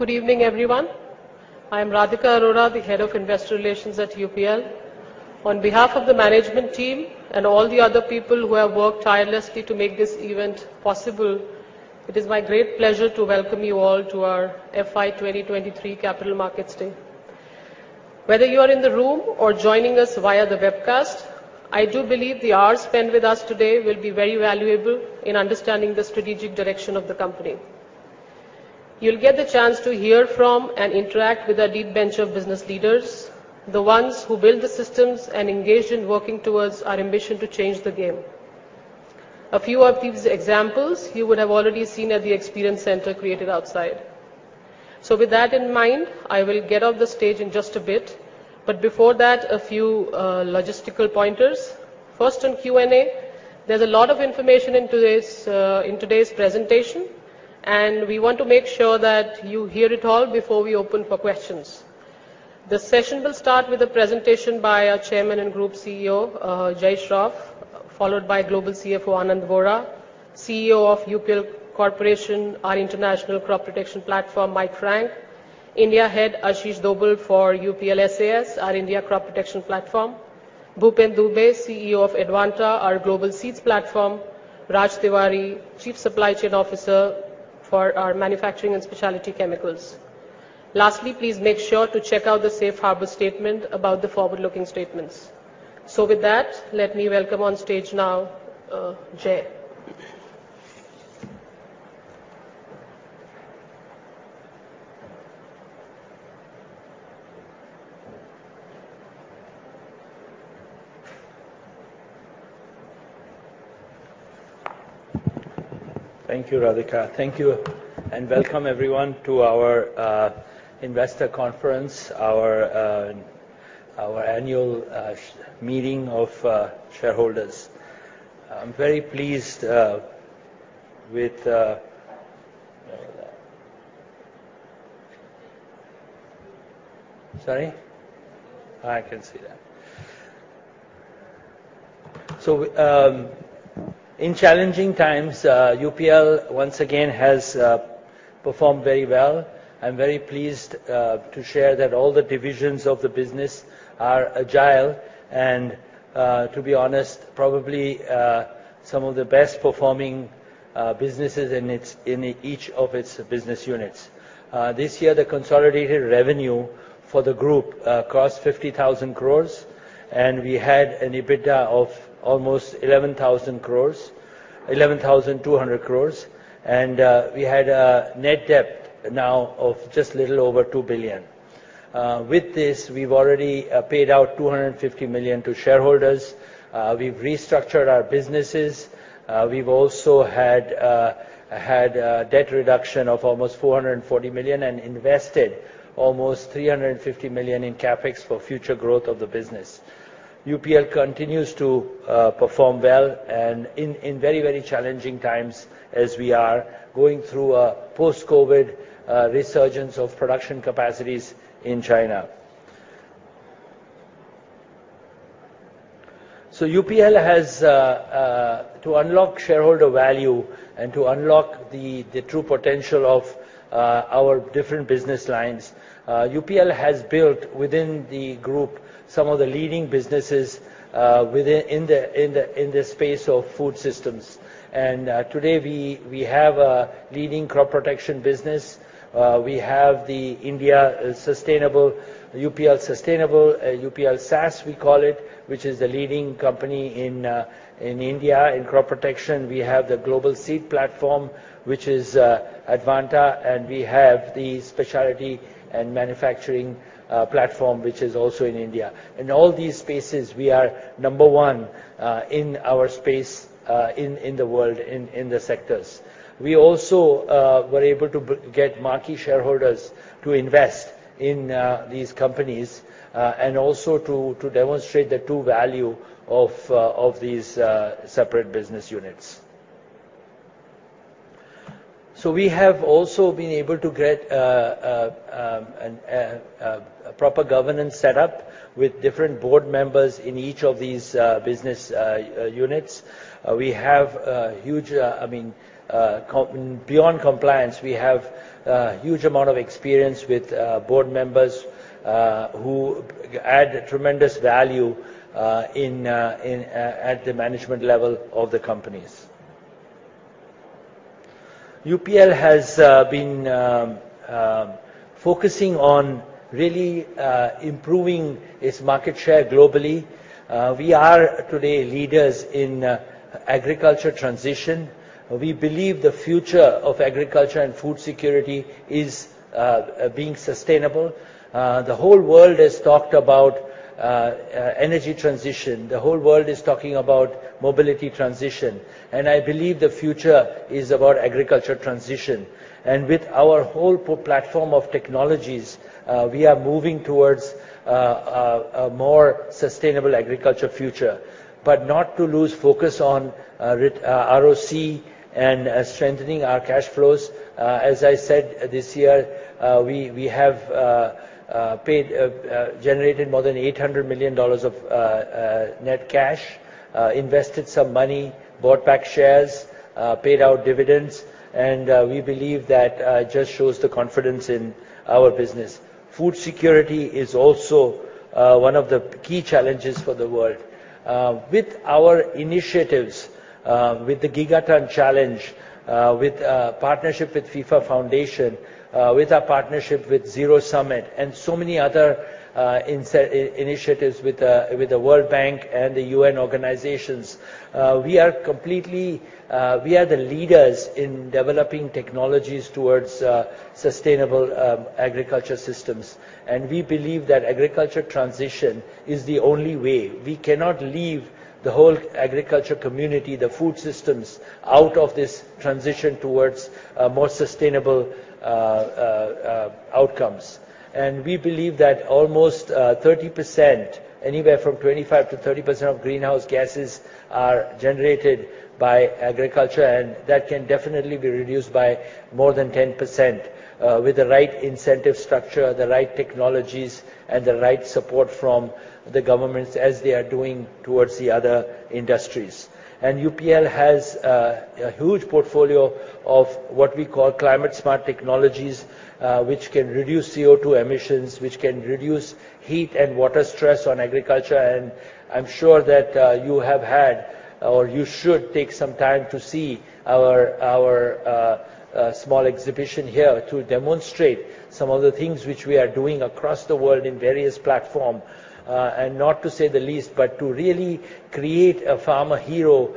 Good evening, everyone. I am Radhika Arora, the Head of Investor Relations at UPL. On behalf of the management team and all the other people who have worked tirelessly to make this event possible, it is my great pleasure to welcome you all to our FY23 capital markets day. Whether you are in the room or joining us via the webcast, I do believe the hour spent with us today will be very valuable in understanding the strategic direction of the company. You'll get the chance to hear from and interact with our deep bench of business leaders, the ones who build the systems and engaged in working towards our ambition to change the game. A few of these examples you would have already seen at the experience center created outside. With that in mind, I will get off the stage in just a bit, but before that, a few logistical pointers. First on Q&A, there's a lot of information in today's in today's presentation, and we want to make sure that you hear it all before we open for questions. The session will start with a presentation by our Chairman and Group CEO, Jai Shroff, followed by Global CFO, Anand Vora, CEO of UPL Corporation, our international crop protection platform, Mike Frank, India Head, Ashish Dobhal for UPL SAS, our India Crop Protection Platform, Bhupen Dubey, CEO of Advanta, our global seeds platform, Raj Tiwari, Chief Supply Chain Officer for our manufacturing and specialty chemicals. Lastly, please make sure to check out the safe harbor statement about the forward-looking statements. With that, let me welcome on stage now, Jai. Thank you, Radhika. Thank you and welcome everyone to our investor conference, our annual meeting of shareholders. I'm very pleased with. Sorry? I can see that. In challenging times, UPL once again has performed very well. I'm very pleased to share that all the divisions of the business are agile and, to be honest, probably some of the best performing businesses in each of its business units. This year, the consolidated revenue for the group cost 50,000 crores, and we had an EBITDA of almost 11,200 crores, and we had a net debt now of just a little over $2 billion. With this, we've already paid out $250 million to shareholders. We've restructured our businesses. We've also had debt reduction of almost $440 million and invested almost $350 million in CapEx for future growth of the business. UPL continues to perform well in very, very challenging times as we are going through a post-COVID resurgence of production capacities in China. UPL has to unlock shareholder value and to unlock the true potential of our different business lines, UPL has built within the group some of the leading businesses in the space of food systems. Today we have a leading crop protection business. We have the UPL Sustainable, UPL SAS we call it, which is the leading company in India in crop protection. We have the global seed platform, which is Advanta, and we have the specialty and manufacturing platform, which is also in India. In all these spaces, we are number 1 in our space in the world, in the sectors. We also were able to get marquee shareholders to invest in these companies, and also to demonstrate the true value of these separate business units. We have also been able to get a proper governance set up with different board members in each of these business units. We have a huge, I mean, beyond compliance, we have a huge amount of experience with board members who add tremendous value at the management level of the companies. UPL has been focusing on really improving its market share globally. We are today leaders in agriculture transition. We believe the future of agriculture and food security is being sustainable. The whole world has talked about energy transition. The whole world is talking about mobility transition. I believe the future is about agriculture transition. With our whole platform of technologies, we are moving towards a more sustainable agriculture future. Not to lose focus on ROC and strengthening our cash flows, as I said this year, we have generated more than $800 million of net cash, invested some money, bought back shares, paid out dividends, and we believe that just shows the confidence in our business. Food security is also one of the key challenges for the world. With our initiatives, with the Gigaton Challenge, with partnership with FIFA Foundation, with our partnership with Zero Summit and so many other initiatives with the World Bank and the UN organizations, we are completely, we are the leaders in developing technologies towards sustainable agriculture systems. We believe that agriculture transition is the only way. We cannot leave the whole agriculture community, the food systems out of this transition towards a more sustainable outcomes. We believe that almost 30%, anywhere from 25%-30% of greenhouse gases are generated by agriculture, and that can definitely be reduced by more than 10% with the right incentive structure, the right technologies, and the right support from the governments as they are doing towards the other industries. UPL has a huge portfolio of what we call climate-smart technologies, which can reduce CO2 emissions, which can reduce heat and water stress on agriculture. I'm sure that you have had or you should take some time to see our small exhibition here to demonstrate some of the things which we are doing across the world in various platform. Not to say the least, but to really create a farmer hero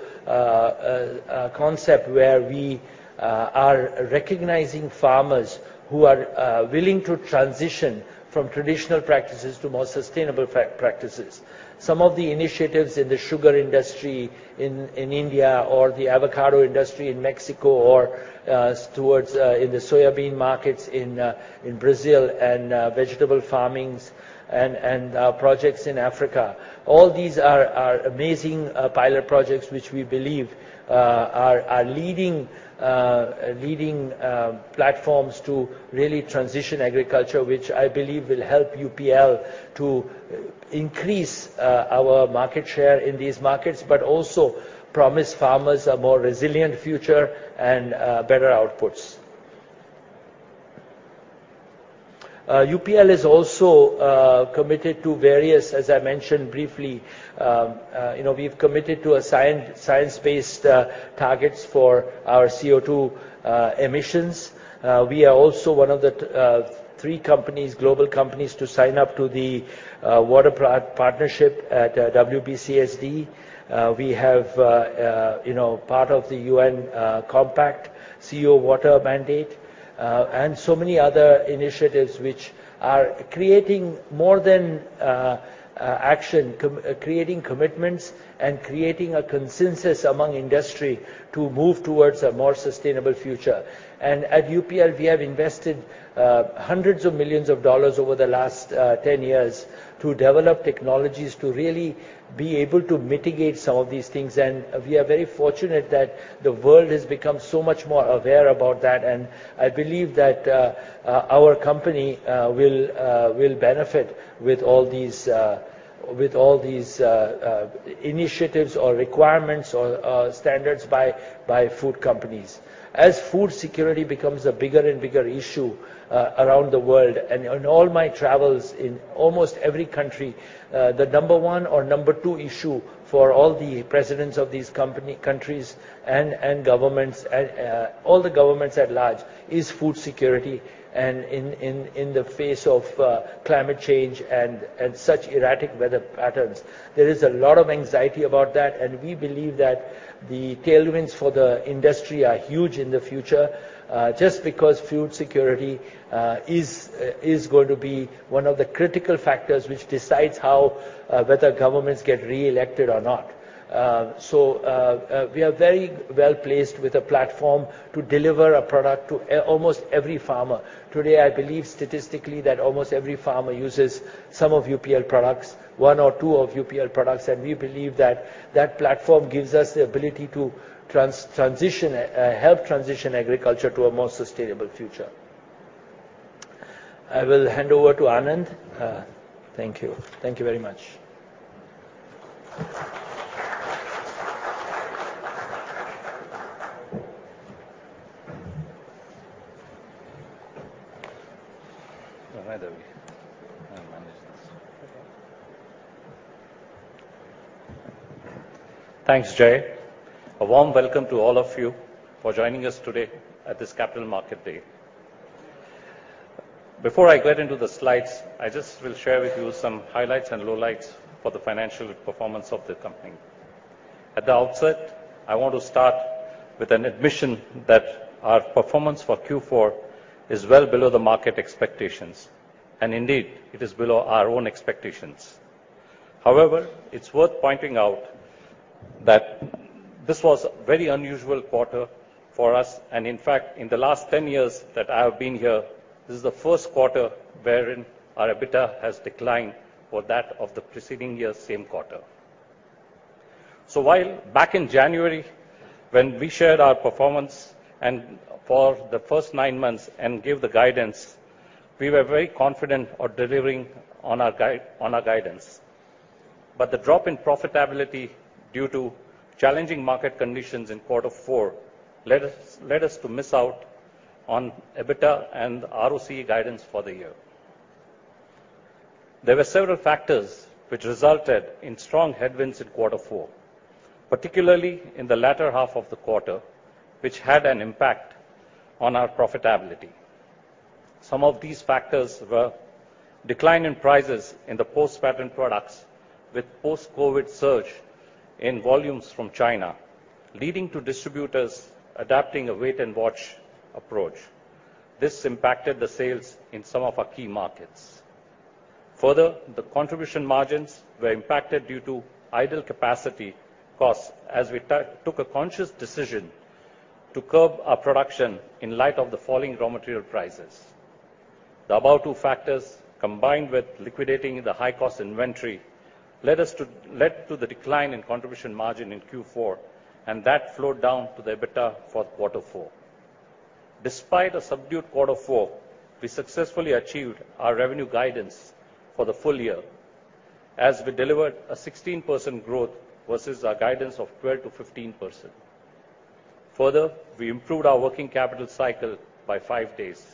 concept where we are recognizing farmers who are willing to transition from traditional practices to more sustainable practices. Some of the initiatives in the sugar industry in India, or the avocado industry in Mexico, or towards in the soya bean markets in Brazil, and vegetable farmings and projects in Africa. All these are amazing pilot projects, which we believe are leading platforms to really transition agriculture, which I believe will help UPL to increase our market share in these markets, but also promise farmers a more resilient future and better outputs. UPL is also committed to various, as I mentioned briefly, you know, we've committed to science-based targets for our CO2 emissions. We are also one of the three companies, global companies to sign up to the water partnership at WBCSD. We have, you know, part of the UN Global Compact CEO Water Mandate, and so many other initiatives which are creating more than action, creating commitments and creating a consensus among industry to move towards a more sustainable future. At UPL, we have invested hundreds of millions of dollars over the last 10 years to develop technologies to really be able to mitigate some of these things. We are very fortunate that the world has become so much more aware about that. I believe that our company will benefit with all these initiatives or requirements or standards by food companies. As food security becomes a bigger and bigger issue around the world, and in all my travels in almost every country, the number one or number two issue for all the presidents of these countries and governments and all the governments at large is food security. In the face of climate change and such erratic weather patterns, there is a lot of anxiety about that. We believe that the tailwinds for the industry are huge in the future, just because food security is going to be one of the critical factors which decides how whether governments get re-elected or not. We are very well-placed with a platform to deliver a product to almost every farmer. Today, I believe statistically that almost every farmer uses some of UPL products, one or two of UPL products. We believe that that platform gives us the ability to transition help transition agriculture to a more sustainable future. I will hand over to Anand. Thank you. Thank you very much. Thanks, Jai. A warm welcome to all of you for joining us today at this Capital Market Day. Before I get into the slides, I just will share with you some highlights and lowlights for the financial performance of the company. At the outset, I want to start with an admission that our performance for Q4 is well below the market expectations. Indeed, it is below our own expectations. However, it's worth pointing out that this was a very unusual quarter for us. In fact, in the last 10 years that I have been here, this is the Q1 wherein our EBITDA has declined for that of the preceding year's same quarter. While back in January when we shared our performance and for the first nine months and gave the guidance, we were very confident of delivering on our guidance. The drop in profitability due to challenging market conditions in quarter four led us to miss out on EBITDA and ROC guidance for the year. There were several factors which resulted in strong headwinds in quarter four, particularly in the latter half of the quarter, which had an impact on our profitability. Some of these factors were decline in prices in the post-patent products with post-COVID surge in volumes from China, leading to distributors adapting a wait-and-watch approach. This impacted the sales in some of our key markets. The contribution margins were impacted due to idle capacity costs as we took a conscious decision to curb our production in light of the falling raw material prices. The above two factors, combined with liquidating the high-cost inventory, led to the decline in contribution margin in Q4. That flowed down to the EBITDA for quarter four. Despite a subdued quarter four, we successfully achieved our revenue guidance for the full year as we delivered a 16% growth versus our guidance of 12%-15%. We improved our working capital cycle by five days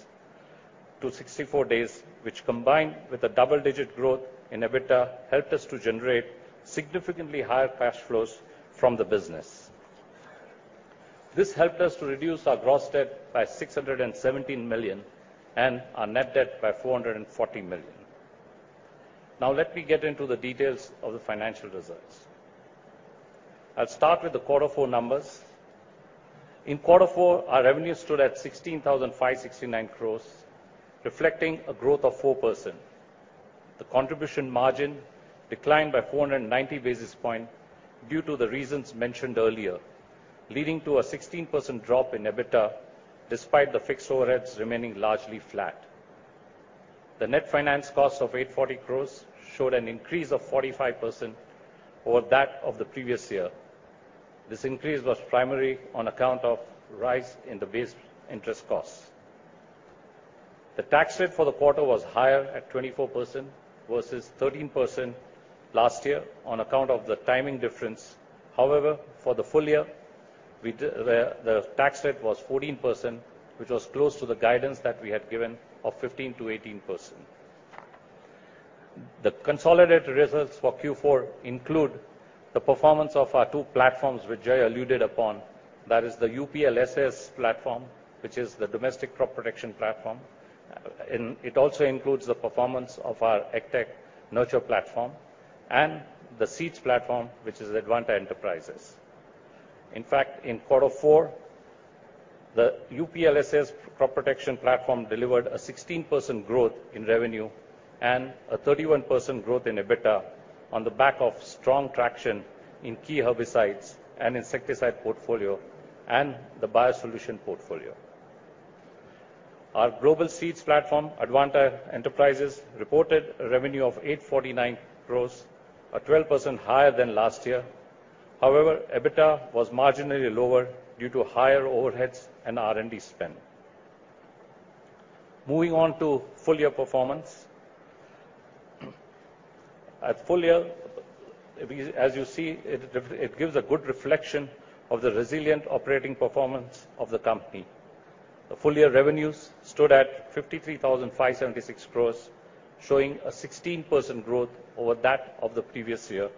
to 64 days, which combined with a double-digit growth in EBITDA, helped us to generate significantly higher cash flows from the business. This helped us to reduce our gross debt by $617 million and our net debt by $440 million. Let me get into the details of the financial results. I'll start with the quarter four numbers. In quarter four, our revenue stood at 16,569 crores, reflecting a growth of 4%. The contribution margin declined by 490 basis points due to the reasons mentioned earlier, leading to a 16% drop in EBITDA despite the fixed overheads remaining largely flat. The net finance cost of 840 crores showed an increase of 45% over that of the previous year. This increase was primarily on account of rise in the base interest costs. The tax rate for the quarter was higher at 24% versus 13% last year on account of the timing difference. However, for the full year, the tax rate was 14%, which was close to the guidance that we had given of 15%-18%. The consolidated results for Q4 include the performance of our two platforms which Jai alluded upon, that is the UPL SAS platform, which is the domestic crop protection platform, and it also includes the performance of our AgTech nurture platform and the seeds platform, which is Advanta Enterprises. In fact, in quarter four, the UPL SAS crop protection platform delivered a 16% growth in revenue and a 31% growth in EBITDA on the back of strong traction in key herbicides and insecticide portfolio and the biosolution portfolio. Our global seeds platform, Advanta Enterprises, reported a revenue of 849 crores, or 12% higher than last year. However, EBITDA was marginally lower due to higher overheads and R&D spend. Moving on to full year performance. At full year, we, as you see, it gives a good reflection of the resilient operating performance of the company. The full year revenues stood at 53,576 crores, showing a 16% growth over that of the previous year.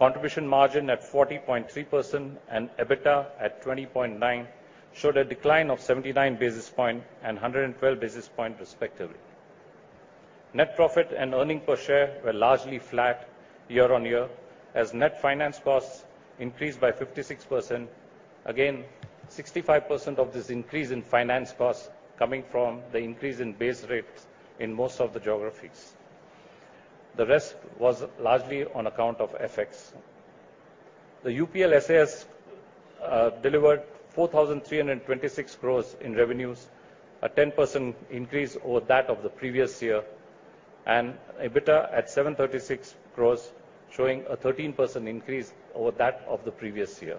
Contribution margin at 40.3% and EBITDA at 20.9% showed a decline of 79 basis points and 112 basis points respectively. Net profit and earning per share were largely flat year on year, as net finance costs increased by 56%. 65% of this increase in finance cost coming from the increase in base rates in most of the geographies. The rest was largely on account of FX. The UPL SAS delivered 4,326 crores in revenues, a 10% increase over that of the previous year, and EBITDA at 736 crores, showing a 13% increase over that of the previous year.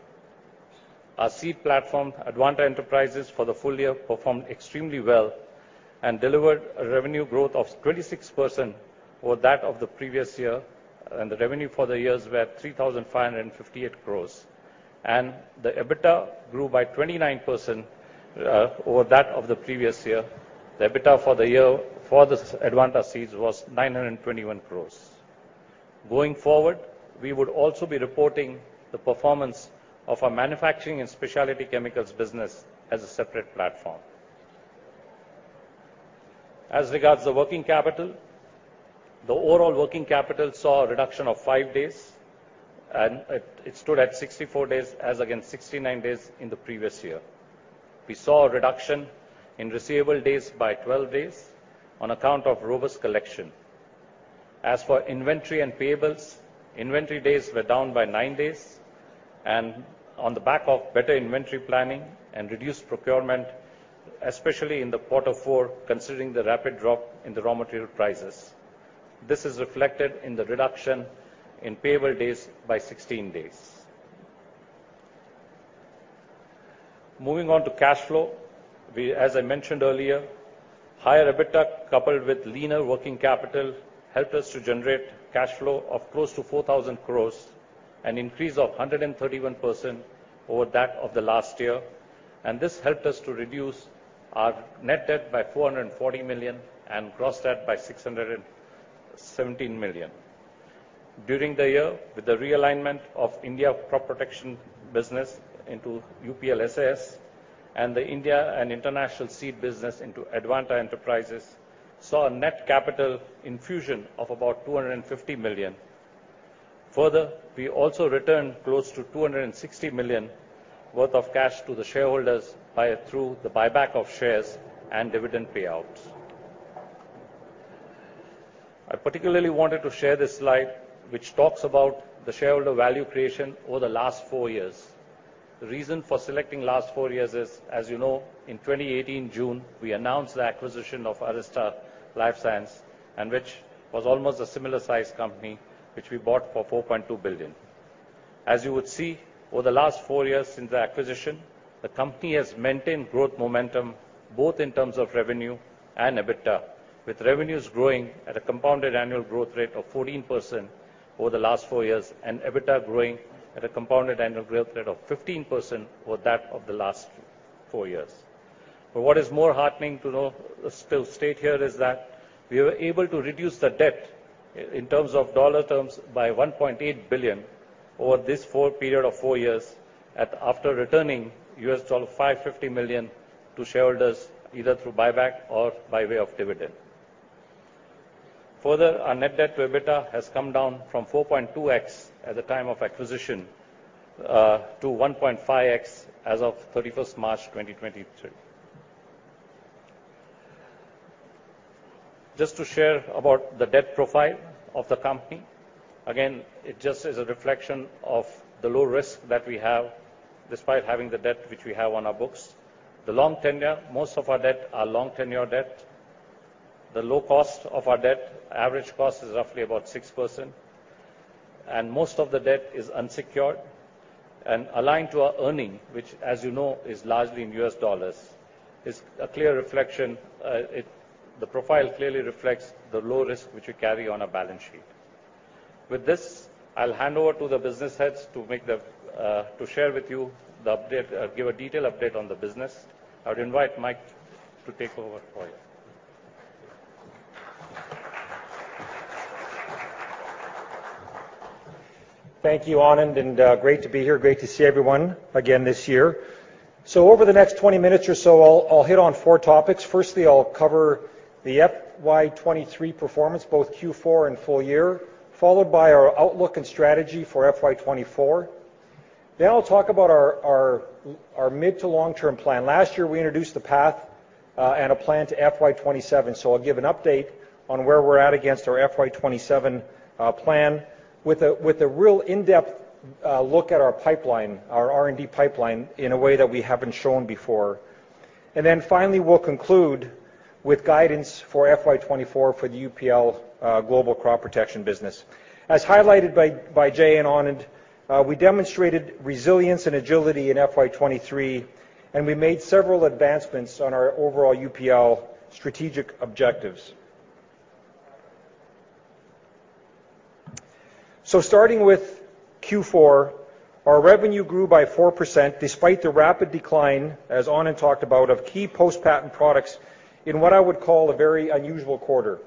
Our seed platform, Advanta Enterprises, for the full year performed extremely well and delivered a revenue growth of 26% over that of the previous year, the revenue for the year was at 3,558 crores. The EBITDA grew by 29% over that of the previous year. The EBITDA for the year for this Advanta Seeds was 921 crores. Going forward, we would also be reporting the performance of our manufacturing and specialty chemicals business as a separate platform. As regards to working capital, the overall working capital saw a reduction of 5 days, it stood at 64 days as against 69 days in the previous year. We saw a reduction in receivable days by 12 days on account of robust collection. As for inventory and payables, inventory days were down by 9 days. On the back of better inventory planning and reduced procurement, especially in the quarter four, considering the rapid drop in the raw material prices. This is reflected in the reduction in payable days by 16 days. Moving on to cash flow. As I mentioned earlier, higher EBITDA coupled with leaner working capital helped us to generate cash flow of close to 4,000 crores, an increase of 131% over that of the last year. This helped us to reduce our net debt by $440 million and gross debt by $617 million. During the year, with the realignment of India Crop Protection business into UPL SAS, and the India and International Seed business into Advanta Enterprises, saw a net capital infusion of about $250 million. Further, we also returned close to $260 million worth of cash to the shareholders through the buyback of shares and dividend payouts. I particularly wanted to share this slide, which talks about the shareholder value creation over the last four years. The reason for selecting last four years is, as you know, in 2018 June, we announced the acquisition of Arysta LifeScience and which was almost a similar size company, which we bought for $4.2 billion. As you would see, over the last four years since the acquisition, the company has maintained growth momentum, both in terms of revenue and EBITDA, with revenues growing at a compounded annual growth rate of 14% over the last four years, and EBITDA growing at a compounded annual growth rate of 15% over that of the last four years. What is more heartening to know, still state here is that we were able to reduce the debt in terms of dollar terms by $1.8 billion over this four period of four years at after returning $550 million to shareholders, either through buyback or by way of dividend. Further, our net debt to EBITDA has come down from 4.2x at the time of acquisition, to 1.5x as of 31st March 2023. To share about the debt profile of the company. It just is a reflection of the low risk that we have despite having the debt which we have on our books. The long tenure, most of our debt are long tenure debt. The low cost of our debt, average cost is roughly about 6%, and most of the debt is unsecured and aligned to our earning, which, as you know, is largely in US dollars, is a clear reflection, the profile clearly reflects the low risk which we carry on our balance sheet. With this, I'll hand over to the business heads to make the, to share with you the update, give a detailed update on the business. I would invite Mike to take over for you. Thank you, Anand, great to be here. Great to see everyone again this year. Over the next 20 minutes or so I'll hit on 4 topics. Firstly, I'll cover the FY23 performance, both Q4 and full year, followed by our outlook and strategy for FY24. I'll talk about our mid to long-term plan. Last year we introduced the path and a plan to FY27. I'll give an update on where we're at against our FY27 plan with a real in-depth look at our pipeline, our R&D pipeline, in a way that we haven't shown before. Finally, we'll conclude with guidance for FY24 for the UPL global crop protection business. As highlighted by Jai and Anand, we demonstrated resilience and agility in FY23, we made several advancements on our overall UPL strategic objectives. Starting with Q4, our revenue grew by 4% despite the rapid decline, as Anand talked about, of key post-patent products in what I would call a very unusual quarter.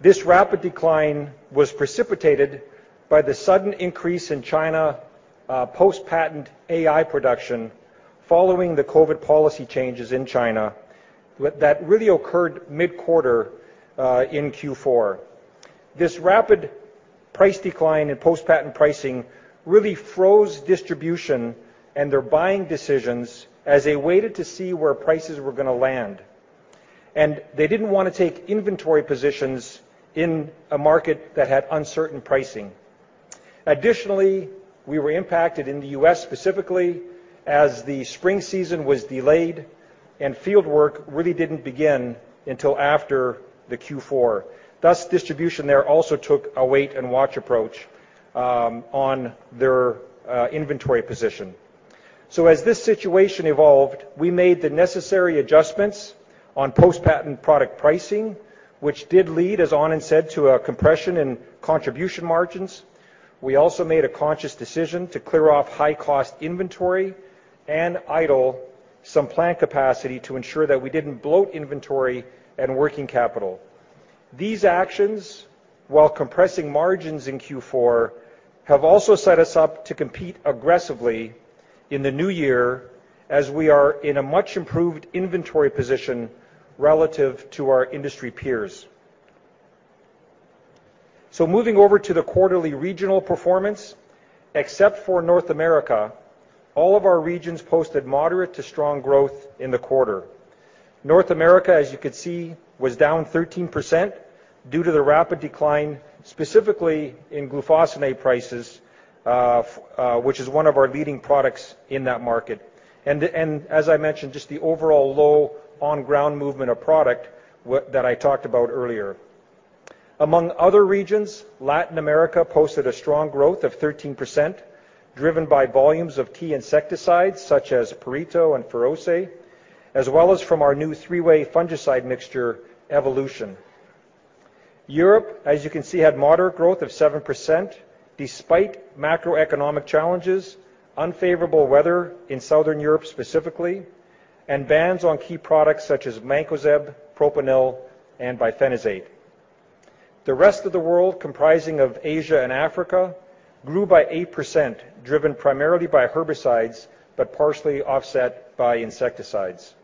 This rapid decline was precipitated by the sudden increase in China, post-patent AI production following the COVID policy changes in China. That really occurred mid-quarter in Q4. This rapid price decline in post-patent pricing really froze distribution and their buying decisions as they waited to see where prices were gonna land. They didn't wanna take inventory positions in a market that had uncertain pricing. Additionally, we were impacted in the U.S. specifically as the spring season was delayed and field work really didn't begin until after the Q4. Distribution there also took a wait and watch approach on their inventory position. As this situation evolved, we made the necessary adjustments on post-patent product pricing, which did lead, as Anand said, to a compression in contribution margins. We also made a conscious decision to clear off high-cost inventory and idle some plant capacity to ensure that we didn't bloat inventory and working capital. These actions, while compressing margins in Q4, have also set us up to compete aggressively in the new year as we are in a much improved inventory position relative to our industry peers. Moving over to the quarterly regional performance. Except for North America, all of our regions posted moderate to strong growth in the quarter. North America, as you can see, was down 13% due to the rapid decline, specifically in glufosinate prices, which is one of our leading products in that market. As I mentioned, just the overall low on-ground movement of product that I talked about earlier. Among other regions, Latin America posted a strong growth of 13% driven by volumes of key insecticides such as Perito and Feroce, as well as from our new three-way fungicide mixture Evolution. Europe, as you can see, had moderate growth of 7% despite macroeconomic challenges, unfavorable weather in Southern Europe specifically, and bans on key products such as mancozeb, propanil, and bifenazate. The rest of the world comprising of Asia and Africa grew by 8%, driven primarily by herbicides, but partially offset by insecticides.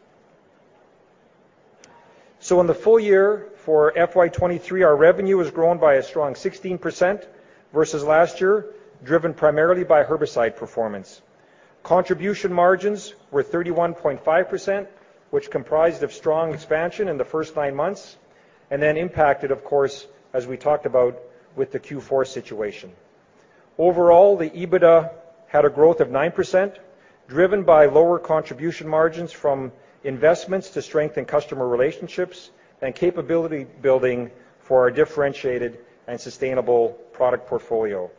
In the full year for FY23, our revenue has grown by a strong 16% versus last year, driven primarily by herbicide performance. Contribution margins were 31.5%, which comprised of strong expansion in the first nine months and then impacted, of course, as we talked about with the Q4 situation. Overall, the EBITDA had a growth of 9% driven by lower contribution margins from investments to strengthen customer relationships and capability building for our differentiated and sustainable product portfolio.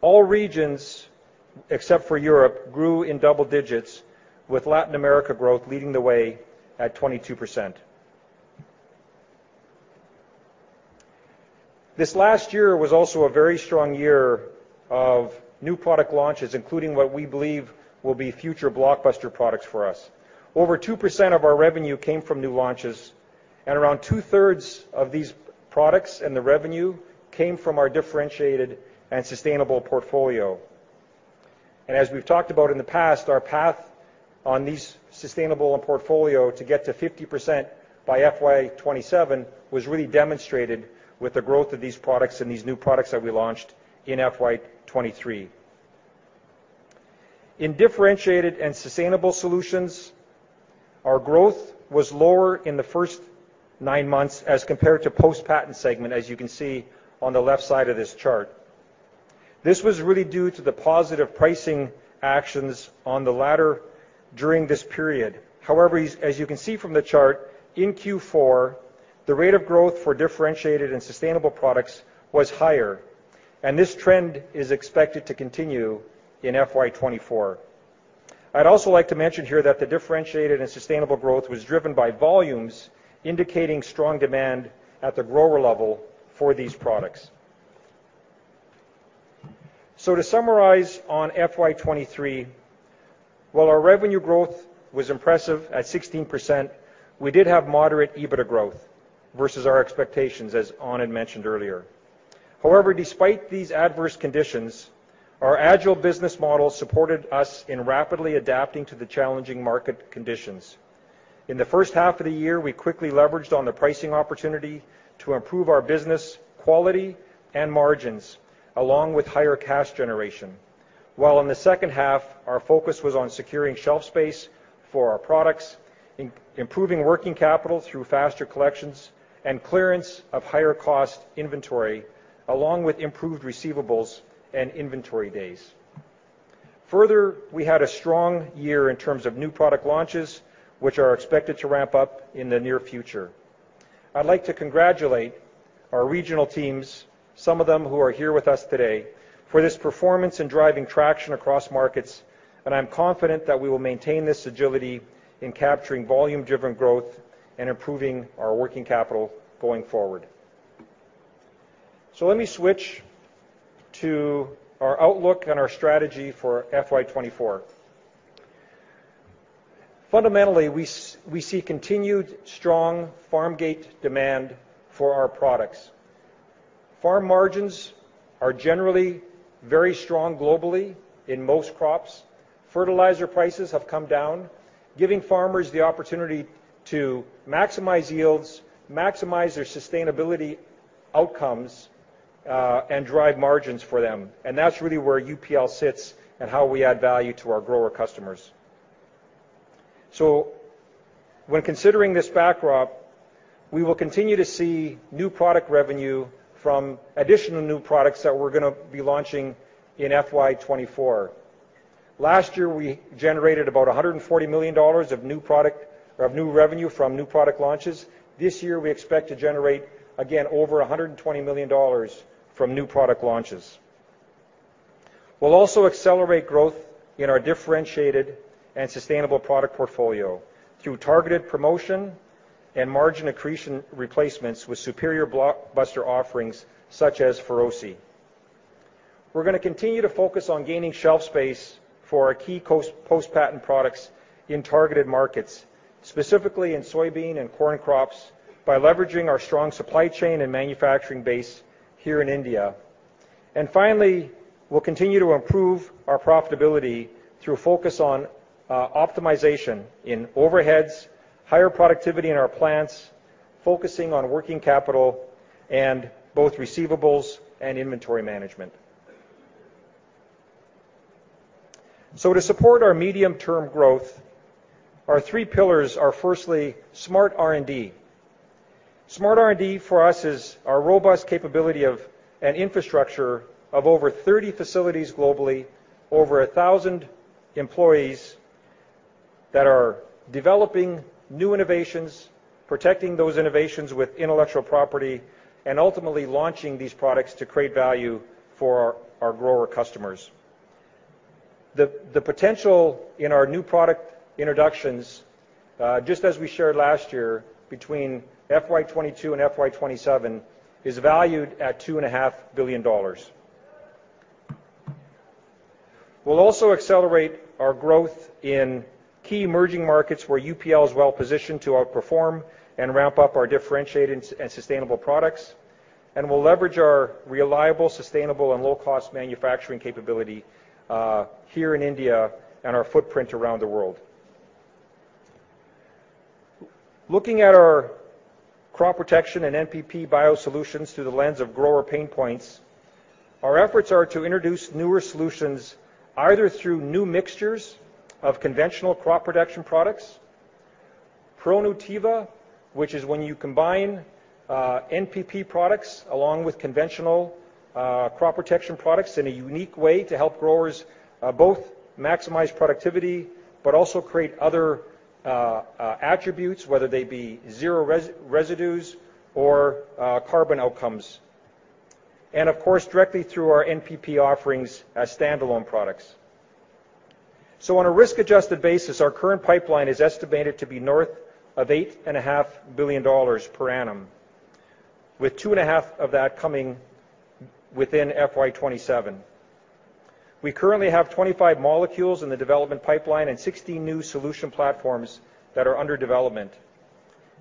All regions, except for Europe, grew in double digits with Latin America growth leading the way at 22%. This last year was also a very strong year of new product launches, including what we believe will be future blockbuster products for us. Over 2% of our revenue came from new launches, around 2/3 of these products and the revenue came from our differentiated and sustainable portfolio. As we've talked about in the past, our path on these sustainable and portfolio to get to 50% by FY27 was really demonstrated with the growth of these products and these new products that we launched in FY23. In differentiated and sustainable solutions, our growth was lower in the first nine months as compared to post-patent segment, as you can see on the left side of this chart. This was really due to the positive pricing actions on the latter during this period. As you can see from the chart, in Q4, the rate of growth for differentiated and sustainable products was higher, and this trend is expected to continue in FY24. I'd also like to mention here that the differentiated and sustainable growth was driven by volumes indicating strong demand at the grower level for these products. To summarize on FY23, while our revenue growth was impressive at 16%, we did have moderate EBITDA growth versus our expectations, as Anand had mentioned earlier. Despite these adverse conditions, our agile business model supported us in rapidly adapting to the challenging market conditions. In the first half of the year, we quickly leveraged on the pricing opportunity to improve our business quality and margins, along with higher cash generation. While in the second half, our focus was on securing shelf space for our products, improving working capital through faster collections and clearance of higher cost inventory, along with improved receivables and inventory days. Further, we had a strong year in terms of new product launches, which are expected to ramp up in the near future. I'd like to congratulate our regional teams, some of them who are here with us today, for this performance in driving traction across markets, and I'm confident that we will maintain this agility in capturing volume-driven growth and improving our working capital going forward. Let me switch to our outlook and our strategy for FY24. Fundamentally, we see continued strong farm gate demand for our products. Farm margins are generally very strong globally in most crops. Fertilizer prices have come down, giving farmers the opportunity to maximize yields, maximize their sustainability outcomes, and drive margins for them, and that's really where UPL sits and how we add value to our grower customers. When considering this backdrop, we will continue to see new product revenue from additional new products that we're going to be launching in FY24. Last year, we generated about $140 million of new product or of new revenue from new product launches. This year, we expect to generate again over $120 million from new product launches. We'll also accelerate growth in our differentiated and sustainable product portfolio through targeted promotion and margin accretion replacements with superior blockbuster offerings such as Feroce. We're gonna continue to focus on gaining shelf space for our key post-patent products in targeted markets, specifically in soybean and corn crops by leveraging our strong supply chain and manufacturing base here in India. Finally, we'll continue to improve our profitability through focus on optimization in overheads, higher productivity in our plants, focusing on working capital and both receivables and inventory management. To support our medium-term growth, our three pillars are firstly, smart R&D. Smart R&D for us is our robust capability of an infrastructure of over 30 facilities globally, over 1,000 employees that are developing new innovations, protecting those innovations with intellectual property, and ultimately launching these products to create value for our grower customers. The potential in our new product introductions, just as we shared last year between FY22 and FY27, is valued at two and a half billion dollars. We'll also accelerate our growth in key emerging markets where UPL is well-positioned to outperform and ramp up our differentiated and sustainable products. We'll leverage our reliable, sustainable, and low-cost manufacturing capability here in India and our footprint around the world. Looking at our crop protection and NPP biosolutions through the lens of grower pain points, our efforts are to introduce newer solutions either through new mixtures of conventional crop production products, ProNutiva, which is when you combine NPP products along with conventional crop protection products in a unique way to help growers both maximize productivity, but also create other attributes, whether they be zero residues or carbon outcomes. Of course, directly through our NPP offerings as standalone products. On a risk-adjusted basis, our current pipeline is estimated to be north of $8.5 billion per annum, with $2.5 billion of that coming within FY27. We currently have 25 molecules in the development pipeline and 16 new solution platforms that are under development.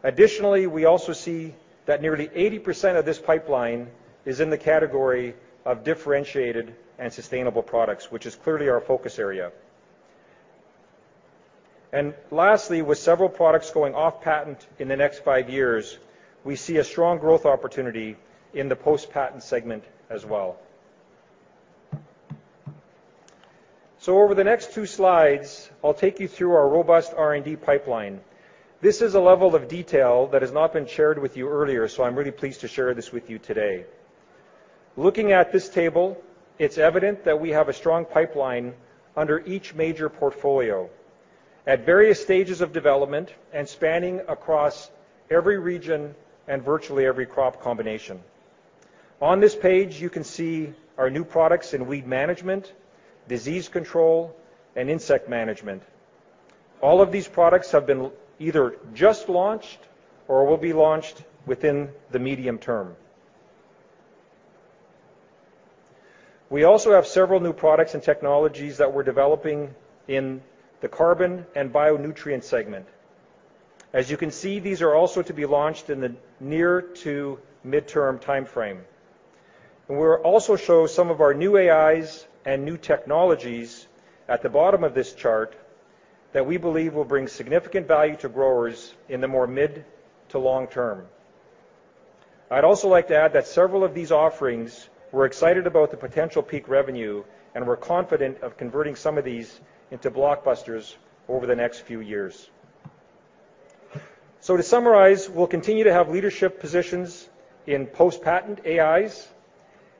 Additionally, we also see that nearly 80% of this pipeline is in the category of differentiated and sustainable products, which is clearly our focus area. Lastly, with several products going off patent in the next 5 years, we see a strong growth opportunity in the post-patent segment as well. Over the next 2 slides, I'll take you through our robust R&D pipeline. This is a level of detail that has not been shared with you earlier, so I'm really pleased to share this with you today. Looking at this table, it's evident that we have a strong pipeline under each major portfolio at various stages of development and spanning across every region and virtually every crop combination. On this page, you can see our new products in weed management, disease control, and insect management. All of these products have been either just launched or will be launched within the medium term. We also have several new products and technologies that we're developing in the carbon and bio-nutrient segment. As you can see, these are also to be launched in the near to mid-term timeframe. We'll also show some of our new AIs and new technologies at the bottom of this chart that we believe will bring significant value to growers in the more mid to long term. I'd also like to add that several of these offerings, we're excited about the potential peak revenue, and we're confident of converting some of these into blockbusters over the next few years. To summarize, we'll continue to have leadership positions in post-patent AIs,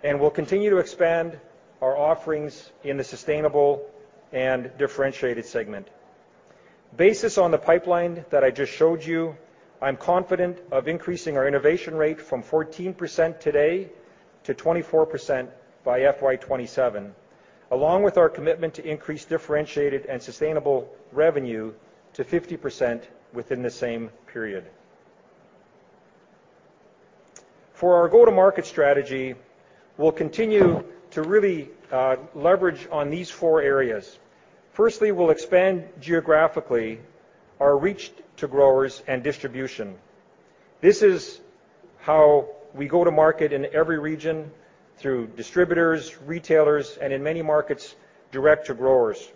and we'll continue to expand our offerings in the sustainable and differentiated segment. Basis on the pipeline that I just showed you, I'm confident of increasing our innovation rate from 14% today to 24% by FY27, along with our commitment to increase differentiated and sustainable revenue to 50% within the same period. For our go-to-market strategy, we'll continue to really leverage on these four areas. Firstly, we'll expand geographically our reach to growers and distribution. This is how we go to market in every region through distributors, retailers, and in many markets, direct to growers.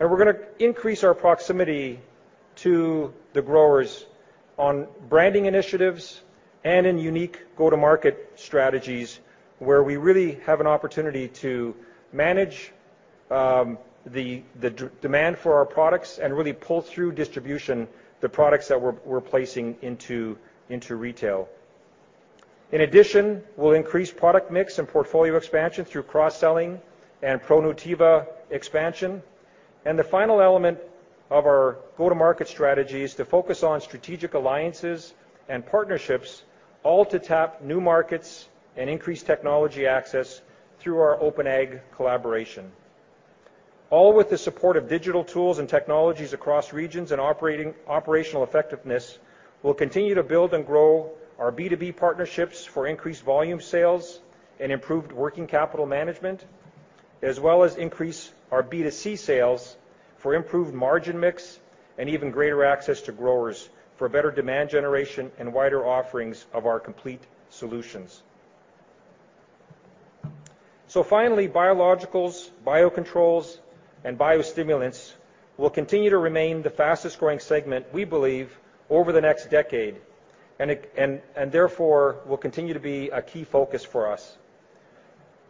We're gonna increase our proximity to the growers on branding initiatives and in unique go-to-market strategies where we really have an opportunity to manage the de-demand for our products and really pull through distribution the products that we're placing into retail. In addition, we'll increase product mix and portfolio expansion through cross-selling and ProNutiva expansion. The final element of our go-to-market strategy is to focus on strategic alliances and partnerships, all to tap new markets and increase technology access through our OpenAg collaboration. All with the support of digital tools and technologies across regions and operational effectiveness, we'll continue to build and grow our B2B partnerships for increased volume sales and improved working capital management, as well as increase our B2C sales for improved margin mix and even greater access to growers for better demand generation and wider offerings of our complete solutions. Finally, biologicals, biocontrols, and biostimulants will continue to remain the fastest-growing segment we believe over the next decade. Therefore, will continue to be a key focus for us.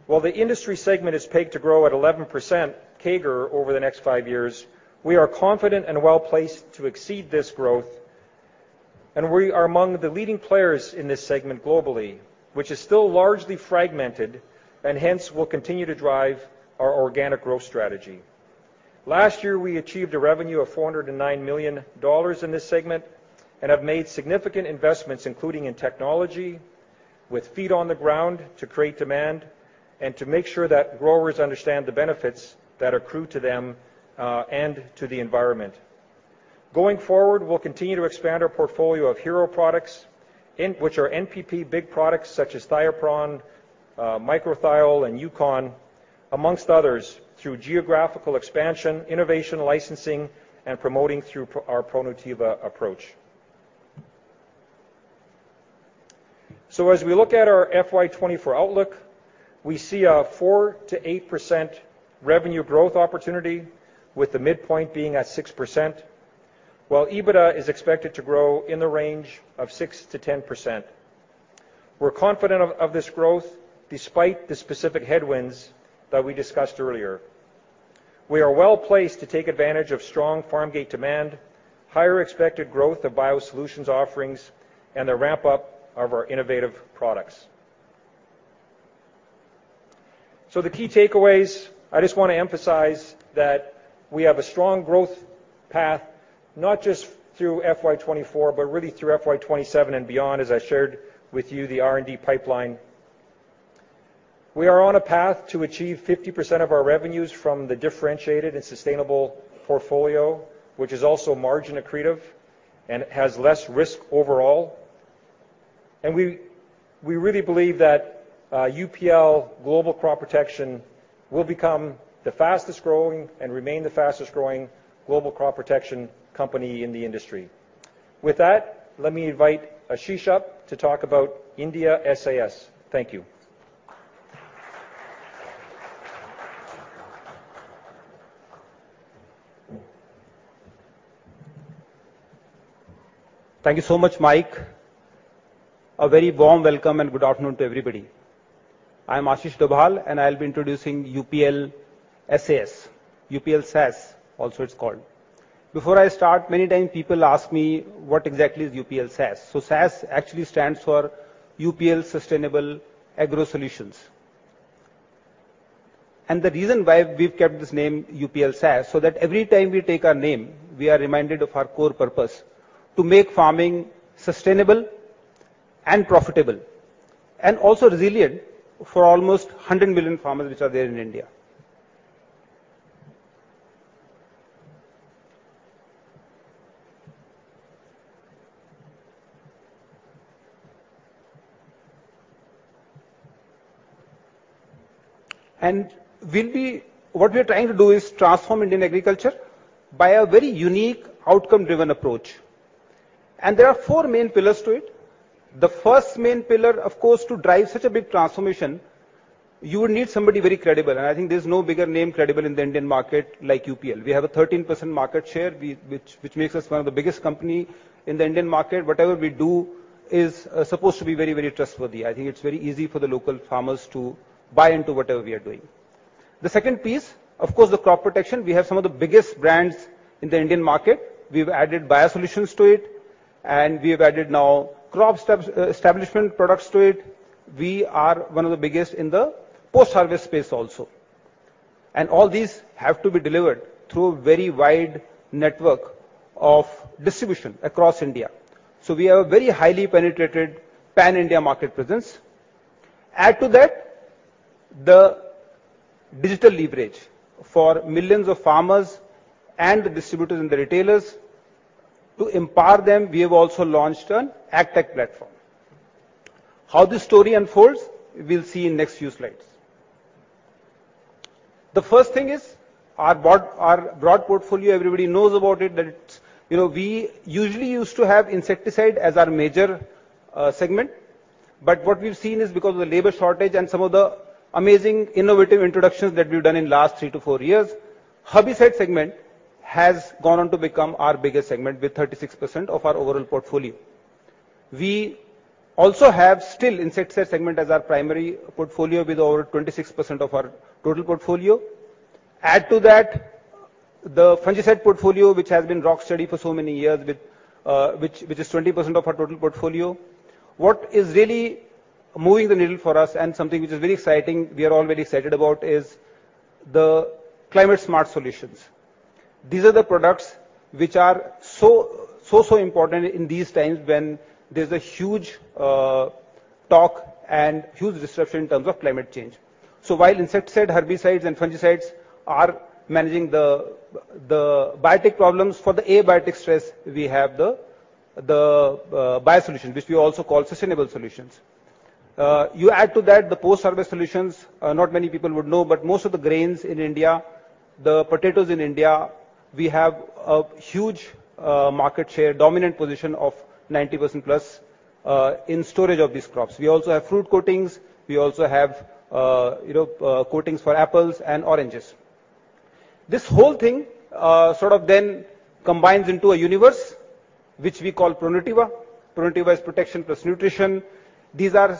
While the industry segment is paid to grow at 11% CAGR over the next five years, we are confident and well-placed to exceed this growth, and we are among the leading players in this segment globally. Which is still largely fragmented, and hence, will continue to drive our organic growth strategy. Last year, we achieved a revenue of $409 million in this segment, and have made significant investments, including in technology, with feet on the ground to create demand, and to make sure that growers understand the benefits that accrue to them and to the environment. Going forward, we'll continue to expand our portfolio of hero products which are NPP big products such as Thiopron, Microthiol and Yukon, amongst others, through geographical expansion, innovation licensing and promoting through our ProNutiva approach. As we look at our FY24 outlook, we see a 4%-8% revenue growth opportunity, with the midpoint being at 6%, while EBITDA is expected to grow in the range of 6%-10%. We're confident of this growth despite the specific headwinds that we discussed earlier. We are well-placed to take advantage of strong farm gate demand, higher expected growth of biosolutions offerings, and the ramp-up of our innovative products. The key takeaways, I just want to emphasize that we have a strong growth path, not just through FY24, but really through FY27 and beyond, as I shared with you the R&D pipeline. We are on a path to achieve 50% of our revenues from the differentiated and sustainable portfolio, which is also margin accretive and has less risk overall. We really believe that UPL Global Crop Protection will become the fastest-growing and remain the fastest-growing global crop protection company in the industry. With that, let me invite Ashish up to talk about India SAS. Thank you. Thank you so much, Mike. A very warm welcome and good afternoon to everybody. I'm Ashish Dobhal, I'll be introducing UPL SAS. UPL SAS, also it's called. Before I start, many times people ask me what exactly is UPL SAS. SAS actually stands for UPL Sustainable Agri Solutions. The reason why we've kept this name UPL SAS, so that every time we take our name, we are reminded of our core purpose: to make farming sustainable and profitable, and also resilient for almost 100 million farmers which are there in India. What we're trying to do is transform Indian agriculture by a very unique outcome-driven approach. There are 4 main pillars to it. The first main pillar, of course, to drive such a big transformation, you will need somebody very credible. I think there's no bigger name credible in the Indian market like UPL. We have a 13% market share, which makes us one of the biggest company in the Indian market. Whatever we do is supposed to be very, very trustworthy. I think it's very easy for the local farmers to buy into whatever we are doing. The second piece, of course, the crop protection. We have some of the biggest brands in the Indian market. We've added biosolutions to it, and we have added now crop establishment products to it. We are one of the biggest in the post-harvest space also. All these have to be delivered through a very wide network of distribution across India. We have a very highly penetrated pan-India market presence. Add to that, the digital leverage for millions of farmers and the distributors and the retailers. To empower them, we have also launched an AgTech platform. How this story unfolds, we'll see in next few slides. The first thing is our broad portfolio, everybody knows about it, that it's, you know, we usually used to have insecticide as our major segment. What we've seen is because of the labor shortage and some of the amazing innovative introductions that we've done in last 3-4 years, herbicide segment has gone on to become our biggest segment with 36% of our overall portfolio. We also have still insecticide segment as our primary portfolio with over 26% of our total portfolio. Add to that the fungicide portfolio, which has been rock steady for so many years, which is 20% of our total portfolio. What is really moving the needle for us and something which is very exciting, we are all very excited about, is the climate-smart solutions. These are the products which are so, so important in these times when there's a huge talk and huge disruption in terms of climate change. While insecticides, herbicides and fungicides are managing the biotech problems, for the abiotic stress, we have the biosolutions, which we also call sustainable solutions. You add to that the post-harvest solutions. Not many people would know, but most of the grains in India, the potatoes in India, we have a huge market share, dominant position of 90% plus in storage of these crops. We also have fruit coatings. We also have, you know, coatings for apples and oranges. This whole thing sort of then combines into a universe which we call ProNutiva. ProNutiva is protection plus nutrition. These are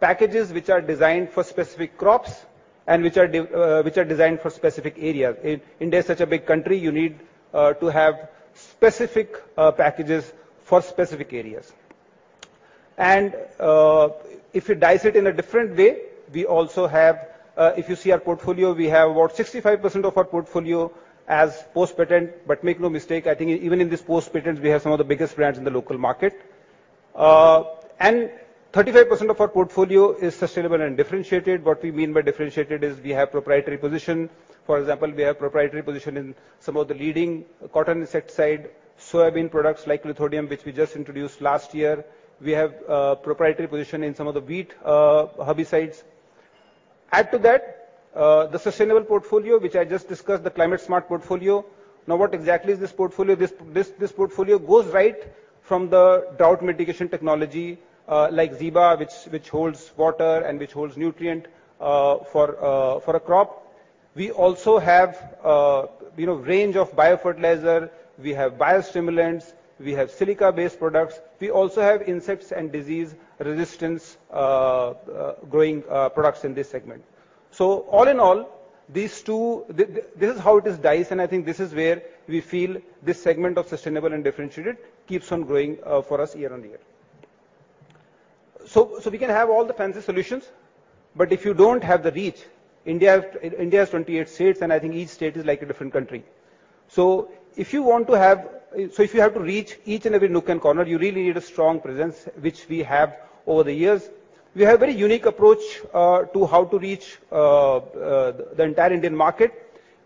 packages which are designed for specific crops and which are designed for specific areas. India is such a big country, you need to have specific packages for specific areas. If you dice it in a different way, we also have, if you see our portfolio, we have about 65% of our portfolio as post-patent. Make no mistake, I think even in this post-patents, we have some of the biggest brands in the local market. 35% of our portfolio is sustainable and differentiated. What we mean by differentiated is we have proprietary position. For example, we have proprietary position in some of the leading cotton insecticide, soybean products Rhythm, which we just introduced last year. We have proprietary position in some of the wheat herbicides. Add to that, the sustainable portfolio, which I just discussed, the climate smart portfolio. Now, what exactly is this portfolio? This portfolio goes right from the drought mitigation technology, like Zeba, which holds water and which holds nutrient for a crop. We also have, you know, range of biofertilizer. We have biostimulants, we have silica-based products. We also have insects and disease resistance growing products in this segment. All in all, this is how it is diced, and I think this is where we feel this segment of sustainable and differentiated keeps on growing for us year on year. We can have all the fancy solutions, but if you don't have the reach, India has 28 states, and I think each state is like a different country. If you have to reach each and every nook and corner, you really need a strong presence, which we have over the years. We have very unique approach to how to reach the entire Indian market.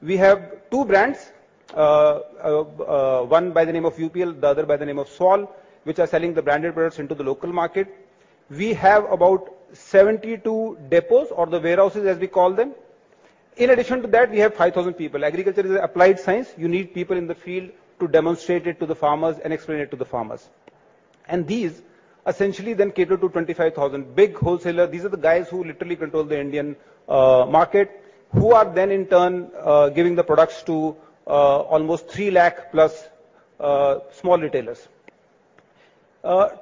We have two brands, one by the name of UPL, the other by the name of SWAL, which are selling the branded products into the local market. We have about 72 depots or the warehouses, as we call them. In addition to that, we have 5,000 people. Agriculture is applied science. You need people in the field to demonstrate it to the farmers and explain it to the farmers. These essentially then cater to 25,000 big wholesaler. These are the guys who literally control the Indian market, who are then in turn giving the products to almost 3 lakh plus small retailers.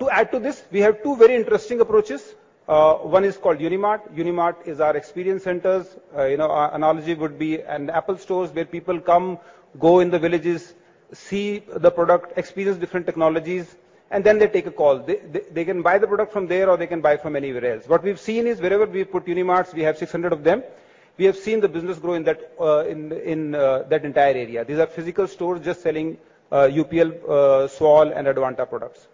To add to this, we have two very interesting approaches. One is called Unimart. Unimart is our experience centers. You know, our analogy would be an Apple stores where people come, go in the villages, see the product, experience different technologies, and then they take a call. They can buy the product from there or they can buy from anywhere else. What we've seen is wherever we've put Unimarts, we have 600 of them, we have seen the business grow in that in that entire area. These are physical stores just selling UPL, SWAL and Advanta products.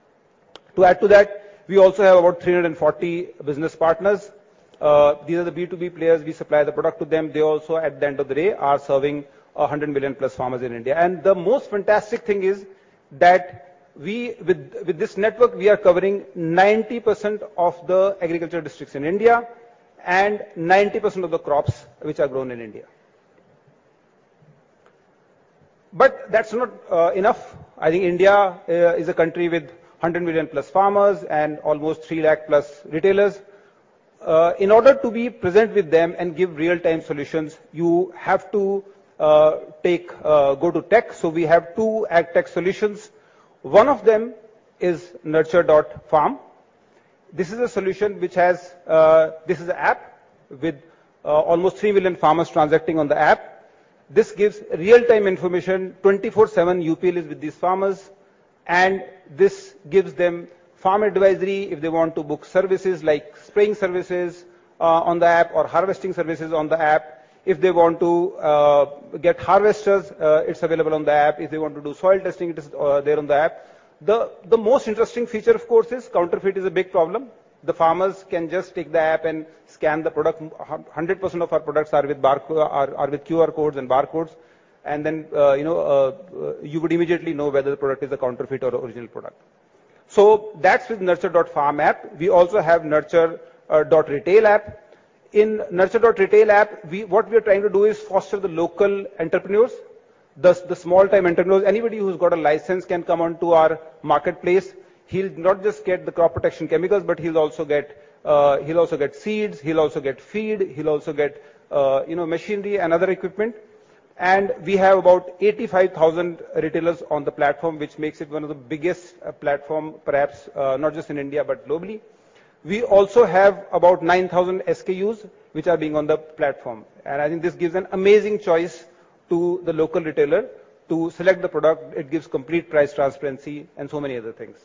To add to that, we also have about 340 business partners. These are the B2B players. We supply the product to them. They also, at the end of the day, are serving a 100 million-plus farmers in India. The most fantastic thing is that with this network, we are covering 90% of the agriculture districts in India and 90% of the crops which are grown in India. That's not enough. I think India is a country with 100 million-plus farmers and almost 3 lakh-plus retailers. In order to be present with them and give real-time solutions, you have to go to tech. We have two AgTech solutions. One of them is nurture.farm. This is an app with almost 3 million farmers transacting on the app. This gives real-time information. 24/7, UPL is with these farmers, and this gives them farm advisory if they want to book services like spraying services on the app or harvesting services on the app. If they want to get harvesters, it's available on the app. If they want to do soil testing, it is there on the app. The most interesting feature, of course, is counterfeit is a big problem. The farmers can just take the app and scan the product. 100% of our products are with QR codes and barcodes. Then, you know, you would immediately know whether the product is a counterfeit or original product. That's with nurture.farm app. We also have nurture.retail app. In nurture.retail app, what we are trying to do is foster the local entrepreneurs, the small time entrepreneurs. Anybody who's got a license can come onto our marketplace. He'll not just get the crop protection chemicals, but he'll also get seeds, he'll also get feed, he'll also get, you know, machinery and other equipment. We have about 85,000 retailers on the platform, which makes it one of the biggest platform, perhaps, not just in India but globally. We also have about 9,000 SKUs which are being on the platform. I think this gives an amazing choice to the local retailer to select the product. It gives complete price transparency and so many other things.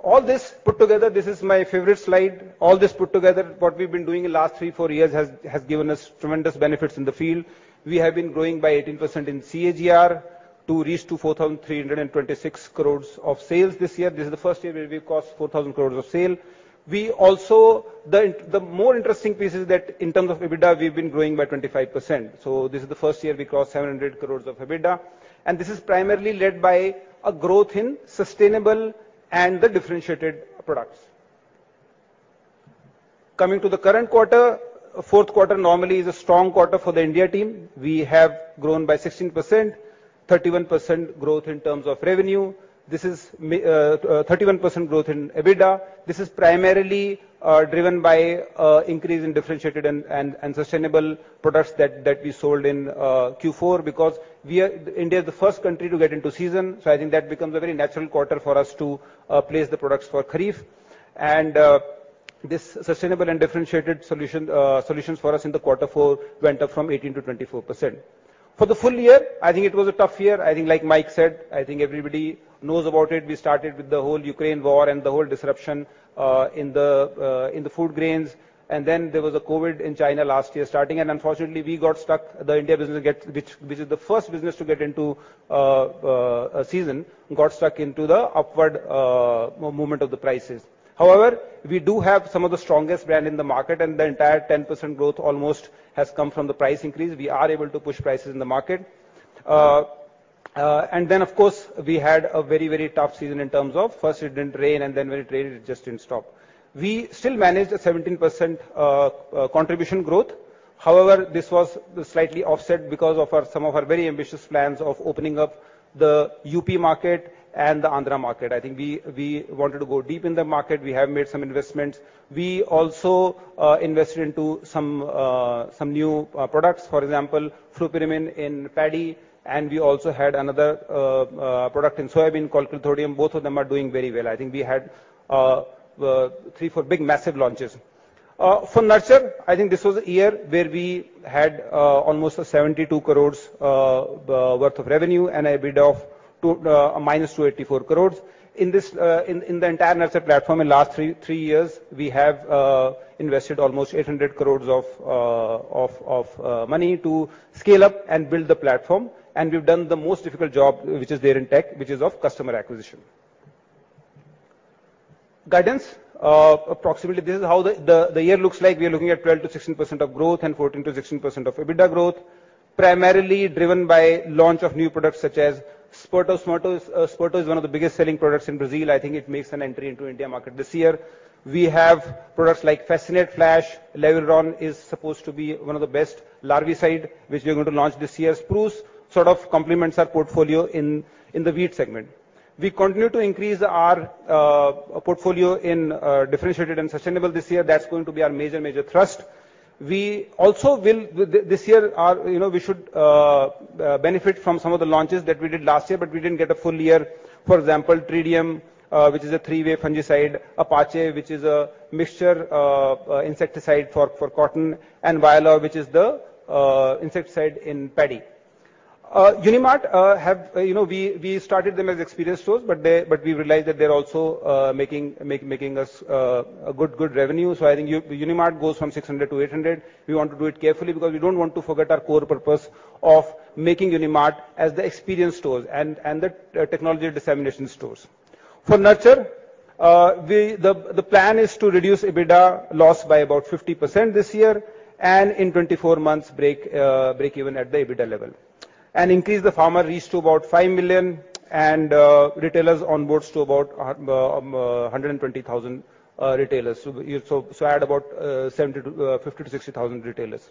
All this put together, this is my favorite slide. All this put together, what we've been doing in last three, four years has given us tremendous benefits in the field. We have been growing by 18% in CAGR to reach to 4,326 crores of sales this year. This is the first year where we've crossed 4,000 crores of sale. The more interesting piece is that in terms of EBITDA, we've been growing by 25%, so this is the first year we crossed 700 crores of EBITDA, and this is primarily led by a growth in sustainable and the differentiated products. Coming to the current quarter, Q4 normally is a strong quarter for the India team. We have grown by 16%. 31% growth in terms of revenue. A 31% growth in EBITDA. This is primarily driven by increase in differentiated and sustainable products that we sold in Q4 because India is the first country to get into season, I think that becomes a very natural quarter for us to place the products for Kharif. This sustainable and differentiated solutions for us in the Q4 went up from 18% to 24%. For the full year, I think it was a tough year. I think like Mike said, I think everybody knows about it. We started with the whole Ukraine war and the whole disruption in the food grains. Then there was COVID in China last year starting, unfortunately we got stuck. The India business Which is the first business to get into a season, got stuck into the upward movement of the prices. We do have some of the strongest brand in the market. The entire 10% growth almost has come from the price increase. We are able to push prices in the market. Then, of course, we had a very, very tough season in terms of first it didn't rain, and then when it rained, it just didn't stop. We still managed a 17% contribution growth. This was slightly offset because of some of our very ambitious plans of opening up the UP market and the Andhra market. I think we wanted to go deep in the market. We have made some investments. We also invested into some new products. For example, Flupyrimin in paddy, we also had another product in soybean called quizalofop. Both of them are doing very well. I think we had 3-4 big massive launches. For nurture, I think this was a year where we had almost 72 crores worth of revenue and EBITDA of -284 crores. In this, in the entire nurture platform in last 3 years, we have invested almost 800 crores of money to scale up and build the platform, and we've done the most difficult job, which is there in tech, which is of customer acquisition. Guidance. Approximately this is how the year looks like. We are looking at 12%-16% of growth and 14%-16% of EBITDA growth, primarily driven by launch of new products such as Sperto. Sperto is one of the biggest selling products in Brazil. I think it makes an entry into India market this year. We have products like Fascinate Flash. Larvin is supposed to be one of the best larvicide, which we are gonna launch this year. Spruce sort of complements our portfolio in the wheat segment. We continue to increase our portfolio in differentiated and sustainable this year. That's going to be our major thrust. We also will this year our, you know, we should benefit from some of the launches that we did last year, but we didn't get a full year. For example, Triclum, which is a three-way fungicide, Apache, which is a mixture insecticide for cotton, and Vylora, which is the insecticide in paddy. Unimart, have, you know, we started them as experience stores, but we realized that they're also making us a good revenue. I think Unimart goes from 600 to 800. We want to do it carefully because we don't want to forget our core purpose of making Unimart as the experience stores and the technology dissemination stores. For Nurture, the plan is to reduce EBITDA loss by about 50% this year and in 24 months break even at the EBITDA level. Increase the farmer reach to about 5 million and retailers on boards to about 120,000 retailers. Add about 50,000-60,000 retailers.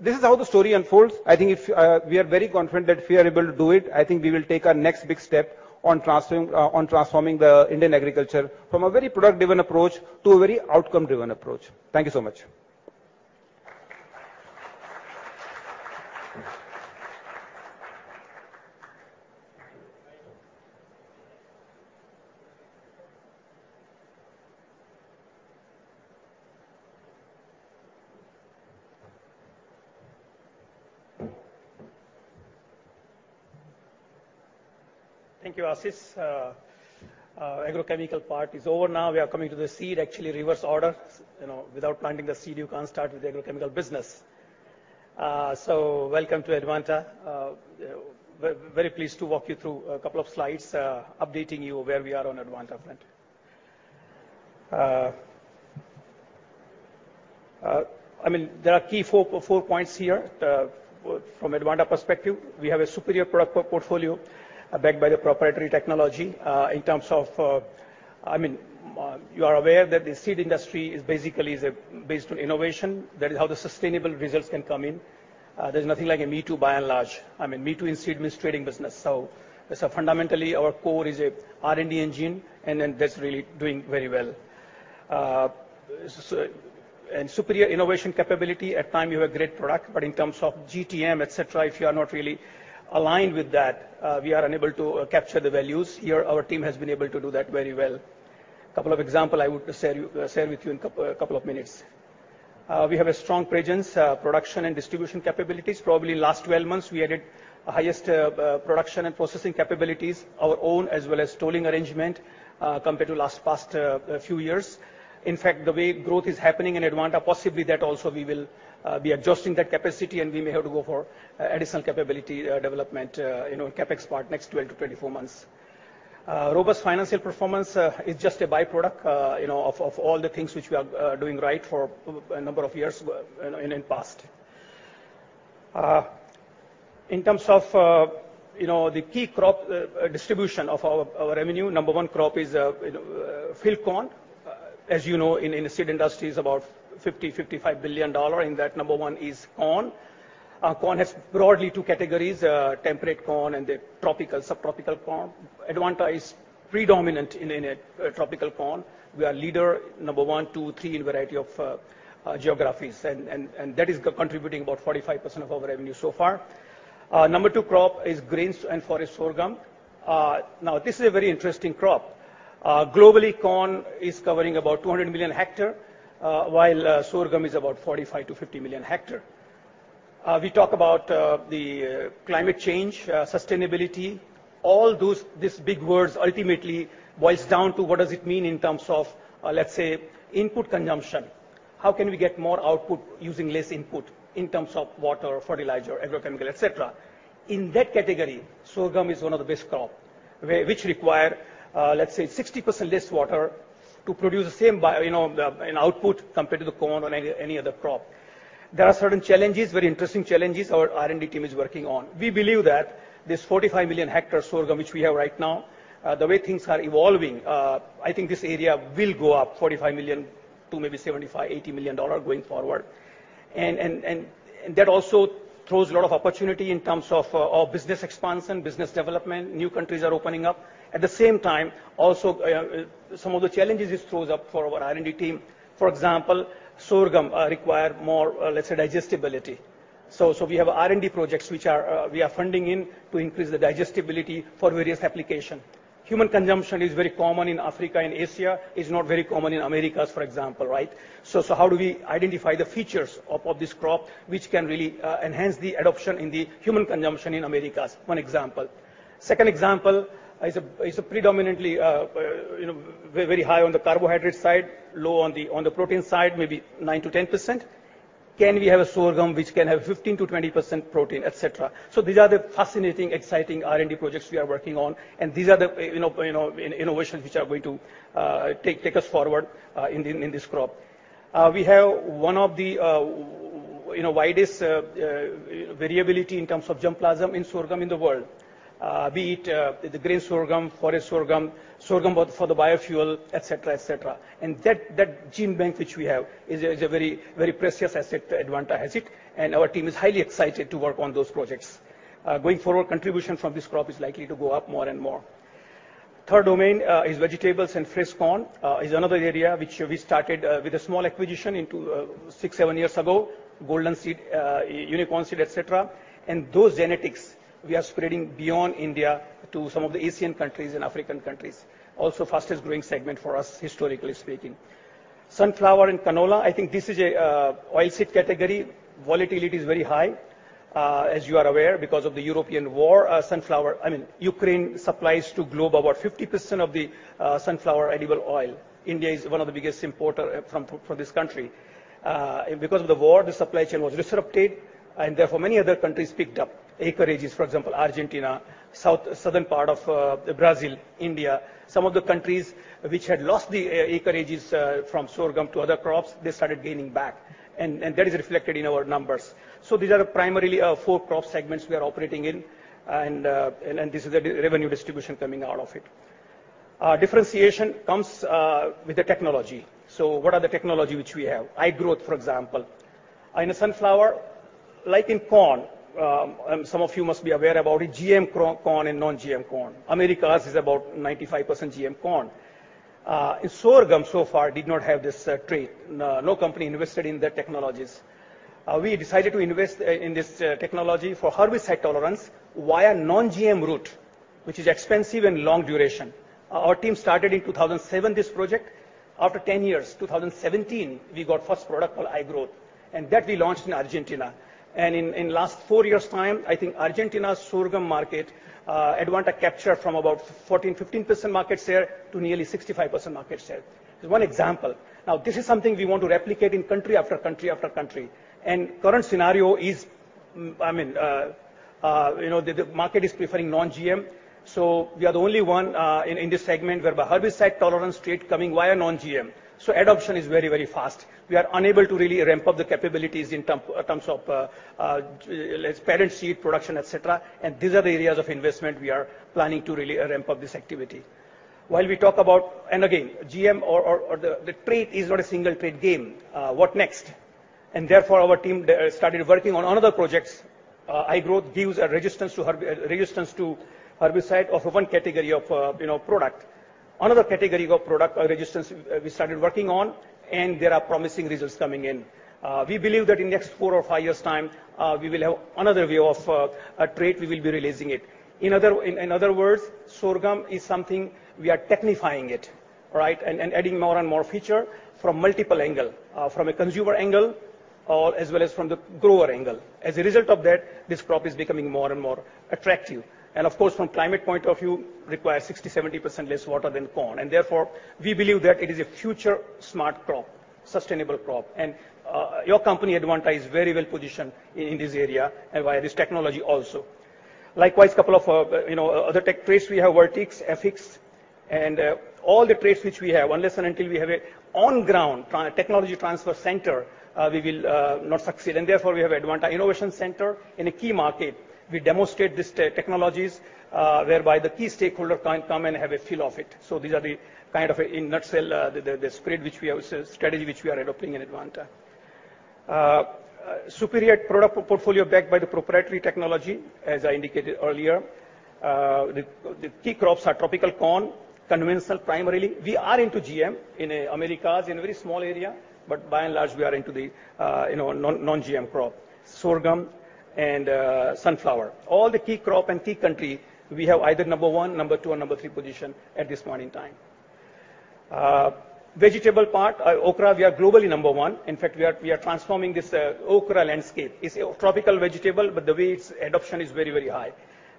This is how the story unfolds. I think if we are very confident that we are able to do it, I think we will take our next big step on transforming the Indian agriculture from a very product-driven approach to a very outcome-driven approach. Thank you so much. Thank you, Ashish. Agrochemical part is over now. We are coming to the seed, actually reverse order. You know, without planting the seed, you can't start with the agrochemical business. Welcome to Advanta. Very pleased to walk you through a couple of slides, updating you where we are on Advanta front. I mean, there are key 4 points here. From Advanta perspective, we have a superior product portfolio, backed by the proprietary technology. In terms of, I mean, you are aware that the seed industry is basically based on innovation. That is how the sustainable results can come in. There's nothing like a me-too by and large. I mean, me-too in seed means trading business. Fundamentally our core is a R&D engine, that's really doing very well. Superior innovation capability. At times you have a great product, but in terms of GTM, et cetera, if you are not really aligned with that, we are unable to capture the values. Here our team has been able to do that very well. Couple of example I would share with you in a couple of minutes. We have a strong presence, production and distribution capabilities. Probably in last 12 months, we added highest production and processing capabilities our own, as well as tolling arrangement, compared to last few years. The way growth is happening in Advanta, possibly that also we will be adjusting that capacity, and we may have to go for additional capability development, you know, CapEx part next 12 to 24 months. Robust financial performance is just a by-product, you know, of all the things which we are doing right for a number of years in past. In terms of, you know, the key crop distribution of our revenue, number one crop is, you know, field corn. As you know, in seed industry is about $50 billion-$55 billion. In that, number one is corn. Corn has broadly two categories, temperate corn and the tropical, subtropical corn. Advanta is predominant in a tropical corn. We are leader number 1, 2, 3 in variety of geographies. That is contributing about 45% of our revenue so far. Number 2 crop is grains and forage sorghum. Now this is a very interesting crop Globally corn is covering about 200 million hectare, while sorghum is about 45-50 million hectare. We talk about the climate change, sustainability, all these big words ultimately boils down to what does it mean in terms of let's say, input consumption. How can we get more output using less input in terms of water, fertilizer, agrochemical, et cetera? In that category, sorghum is one of the best crop which require let's say 60% less water to produce the same you know, an output compared to the corn or any other crop. There are certain challenges, very interesting challenges our R&D team is working on. We believe that this 45 million hectare sorghum which we have right now, the way things are evolving, I think this area will go up $45 million to maybe $75-$80 million going forward. That also throws a lot of opportunity in terms of our business expansion, business development, new countries are opening up. At the same time, also, some of the challenges this throws up for our R&D team, for example, sorghum require more, let's say, digestibility. We have R&D projects which are, we are funding in to increase the digestibility for various application. Human consumption is very common in Africa and Asia. It's not very common in Americas, for example, right? How do we identify the features of this crop which can really enhance the adoption in the human consumption in Americas? One example. Second example is a predominantly, you know, very high on the carbohydrate side, low on the protein side, maybe 9%-10%. Can we have a sorghum which can have 15%-20% protein, et cetera? These are the fascinating, exciting R&D projects we are working on, and these are the innovations which are going to take us forward in this crop. We have one of the widest variability in terms of germplasm in sorghum in the world. Be it the grain sorghum, forage sorghum both for the biofuel, et cetera. That gene bank which we have is a very, very precious asset Advanta has it, and our team is highly excited to work on those projects. Going forward, contribution from this crop is likely to go up more and more. Third domain is vegetables and fresh corn is another area which we started with a small acquisition into 6, 7 years ago, Golden Seeds, Unicorn Seeds, et cetera. Those genetics we are spreading beyond India to some of the Asian countries and African countries. Also fastest growing segment for us historically speaking. Sunflower and canola, I think this is a oil seed category. Volatility is very high, as you are aware because of the European war. I mean, Ukraine supplies to globe about 50% of the sunflower edible oil. India is one of the biggest importer from this country. Because of the war, the supply chain was disrupted and therefore many other countries picked up acreages, for example, Argentina, southern part of Brazil, India. Some of the countries which had lost the acreages from sorghum to other crops, they started gaining back, and that is reflected in our numbers. These are primarily four crop segments we are operating in, and this is the revenue distribution coming out of it. Differentiation comes with the technology. What are the technology which we have? iGrowth, for example. In a sunflower, like in corn, some of you must be aware about a GM corn and non-GM corn. Americas is about 95% GM corn. Sorghum so far did not have this trait. No, no company invested in the technologies. We decided to invest in this technology for herbicide tolerance via non-GM route, which is expensive and long duration. Our team started in 2007 this project. After 10 years, 2017, we got first product called iGrowth. That we launched in Argentina. In last 4 years' time, I think Argentina's sorghum market, Advanta capture from about 14%, 15% market share to nearly 65% market share. It's 1 example. Now, this is something we want to replicate in country after country after country. Current scenario is, I mean, you know, the market is preferring non-GM. We are the only one in this segment whereby herbicide tolerance trait coming via non-GM. Adoption is very, very fast. We are unable to really ramp up the capabilities in terms of let's parent seed production, et cetera. These are the areas of investment we are planning to really ramp up this activity. While we talk about... Again, GM or the trait is not a single trait game. What next? Therefore, our team started working on another projects. iGrowth gives a resistance to herbicide of one category of, you know, product. Another category of product resistance we started working on, and there are promising results coming in. We believe that in next four or five years' time, we will have another way of a trait we will be releasing it. In other words, sorghum is something we are technifying it, right? Adding more and more feature from multiple angle, from a consumer angle or as well as from the grower angle. As a result of that, this crop is becoming more and more attractive. Of course, from climate point of view, require 60%, 70% less water than corn. Therefore, we believe that it is a future smart crop, sustainable crop. Your company Advanta is very well positioned in this area and via this technology also. Likewise, couple of, you know, other tech traits we have Vertix, Aphix, and all the traits which we have, unless and until we have a on ground technology transfer center, we will not succeed. Therefore, we have Advanta Innovation Center. In a key market, we demonstrate these technologies, whereby the key stakeholder can come and have a feel of it. These are the kind of, in nutshell, the spread which we have, strategy which we are adopting in Advanta. Superior product portfolio backed by the proprietary technology, as I indicated earlier. The key crops are tropical corn, conventional primarily. We are into GM in Americas in a very small area, but by and large, we are into the, you know, non-GM crop. Sorghum and sunflower. All the key crop and key country, we have either number one, number two, or number three position at this point in time. Vegetable part, okra, we are globally number one. In fact, we are transforming this okra landscape. It's a tropical vegetable, but the way its adoption is very, very high.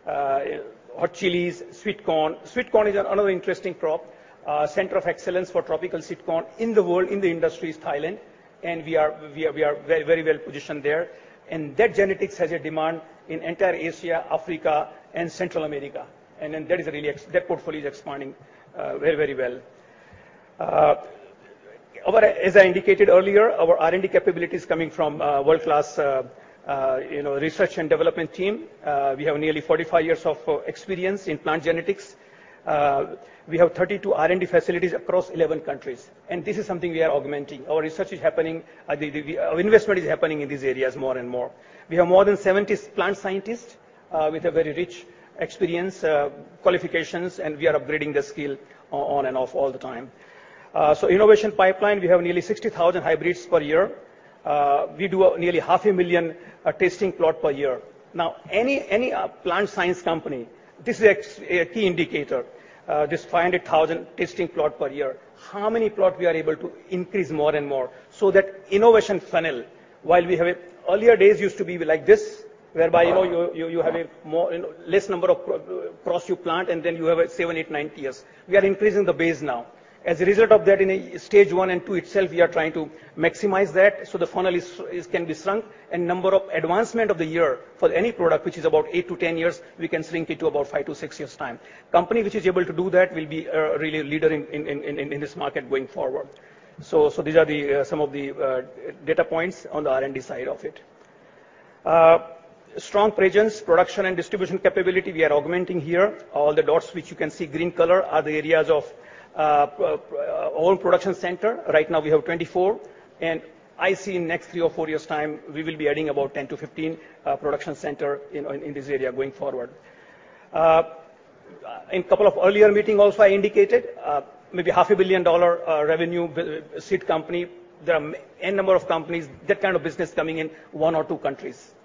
Hot chilies, sweet corn. Sweet corn is another interesting crop. Center of excellence for tropical sweet corn in the world, in the industry is Thailand, we are very well positioned there. That genetics has a demand in entire Asia, Africa, and Central America. That portfolio is expanding very well. Our, as I indicated earlier, our R&D capability is coming from a world-class, you know, research and development team. We have nearly 45 years of experience in plant genetics. We have 32 R&D facilities across 11 countries, this is something we are augmenting. Our investment is happening in these areas more and more. We have more than 70 plant scientists with a very rich experience, qualifications, we are upgrading the skill on and off all the time. Innovation pipeline, we have nearly 60,000 hybrids per year. We do nearly half a million testing plot per year. Any plant science company, this is a key indicator, this 500,000 testing plot per year. How many plot we are able to increase more and more so that innovation funnel, while we have it. Earlier days used to be like this, whereby, you know, you have a less number of crops you plant, and then you have a 7, 8, 9 years. We are increasing the base now. In stage 1 and 2 itself, we are trying to maximize that so the funnel can be shrunk. Number of advancement of the year for any product which is about 8-10 years, we can shrink it to about 5-6 years' time. Company which is able to do that will be a really leader in this market going forward. These are some of the data points on the R&D side of it. Strong presence, production and distribution capability we are augmenting here. All the dots which you can see green color are the areas of own production center. Right now we have 24, and I see in next 3 or 4 years' time, we will be adding about 10-15 production center in this area going forward. In couple of earlier meeting also I indicated, maybe half a billion dollar revenue seed company. There are n number of companies, that kind of business coming in 1 or 2 countries.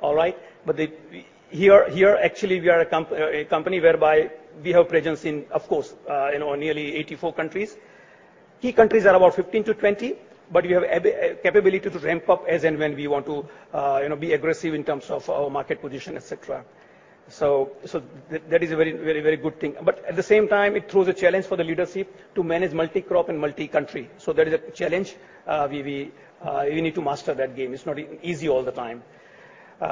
All right? The, here actually we are a company whereby we have presence in, of course, you know, nearly 84 countries. Key countries are about 15-20, we have capability to ramp up as and when we want to, you know, be aggressive in terms of our market position, et cetera. That is a very, very, very good thing. At the same time, it throws a challenge for the leadership to manage multi-crop and multi-country. There is a challenge, we need to master that game. It's not easy all the time. We...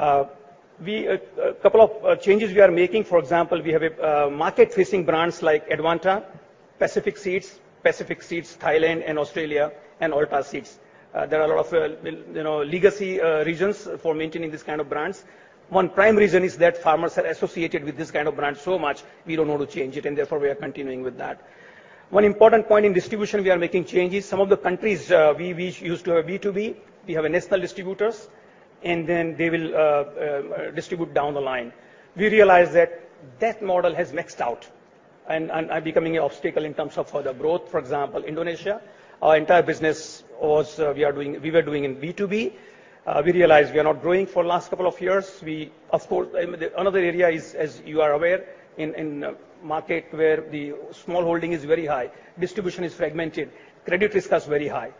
A couple of changes we are making, for example, we have market-facing brands like Advanta, Pacific Seeds, Pacific Seeds Thailand and Australia, and Ortal Seeds. There are a lot of, you know, legacy reasons for maintaining these kind of brands. One prime reason is that farmers are associated with this kind of brand so much, we don't want to change it, and therefore, we are continuing with that. One important point in distribution, we are making changes. Some of the countries, we used to have B2B. We have national distributors, and then they will distribute down the line. We realized that that model has maxed out and becoming an obstacle in terms of further growth. For example, Indonesia, our entire business was We were doing in B2B. We realized we are not growing for last couple of years. We, of course, another area is, as you are aware, in a market where the small holding is very high, distribution is fragmented, credit risk is very high.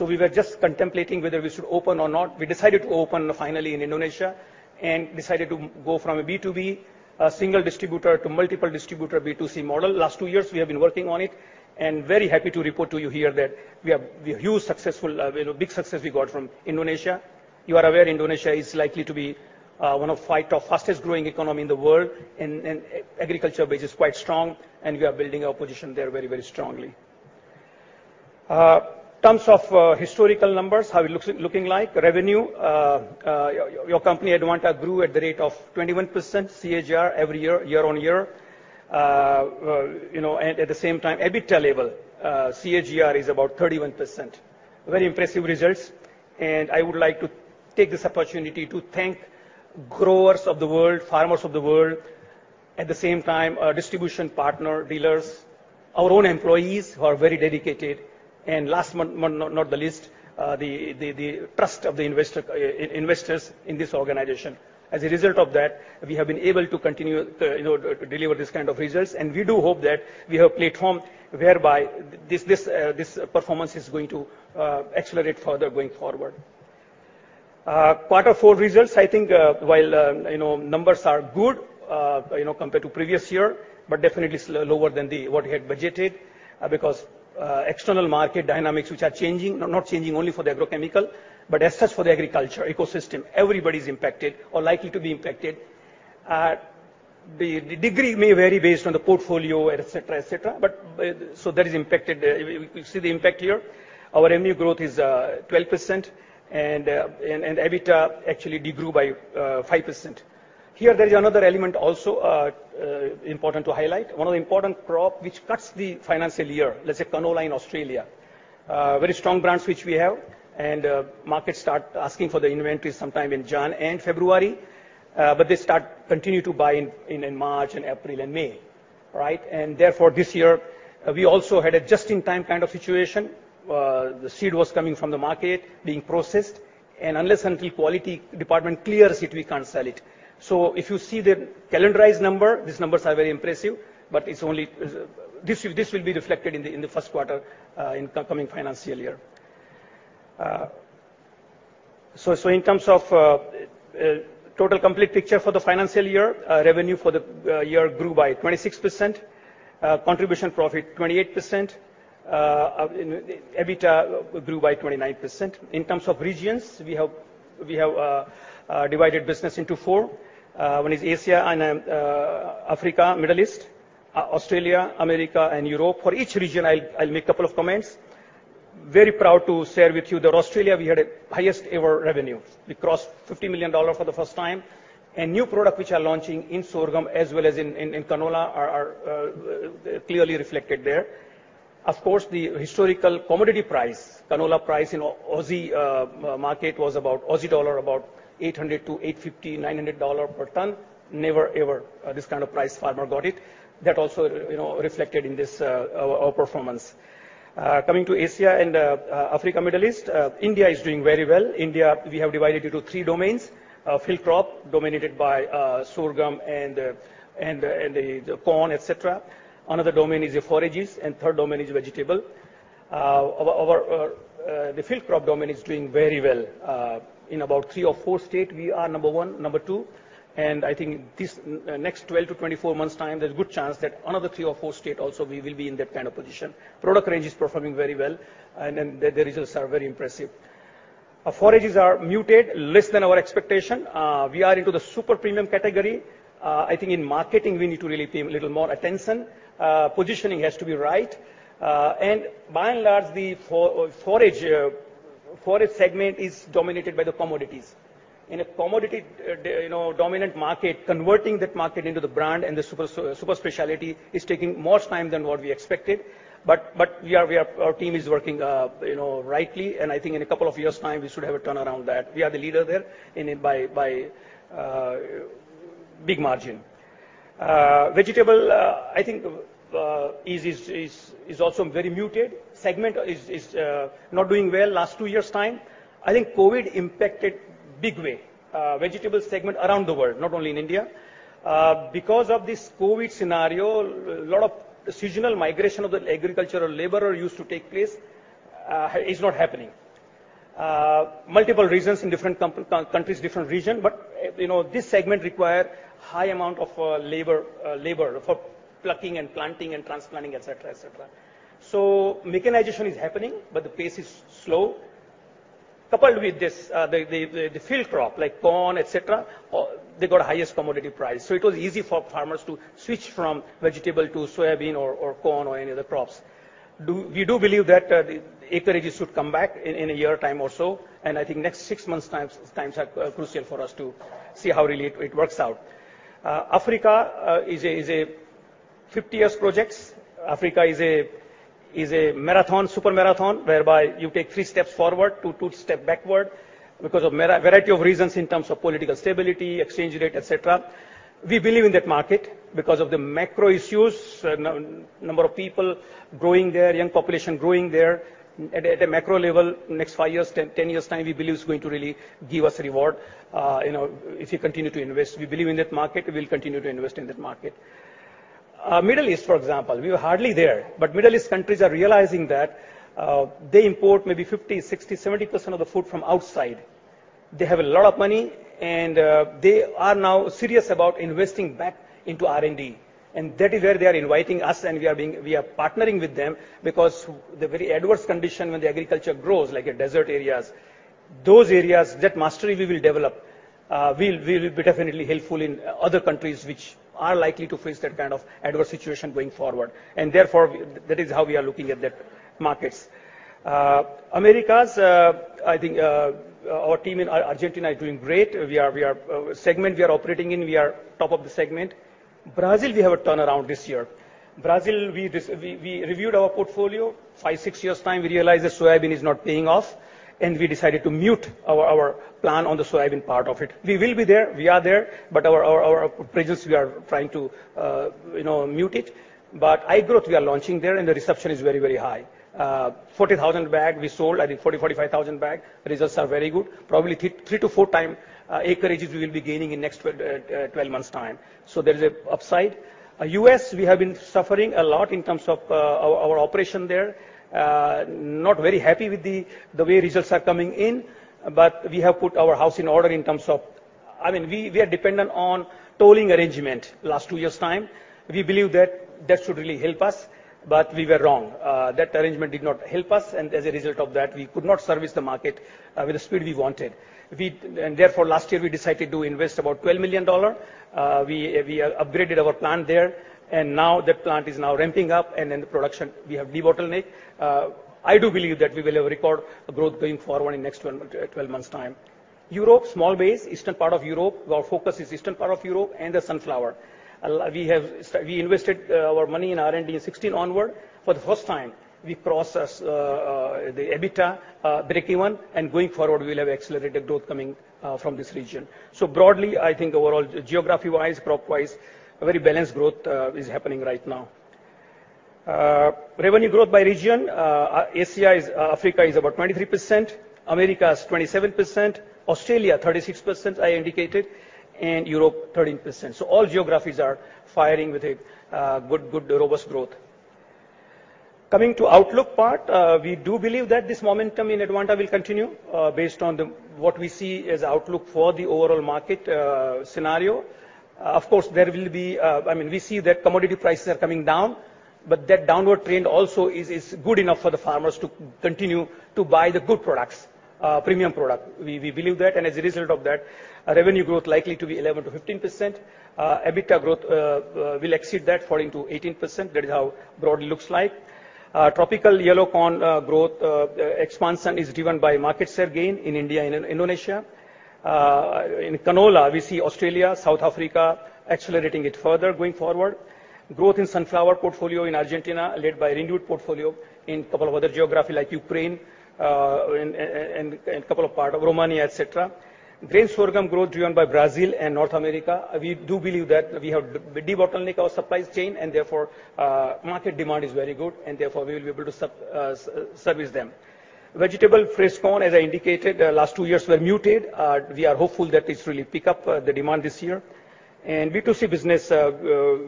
We were just contemplating whether we should open or not. We decided to open finally in Indonesia and decided to go from a B2B, a single distributor to multiple distributor B2C model. Last 2 years, we have been working on it, and very happy to report to you here that we have huge successful, you know, big success we got from Indonesia. You are aware Indonesia is likely to be 1 of 5 top fastest growing economy in the world and agriculture base is quite strong, and we are building our position there very, very strongly. Terms of historical numbers, how it's looking like. Revenue, your company Advanta grew at the rate of 21% CAGR every year on year. You know, and at the same time, EBITDA level, CAGR is about 31%. Very impressive results. I would like to take this opportunity to thank growers of the world, farmers of the world, at the same time, our distribution partner, dealers, our own employees who are very dedicated, and last but not the least, the trust of the investor, investors in this organization. As a result of that, we have been able to continue, you know, to deliver this kind of results, and we do hope that we have platform whereby this performance is going to accelerate further going forward. Quarter four results, I think, while, you know, numbers are good, you know, compared to previous year, but definitely lower than the what we had budgeted, because external market dynamics which are changing. Not changing only for the agrochemical, but as such for the agriculture ecosystem. Everybody is impacted or likely to be impacted. The degree may vary based on the portfolio, et cetera, et cetera. That is impacted. We see the impact here. Our MU growth is 12% and EBITDA actually degrew by 5%. Here there is another element also important to highlight. One of the important crop which cuts the financial year, let's say canola in Australia. Very strong brands which we have, markets start asking for the inventory sometime in January and February, but they start continue to buy in March, April, and May, right? This year, we also had a just-in-time kind of situation. The seed was coming from the market being processed. Unless and until quality department clears it, we can't sell it. If you see the calendarized number, these numbers are very impressive, but it's only. This will be reflected in the Q1 in the coming financial year. So in terms of total complete picture for the financial year, revenue for the year grew by 26%. Contribution profit, 28%. EBITDA grew by 29%. In terms of regions, we have divided business into 4. One is Asia and Africa, Middle East, Australia, America and Europe. For each region I'll make a couple of comments. Very proud to share with you that Australia, we had highest ever revenues. We crossed $50 million for the first time. New product which are launching in sorghum as well as in canola are clearly reflected there. Of course, the historical commodity price, canola price in Aussie market was about 800 Aussie dollar to 850, 900 dollar per ton. Never ever, this kind of price farmer got it. That also, you know, reflected in this, our performance. Coming to Asia and Africa, Middle East, India is doing very well. India, we have divided into three domains. Field crop dominated by sorghum and the corn, et cetera. Another domain is the forages, and third domain is vegetable. Our field crop domain is doing very well. In about three or four state, we are number one, number two, and I think this next 12 to 24 months time, there's good chance that another three or four state also we will be in that kind of position. Product range is performing very well, and then the results are very impressive. Our forages are muted, less than our expectation. We are into the super premium category. I think in marketing, we need to really pay a little more attention. Positioning has to be right. By and large, the forage segment is dominated by the commodities. In a commodity, you know, dominant market, converting that market into the brand and the super speciality is taking more time than what we expected, but our team is working, you know, rightly, and I think in a couple of years' time, we should have a turnaround that. We are the leader there and by big margin. Vegetable, I think, is also very muted. Segment is not doing well last 2 years' time. I think COVID impacted big way, vegetable segment around the world, not only in India. Because of this COVID scenario, a lot of seasonal migration of the agricultural laborer used to take place, is not happening. Multiple reasons in different countries, different region, you know, this segment require high amount of labor for plucking and planting and transplanting, et cetera, et cetera. Mechanization is happening, but the pace is slow. Coupled with this, the field crop like corn, et cetera, they got highest commodity price. It was easy for farmers to switch from vegetable to soybean or corn or any other crops. We do believe that the acreages should come back in a year time or so, and I think next 6 months times are crucial for us to see how really it works out. Africa is a 50 years projects. Africa is a marathon, super marathon, whereby you take 3 steps forward, 2 step backward because of variety of reasons in terms of political stability, exchange rate, et cetera. We believe in that market because of the macro issues, number of people growing there, young population growing there. At a macro level, next 5 years, 10 years time, we believe it's going to really give us reward, you know, if you continue to invest. We believe in that market, we'll continue to invest in that market. Middle East, for example, we were hardly there, but Middle East countries are realizing that they import maybe 50%, 60%, 70% of the food from outside. They have a lot of money, they are now serious about investing back into R&D, that is where they are inviting us and we are partnering with them because the very adverse condition when the agriculture grows, like in desert areas, those areas, that mastery we will develop, will be definitely helpful in other countries which are likely to face that kind of adverse situation going forward. Therefore, that is how we are looking at that markets. Americas, I think, our team in Argentina are doing great. We are Segment we are operating in, we are top of the segment. Brazil, we have a turnaround this year. Brazil, we reviewed our portfolio. Five, six years' time, we realized that soybean is not paying off, and we decided to mute our plan on the soybean part of it. We will be there, we are there, our presence we are trying to, you know, mute it. iGrowth we are launching there, and the reception is very, very high. 40,000 bag we sold, I think 40,000-45,000 bag. Results are very good. Probably 3-4 times acreages we will be gaining in next 12 months' time. There is a upside. U.S., we have been suffering a lot in terms of our operation there. Not very happy with the way results are coming in, but we have put our house in order in terms of... I mean, we are dependent on tolling arrangement last 2 years' time. We believe that that should really help us, but we were wrong. That arrangement did not help us, and as a result of that, we could not service the market with the speed we wanted. Therefore, last year, we decided to invest about $12 million. We upgraded our plant there, and now that plant is now ramping up, and the production we have debottleneck. I do believe that we will record a growth going forward in next 12 months' time. Europe, small base, eastern part of Europe. Our focus is eastern part of Europe and the sunflower. We invested our money in R&D in 2016 onward. For the first time, we processed the EBITDA breakeven, and going forward we'll have accelerated growth coming from this region. Broadly, I think overall geography-wise, crop-wise, a very balanced growth is happening right now. Revenue growth by region, our ACI Africa is about 23%, America is 27%, Australia 36%, I indicated, and Europe 13%. All geographies are firing with a good robust growth. Coming to outlook part, we do believe that this momentum in Advanta will continue based on what we see as outlook for the overall market scenario. Of course, there will be, I mean, we see that commodity prices are coming down, but that downward trend also is good enough for the farmers to continue to buy the good products, premium product. We believe that, as a result of that, our revenue growth likely to be 11%-15%. EBITDA growth will exceed that, falling to 18%. That is how broadly looks like. Tropical yellow corn growth expansion is driven by market share gain in India and in Indonesia. In canola, we see Australia, South Africa accelerating it further going forward. Growth in sunflower portfolio in Argentina, led by renewed portfolio in couple of other geography like Ukraine, and couple of part of Romania, et cetera. Grain sorghum growth driven by Brazil and North America. We do believe that we have debottlenecked our supplies chain and therefore market demand is very good and therefore we will be able to service them. Vegetable fresh corn, as I indicated, last 2 years were muted. We are hopeful that this really pick up the demand this year. B2C business,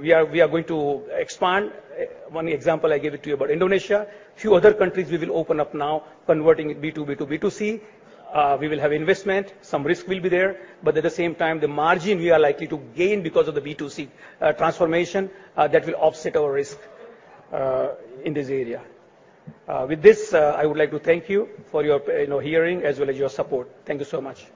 we are going to expand. One example I gave it to you about Indonesia. Few other countries we will open up now converting B2B to B2C. We will have investment, some risk will be there, but at the same time, the margin we are likely to gain because of the B2C transformation, that will offset our risk in this area. With this, I would like to thank you for your, you know, hearing as well as your support. Thank you so much.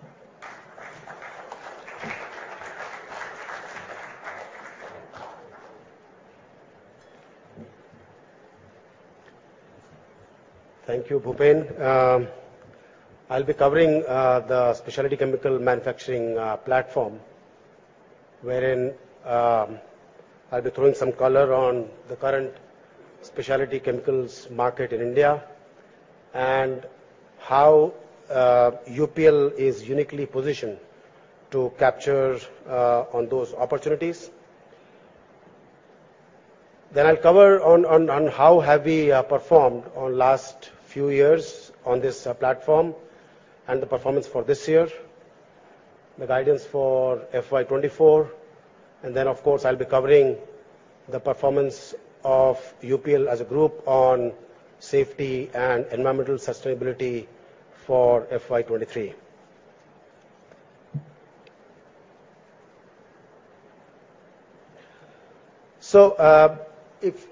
Thank you, Bhupen. I'll be covering the specialty chemical manufacturing platform, wherein I'll be throwing some color on the current specialty chemicals market in India and how UPL is uniquely positioned to capture on those opportunities. I'll cover on how have we performed on last few years on this platform and the performance for this year, the guidance for FY 2024, and then of course I'll be covering the performance of UPL as a group on safety and environmental sustainability for FY 2023.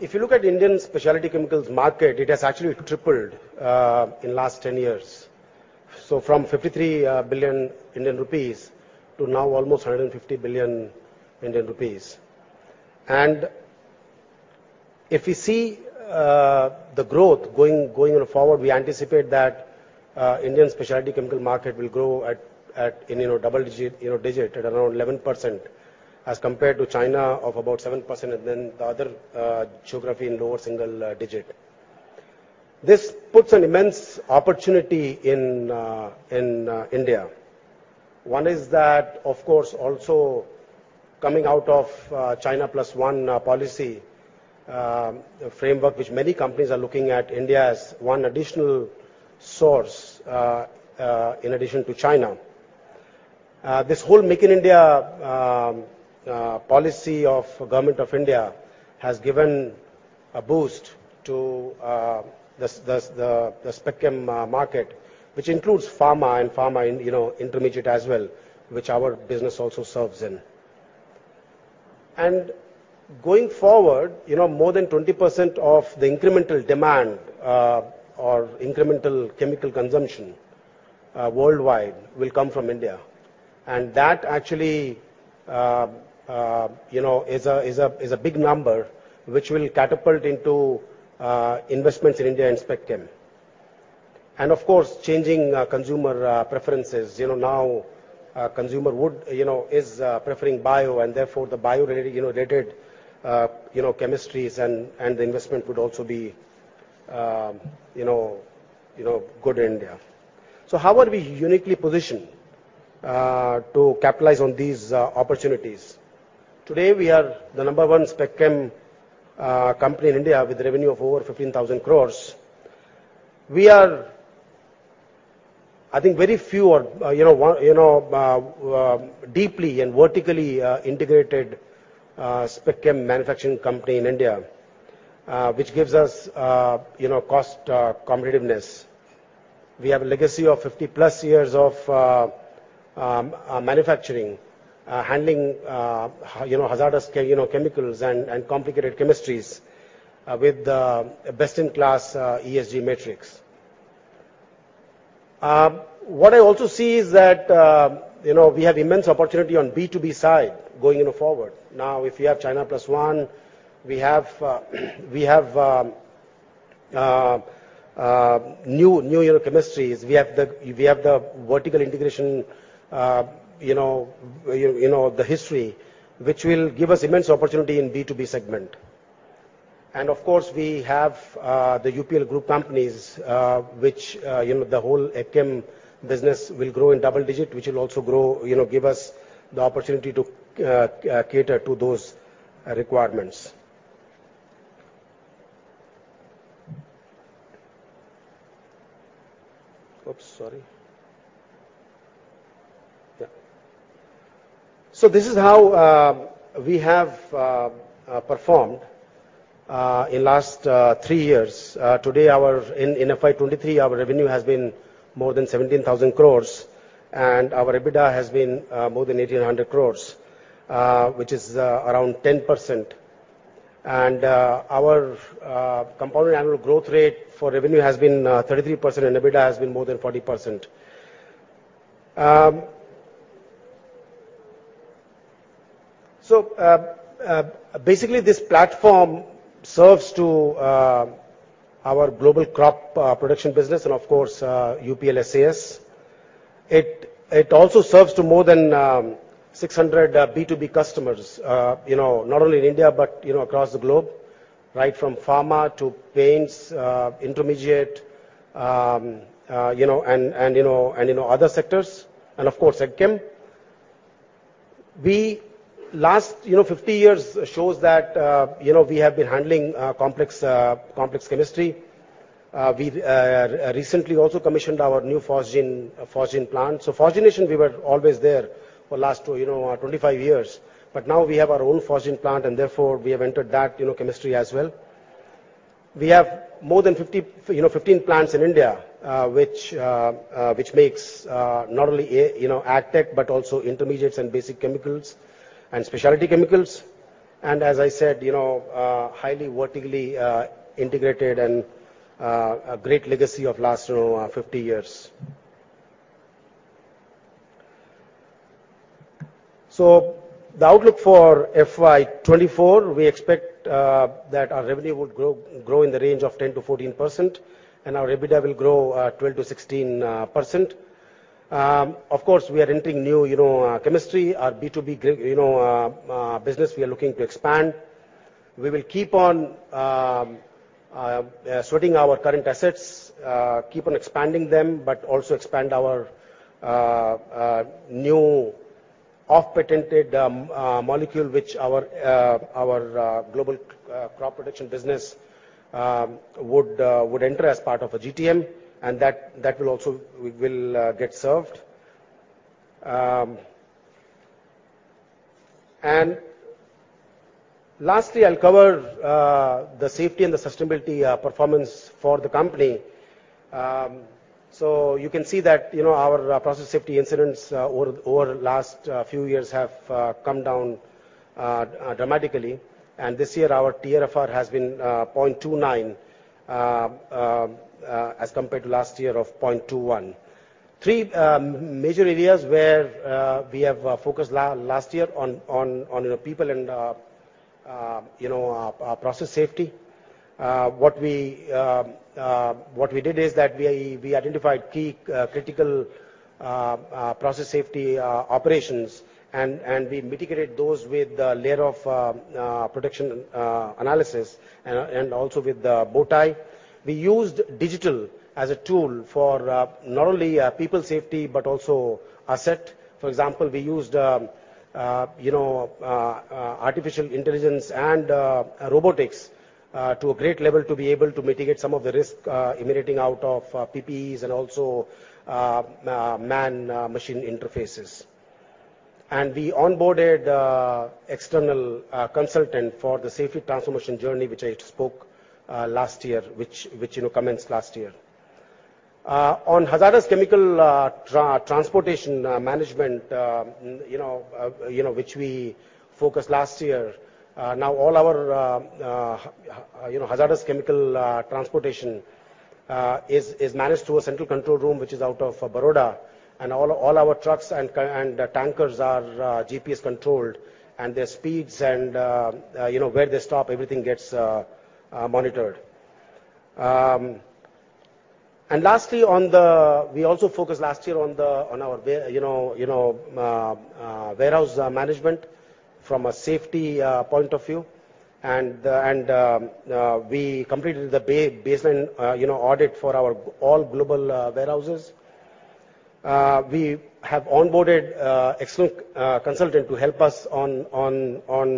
If you look at Indian specialty chemicals market, it has actually tripled in last 10 years. From 53 billion Indian rupees to now almost 150 billion Indian rupees. If you see the growth going forward, we anticipate that Indian specialty chemical market will grow at, you know, double digit at around 11%, as compared to China of about 7% and then the other geography in lower single digit. This puts an immense opportunity in India. One is that, of course, also coming out of China Plus One policy, a framework which many companies are looking at India as one additional source in addition to China. This whole Make in India policy of government of India has given a boost to the spec chem market, which includes pharma and pharma in, you know, intermediate as well, which our business also serves in. Going forward, you know, more than 20% of the incremental demand, or incremental chemical consumption, worldwide will come from India. That actually, you know, is a big number which will catapult into investments in India and spec chem. Of course, changing consumer preferences, you know. Now, consumer would, you know, is preferring bio and therefore the bio-rated, you know, rated chemistries and the investment would also be, you know, good in India. How are we uniquely positioned to capitalize on these opportunities? Today, we are the number one spec chem company in India with revenue of over 15,000 crores. We are, I think, very few are, you know, one, you know, deeply and vertically integrated spec chem manufacturing company in India, which gives us, you know, cost competitiveness. We have a legacy of 50 plus years of manufacturing, handling hazardous chemicals and complicated chemistries, with best-in-class ESG metrics. What I also see is that, you know, we have immense opportunity on B2B side going into forward. If you have China Plus One, we have new chemistries. We have the vertical integration, the history, which will give us immense opportunity in B2B segment. Of course, we have the UPL group companies, which, you know, the whole AgTech business will grow in double digit, which will also grow, you know, give us the opportunity to cater to those requirements. Oops, sorry. Yeah. This is how we have performed in last 3 years. Today, in FY23, our revenue has been more than 17,000 crores and our EBITDA has been more than 1,800 crores, which is around 10%. Our CAGR for revenue has been 33% and EBITDA has been more than 40%. Basically this platform serves to our global crop production business and of course, UPL SAS. It also serves to more than 600 B2B customers, you know, not only in India, but, you know, across the globe, right? From pharma to paints, intermediate, you know, and you know, and you know, other sectors and of course AgChem. Last, you know, 50 years shows that, you know, we have been handling complex chemistry. We recently also commissioned our new phosgene plant. Phosgenation we were always there for last, you know, 25 years, but now we have our own phosgene plant and therefore we have entered that, you know, chemistry as well. We have more than 15 plants in India, which makes not only, you know, AgTech, but also intermediates and basic chemicals and specialty chemicals. As I said, you know, highly vertically integrated and a great legacy of last, you know, 50 years. The outlook for FY24, we expect that our revenue would grow in the range of 10%-14% and our EBITDA will grow 12%-16%. Of course, we are entering new, you know, chemistry. Our B2B, you know, business we are looking to expand. We will keep on sweating our current assets, keep on expanding them, but also expand our new off-patented molecule which our global crop production business would enter as part of a GTM, and that will also will get served. Lastly, I'll cover the safety and the sustainability performance for the company. So you can see that, you know, our process safety incidents over last few years have come down dramatically. This year, our TRFR has been 0.29 as compared to last year of 0.21. Three major areas where we have focused last year on people and, you know, process safety. What we did is that we identified key critical process safety operations, and we mitigated those with a layer of production analysis and also with the bowtie. We used digital as a tool for not only people safety, but also asset. For example, we used artificial intelligence and robotics to a great level to be able to mitigate some of the risk emanating out of PPEs and also man machine interfaces. We onboarded external consultant for the safety transformation journey, which I spoke last year, which commenced last year. On hazardous chemical transportation management, which we focused last year. Now all our hazardous chemical transportation is managed through a central control room, which is out of Baroda. All our trucks and tankers are GPS controlled and their speeds and where they stop, everything gets monitored. Lastly, on the... We also focused last year on our you know, you know, warehouse management from a safety point of view. We completed the gap analysis you know, audit for our all global warehouses. We have onboarded external consultant to help us on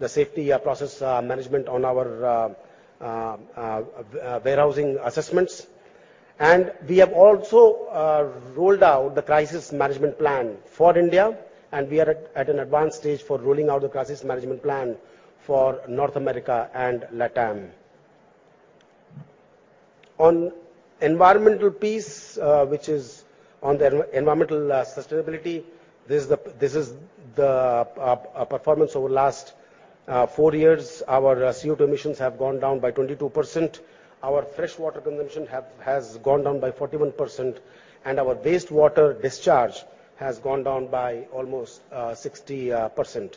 the safety process management on our warehousing assessments. We have also rolled out the crisis management plan for India, and we are at an advanced stage for rolling out the crisis management plan for North America and LATAM. On environmental piece, which is on the environmental sustainability, this is the performance over last 4 years. Our CO2 emissions have gone down by 22%. Our fresh water consumption has gone down by 41%. Our wastewater discharge has gone down by almost 60%.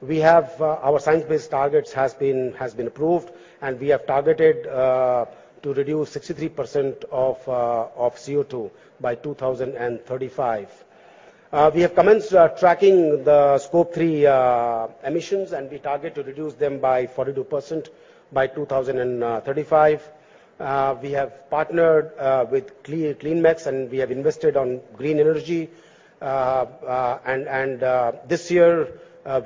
We have our science-based targets has been approved, and we have targeted to reduce 63% of CO2 by 2035. We have commenced tracking the Scope 3 emissions, and we target to reduce them by 42% by 2035. We have partnered with CleanMax, and we have invested on green energy. This year,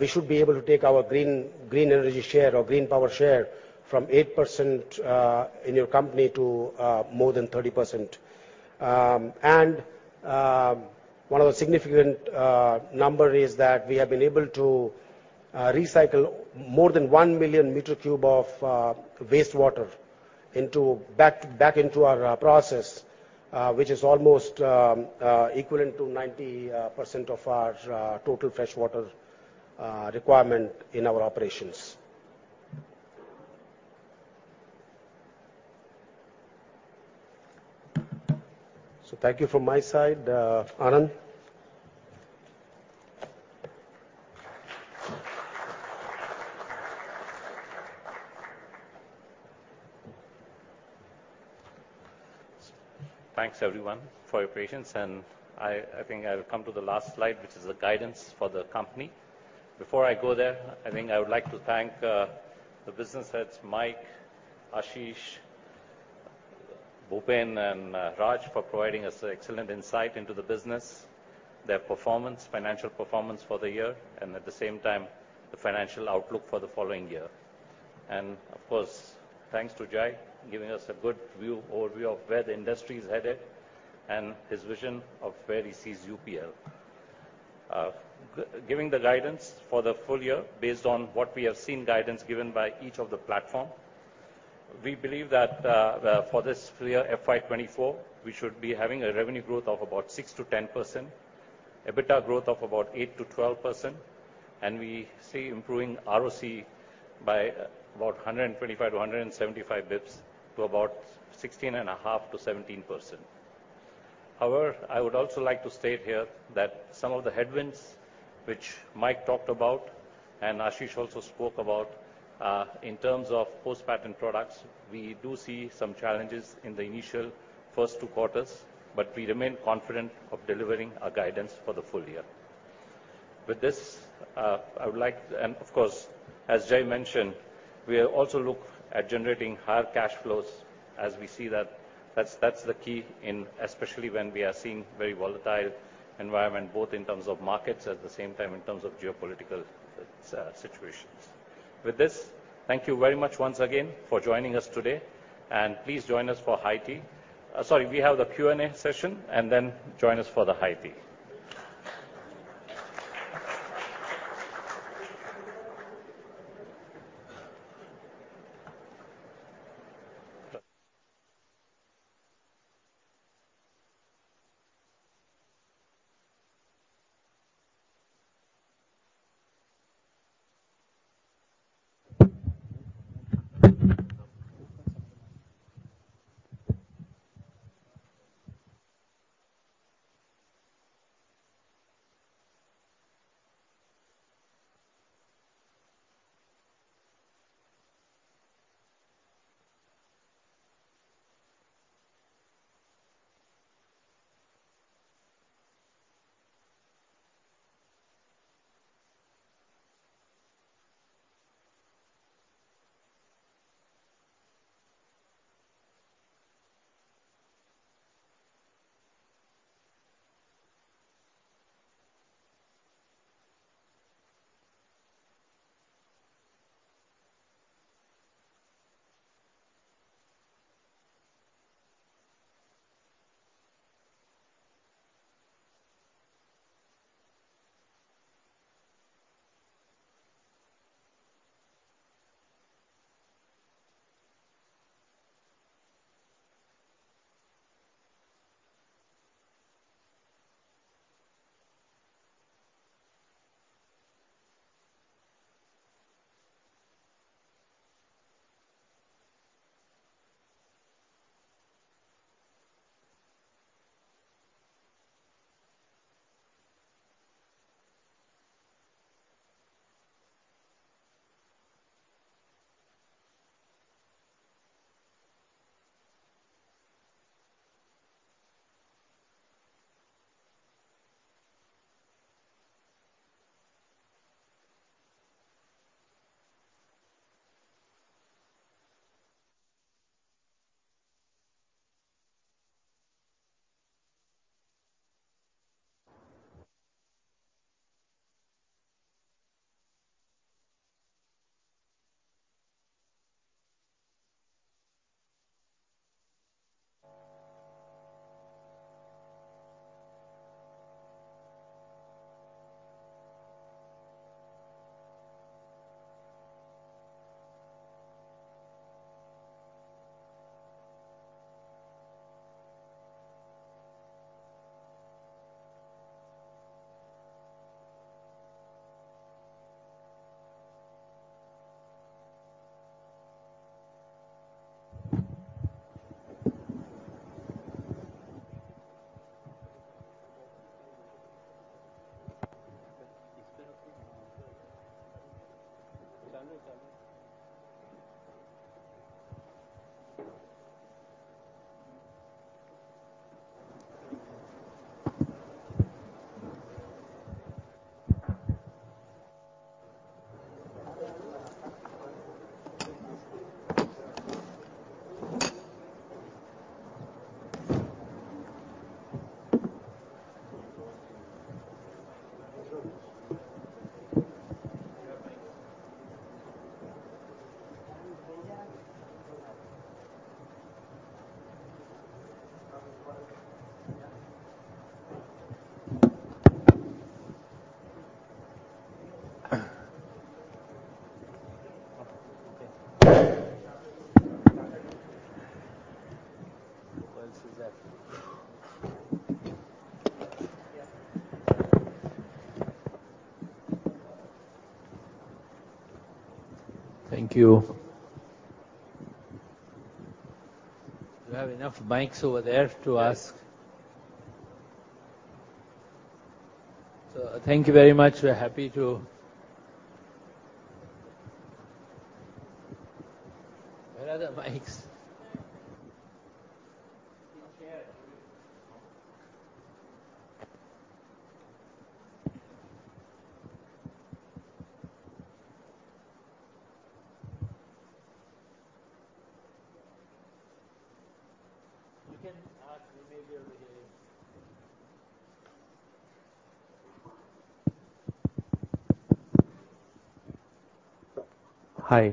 we should be able to take our green energy share or green power share from 8% in your company to more than 30%. One of the significant number is that we have been able to recycle more than 1 million meter cube of wastewater back into our process, which is almost equivalent to 90% of our total freshwater requirement in our operations. Thank you from my side. Anand? Thanks, everyone, for your patience. I think I'll come to the last slide, which is the guidance for the company. Before I go there, I think I would like to thank the business heads, Mike, Ashish, Bhupen, and Raj, for providing us excellent insight into the business, their performance, financial performance for the year, and at the same time, the financial outlook for the following year. Of course, thanks to Jai, giving us a good overview of where the industry is headed and his vision of where he sees UPL. Giving the guidance for the full year based on what we have seen guidance given by each of the platform, we believe that for this full year, FY24, we should be having a revenue growth of about 6%-10%, EBITDA growth of about 8%-12%, and we see improving ROC by about 125-175 basis points to about 16.5%-17%. I would also like to state here that some of the headwinds which Mike talked about and Ashish also spoke about, in terms of post-patent products, we do see some challenges in the initial first 2 quarters, but we remain confident of delivering our guidance for the full year. With this, I would like. Of course, as Jai mentioned, we'll also look at generating higher cash flows as we see that that's the key in, especially when we are seeing very volatile environment, both in terms of markets, at the same time in terms of geopolitical situations. With this, thank you very much once again for joining us today, and please join us for high tea. Sorry, we have the Q&A session, and then join us for the high tea. Yeah.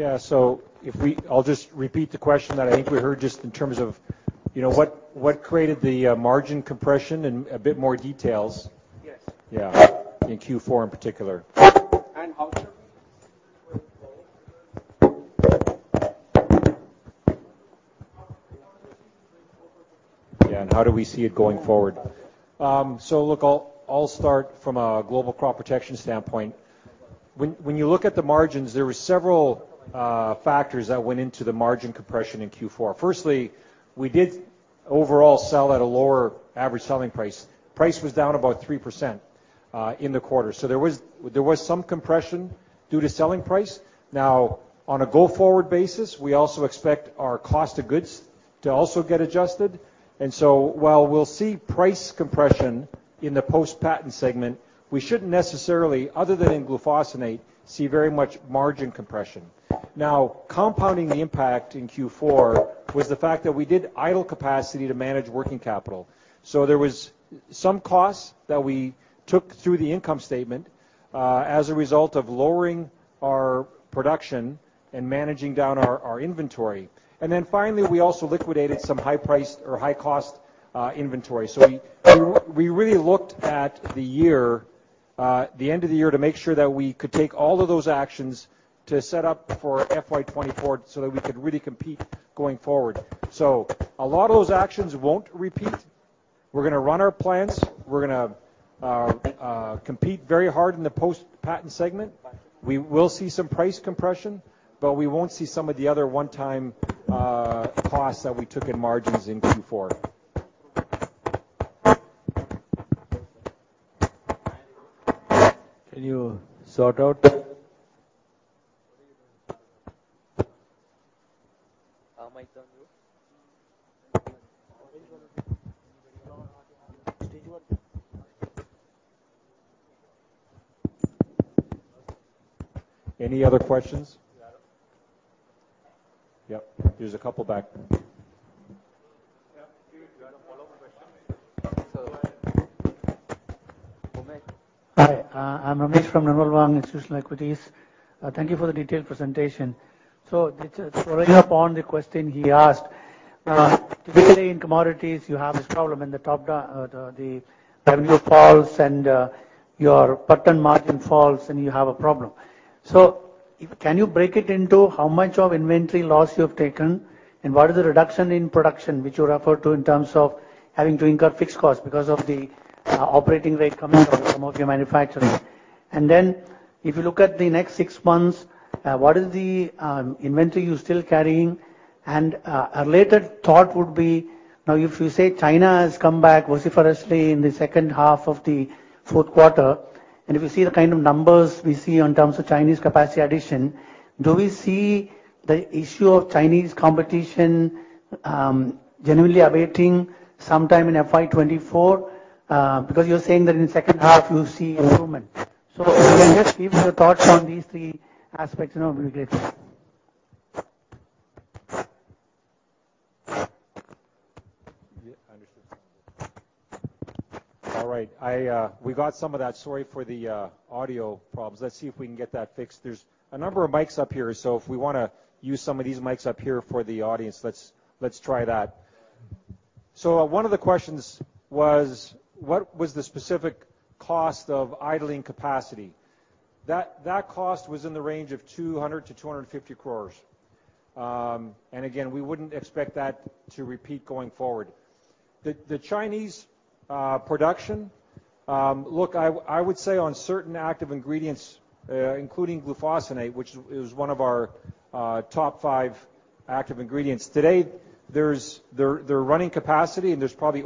I'll just repeat the question that I think we heard just in terms of, you know, what created the margin compression in a bit more details. Yes. Yeah. In Q4 in particular. And how- How do we see it going forward? I'll start from a global crop protection standpoint. When you look at the margins, there were several factors that went into the margin compression in Q4. Firstly, we did overall sell at a lower average selling price. Price was down about 3% in the quarter. There was some compression due to selling price. On a go-forward basis, we also expect our cost of goods to also get adjusted. While we'll see price compression in the post-patent segment, we shouldn't necessarily, other than in glufosinate, see very much margin compression. Compounding the impact in Q4 was the fact that we did idle capacity to manage working capital. There was some costs that we took through the income statement, as a result of lowering our production and managing down our inventory. Finally, we also liquidated some high-priced or high-cost inventory. We really looked at the year, the end of the year to make sure that we could take all of those actions to set up for FY24 so that we could really compete going forward. A lot of those actions won't repeat. We're gonna run our plants. We're gonna compete very hard in the post-patent segment. We will see some price compression, but we won't see some of the other one-time costs that we took in margins in Q4. Can you sort out? Our mic's on you. Any other questions? Yep, there's a couple back. Yeah. Do you got a follow-up question? Sir. Hi, I'm Ramesh from Nirmal Bang Institutional Equities. Thank you for the detailed presentation. Just following up on the question he asked, today in commodities you have this problem in the top the revenue falls and your patent margin falls, and you have a problem. Can you break it into how much of inventory loss you have taken and what is the reduction in production which you refer to in terms of having to incur fixed costs because of the operating rate coming from some of your manufacturing? Then if you look at the next six months, what is the inventory you're still carrying? A related thought would be, now if you say China has come back vociferously in the second half of the 4th quarter, and if you see the kind of numbers we see in terms of Chinese capacity addition, do we see the issue of Chinese competition, generally abating sometime in FY24? Because you're saying that in the second half you see improvement. If you can just give your thoughts on these three aspects and I'll be grateful. I understood. All right. I, we got some of that. Sorry for the audio problems. Let's see if we can get that fixed. There's a number of mics up here, so if we wanna use some of these mics up here for the audience, let's try that. One of the questions was, what was the specific cost of idling capacity? That cost was in the range of 200-250 crores. Again, we wouldn't expect that to repeat going forward. The Chinese production, look, I would say on certain active ingredients, including glufosinate, which is one of our top 5 active ingredients. Today, they're running capacity and there's probably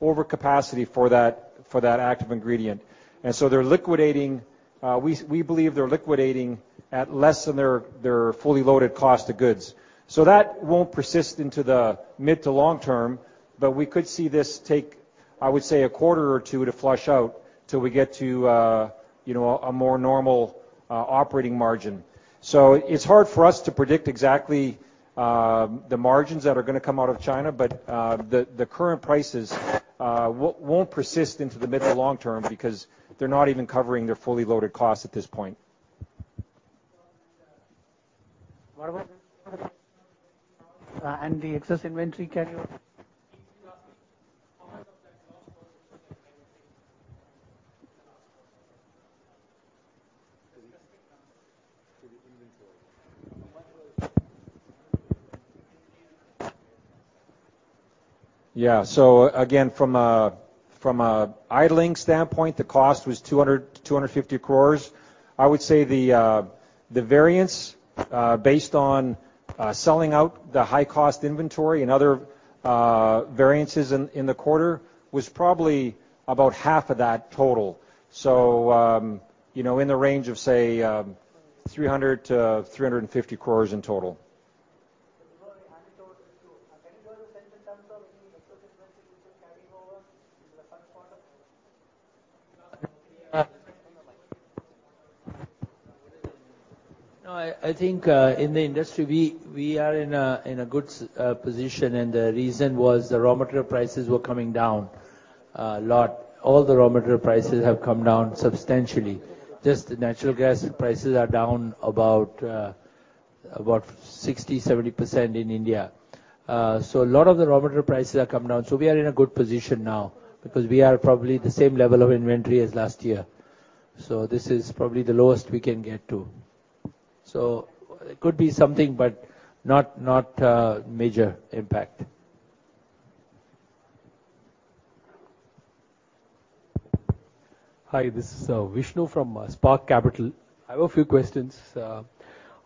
overcapacity for that active ingredient. They're liquidating, we believe they're liquidating at less than their fully loaded cost of goods. That won't persist into the mid to long term, but we could see this take, I would say, a quarter or 2 to flush out till we get to, you know, a more normal operating margin. It's hard for us to predict exactly the margins that are gonna come out of China, but the current prices won't persist into the mid to long term because they're not even covering their fully loaded costs at this point. What about the... and the excess inventory, can you- Again, from a idling standpoint, the cost was 200 crore-250 crore. I would say the variance based on selling out the high cost inventory and other variances in the quarter was probably about half of that total. in the range of say, 300 crore-350 crore in total. No, I think, in the industry, we are in a good position, and the reason was the raw material prices were coming down a lot. All the raw material prices have come down substantially. Just the natural gas prices are down about 60%-70% in India. A lot of the raw material prices are coming down, so we are in a good position now because we are probably the same level of inventory as last year. This is probably the lowest we can get to. It could be something, but not a major impact. Hi, this is Vishnu from Spark Capital. I have a few questions.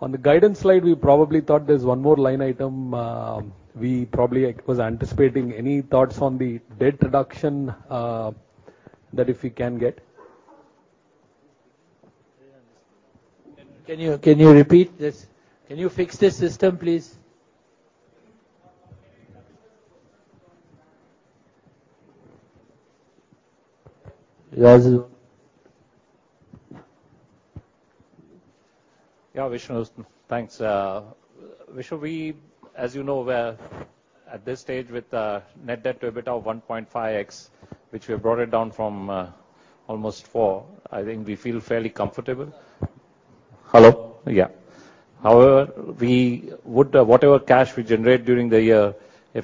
On the guidance slide, we probably thought there's one more line item, I was anticipating. Any thoughts on the debt reduction, that if we can get? Can you repeat this? Can you fix this system, please? Yes. Yeah, Vishnu. Thanks. Vishnu, as you know, we're at this stage with net debt to EBITDA of 1.5x, which we have brought it down from almost 4. I think we feel fairly comfortable. Hello? However, we would, whatever cash we generate during the year,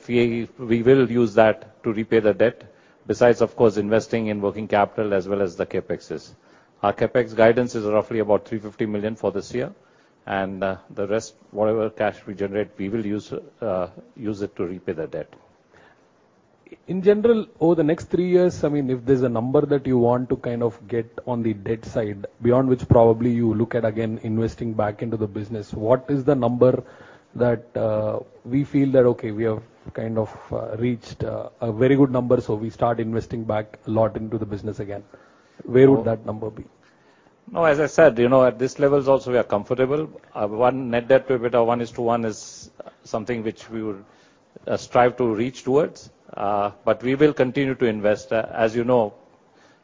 we will use that to repay the debt, besides, of course, investing in working capital as well as the CapEx. Our CapEx guidance is roughly about 350 million for this year. The rest, whatever cash we generate, we will use it to repay the debt. In general, over the next three years, I mean, if there's a number that you want to kind of get on the debt side, beyond which probably you look at again investing back into the business, what is the number that we feel that, okay, we have kind of reached a very good number, so we start investing back a lot into the business again? Where would that number be? As I said, you know, at this levels also we are comfortable. Net debt to EBITDA 1 is to 1 is something which we will strive to reach towards. We will continue to invest. As you know,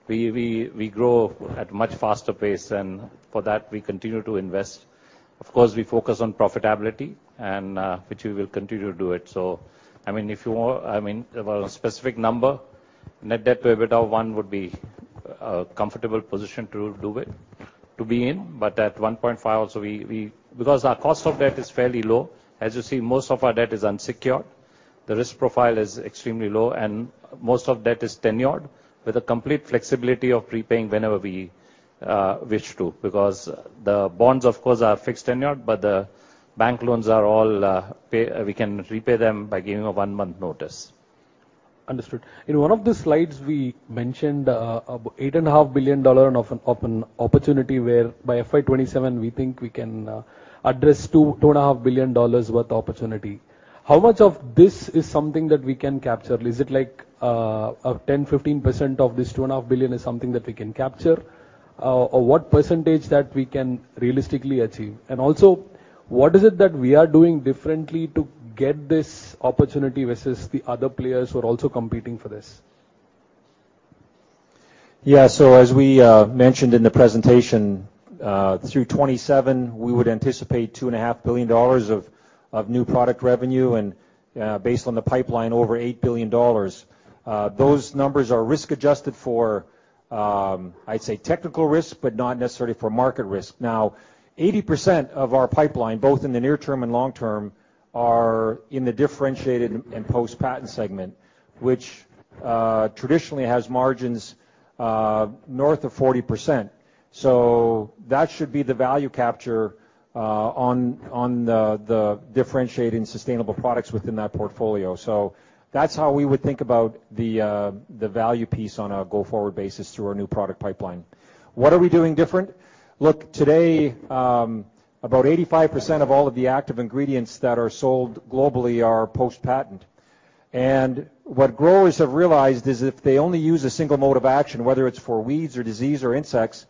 we grow at much faster pace and for that we continue to invest. Of course, we focus on profitability and which we will continue to do it. I mean, if you want, I mean, a specific number, net debt to EBITDA 1 would be a comfortable position to it, to be in, but at 1.5 also. Because our cost of debt is fairly low. As you see, most of our debt is unsecured. The risk profile is extremely low, and most of debt is tenured with a complete flexibility of repaying whenever we wish to. the bonds of course are fixed tenured, but the bank loans are all, We can repay them by giving a 1-month notice. Understood. In one of the slides we mentioned, $8.5 billion of an opportunity where by FY27 we think we can address $2.5 billion worth of opportunity. How much of this is something that we can capture? Is it like, a 10%-15% of this $2.5 billion is something that we can capture? What percentage that we can realistically achieve? What is it that we are doing differently to get this opportunity versus the other players who are also competing for this? As we mentioned in the presentation, through 2027 we would anticipate $2.5 billion of new product revenue and based on the pipeline, over $8 billion. Those numbers are risk-adjusted for, I'd say technical risk, but not necessarily for market risk. 80% of our pipeline, both in the near term and long term, are in the differentiated and post-patent segment, which traditionally has margins north of 40%. That should be the value capture on the differentiating sustainable products within that portfolio. That's how we would think about the value piece on a go-forward basis through our new product pipeline. What are we doing different? Today, about 85% of all of the active ingredients that are sold globally are post-patent. What growers have realized is if they only use a single mode of action, whether it's for weeds or disease or insects,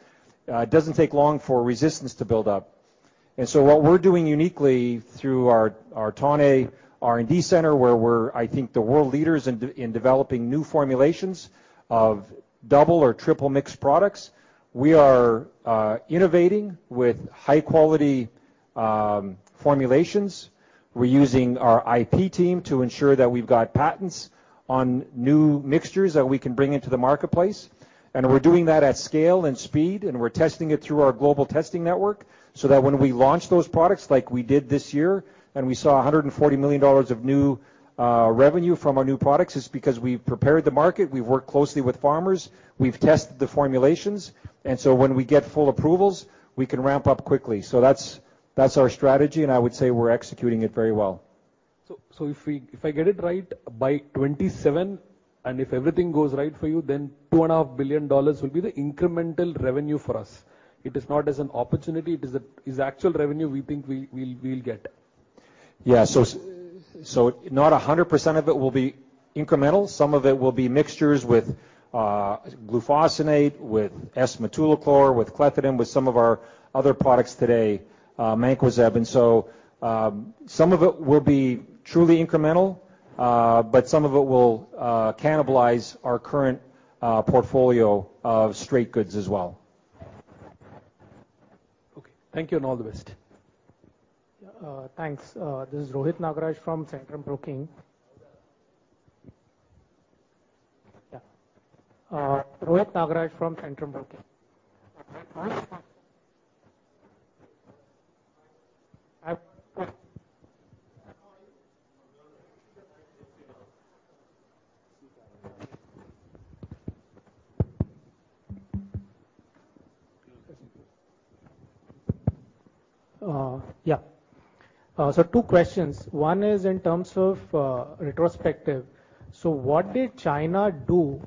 it doesn't take long for resistance to build up. What we're doing uniquely through our Thane R&D center, where we're, I think, the world leaders in developing new formulations of double or triple-mix products, we are innovating with high-quality formulations. We're using our IP team to ensure that we've got patents on new mixtures that we can bring into the marketplace. We're doing that at scale and speed, and we're testing it through our global testing network so that when we launch those products, like we did this year, and we saw $140 million of new revenue from our new products, it's because we've prepared the market, we've worked closely with farmers, we've tested the formulations, and so when we get full approvals, we can ramp up quickly. That's, that's our strategy, and I would say we're executing it very well. If I get it right, by 2027, and if everything goes right for you, then two and a half billion dollars will be the incremental revenue for us. It is not as an opportunity, it's actual revenue we think we'll get. Yeah. Not 100% of it will be incremental. Some of it will be mixtures with glufosinate, with S-metolachlor, with clethodim, with some of our other products today, mancozeb. Some of it will be truly incremental, some of it will cannibalize our current portfolio of straight goods as well. Okay. Thank you, and all the best. Yeah, thanks. This is Rohit Nagraj from Centrum Broking. How's that? Yeah. Rohit Nagraj from Centrum Broking. Yeah. Two questions. One is in terms of retrospective. What did China do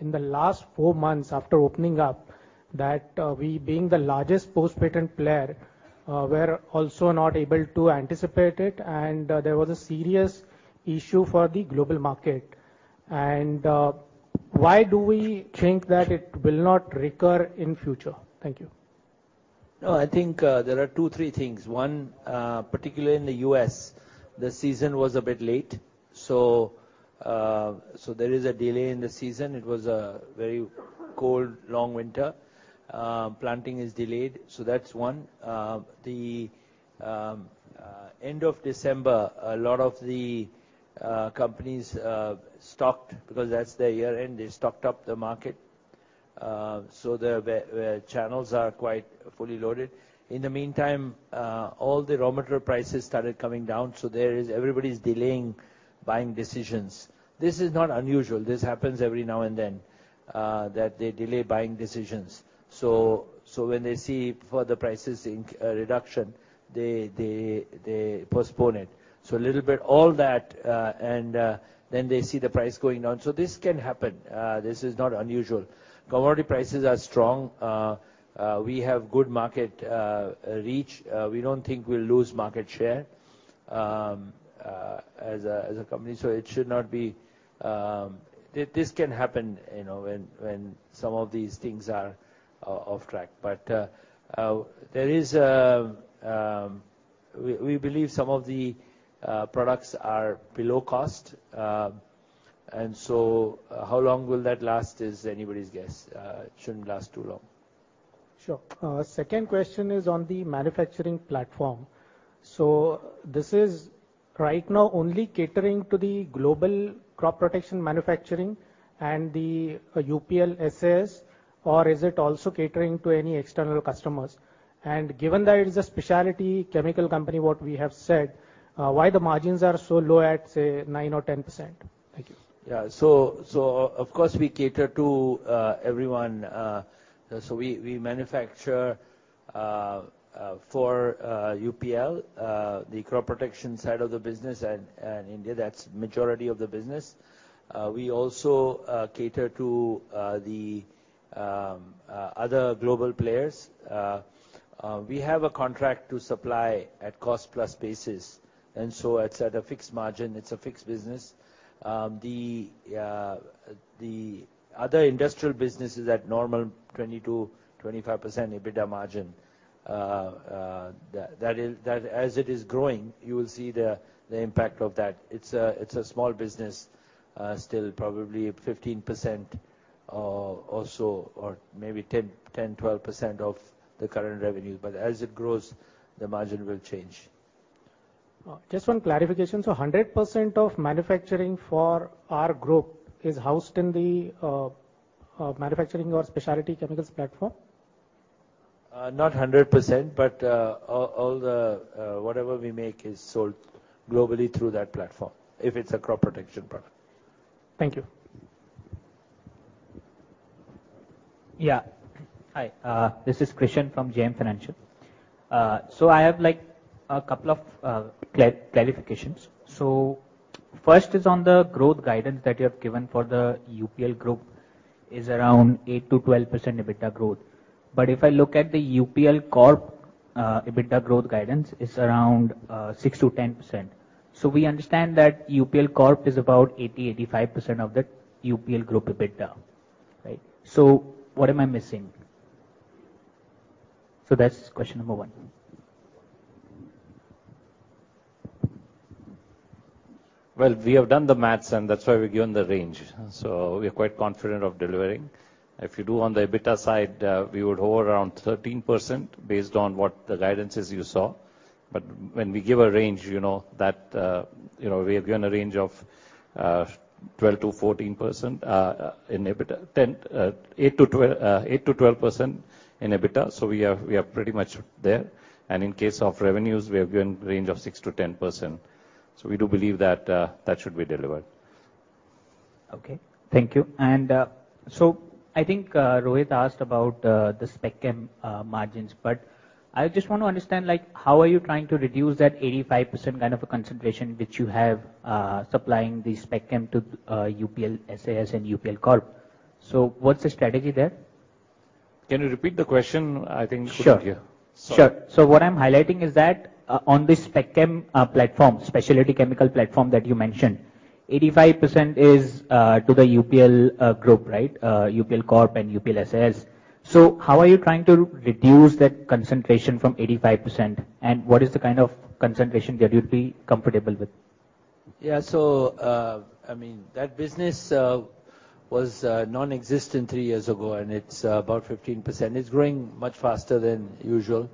in the last 4 months after opening up that we being the largest post-patent player, were also not able to anticipate it, and there was a serious issue for the global market? Why do we think that it will not recur in future? Thank you. I think there are 2, 3 things. Particularly in the U.S., the season was a bit late, so there is a delay in the season. It was a very cold, long winter. Planting is delayed, that's one. The end of December, a lot of the companies stocked, because that's their year-end, they stocked up the market. The channels are quite fully loaded. In the meantime, all the raw material prices started coming down, everybody's delaying buying decisions. This is not unusual. This happens every now and then, that they delay buying decisions. When they see further prices reduction, they postpone it. A little bit all that, they see the price going down. This can happen. This is not unusual. Commodity prices are strong. We have good market reach. We don't think we'll lose market share as a company, so it should not be. This can happen, you know, when some of these things are off track. There is, we believe some of the products are below cost. How long will that last is anybody's guess. It shouldn't last too long. Sure. Second question is on the manufacturing platform. This is right now only catering to the global crop protection manufacturing and the UPL SAS, or is it also catering to any external customers? Given that it is a specialty chemical company, what we have said, why the margins are so low at, say, 9% or 10%? Thank you. Yeah. of course, we cater to everyone. For UPL, the crop protection side of the business at India, that's majority of the business. We also cater to the other global players. We have a contract to supply at cost plus basis, it's at a fixed margin. It's a fixed business. The other industrial business is at normal 20%-25% EBITDA margin. That as it is growing, you will see the impact of that. It's a small business, still probably 15% or so, or maybe 10-12% of the current revenue. As it grows, the margin will change. Just one clarification. 100% of manufacturing for our group is housed in the manufacturing or specialty chemicals platform? Not 100%, but, all the whatever we make is sold globally through that platform, if it's a crop protection product. Thank you. Hi, this is Krishan from JM Financial. I have, like, a couple of clarifications. First is on the growth guidance that you have given for the UPL group is around 8%-12% EBITDA growth. If I look at the UPL Corp, EBITDA growth guidance is around 6%-10%. We understand that UPL Corp is about 80%-85% of the UPL group EBITDA, right? What am I missing? That's question number 1. We have done the maths, and that's why we've given the range. We are quite confident of delivering. If you do on the EBITDA side, we would hover around 13% based on what the guidance is you saw. When we give a range, you know, that, you know, we have given a range of 12%-14% in EBITDA. 8%-12% in EBITDA. We are pretty much there. In case of revenues, we have given range of 6%-10%. We do believe that should be delivered. Okay. Thank you. I think Rohit asked about the Spec Chem margins, but I just want to understand, like, how are you trying to reduce that 85% kind of a concentration which you have supplying the Spec Chem to UPL SAS and UPL Corp. What's the strategy there? Can you repeat the question? Sure. I couldn't hear. Sorry. Sure. What I'm highlighting is that on the Spec Chem platform, specialty chemical platform that you mentioned, 85% is to the UPL group, right? UPL Corp and UPL SAS. How are you trying to reduce that concentration from 85%, and what is the kind of concentration that you'd be comfortable with? Yeah. That business was nonexistent three years ago, and it's about 15%. It's growing much faster than usual,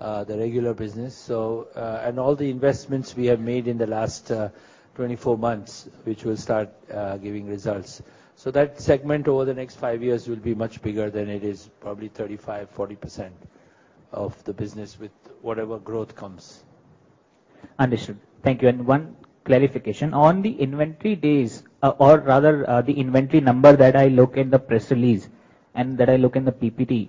the regular business. And all the investments we have made in the last 24 months, which will start giving results. That segment over the next five years will be much bigger than it is, probably 35%-40% of the business with whatever growth comes. Understood. Thank you. One clarification. On the inventory days or rather, the inventory number that I look in the press release and that I look in the PPT.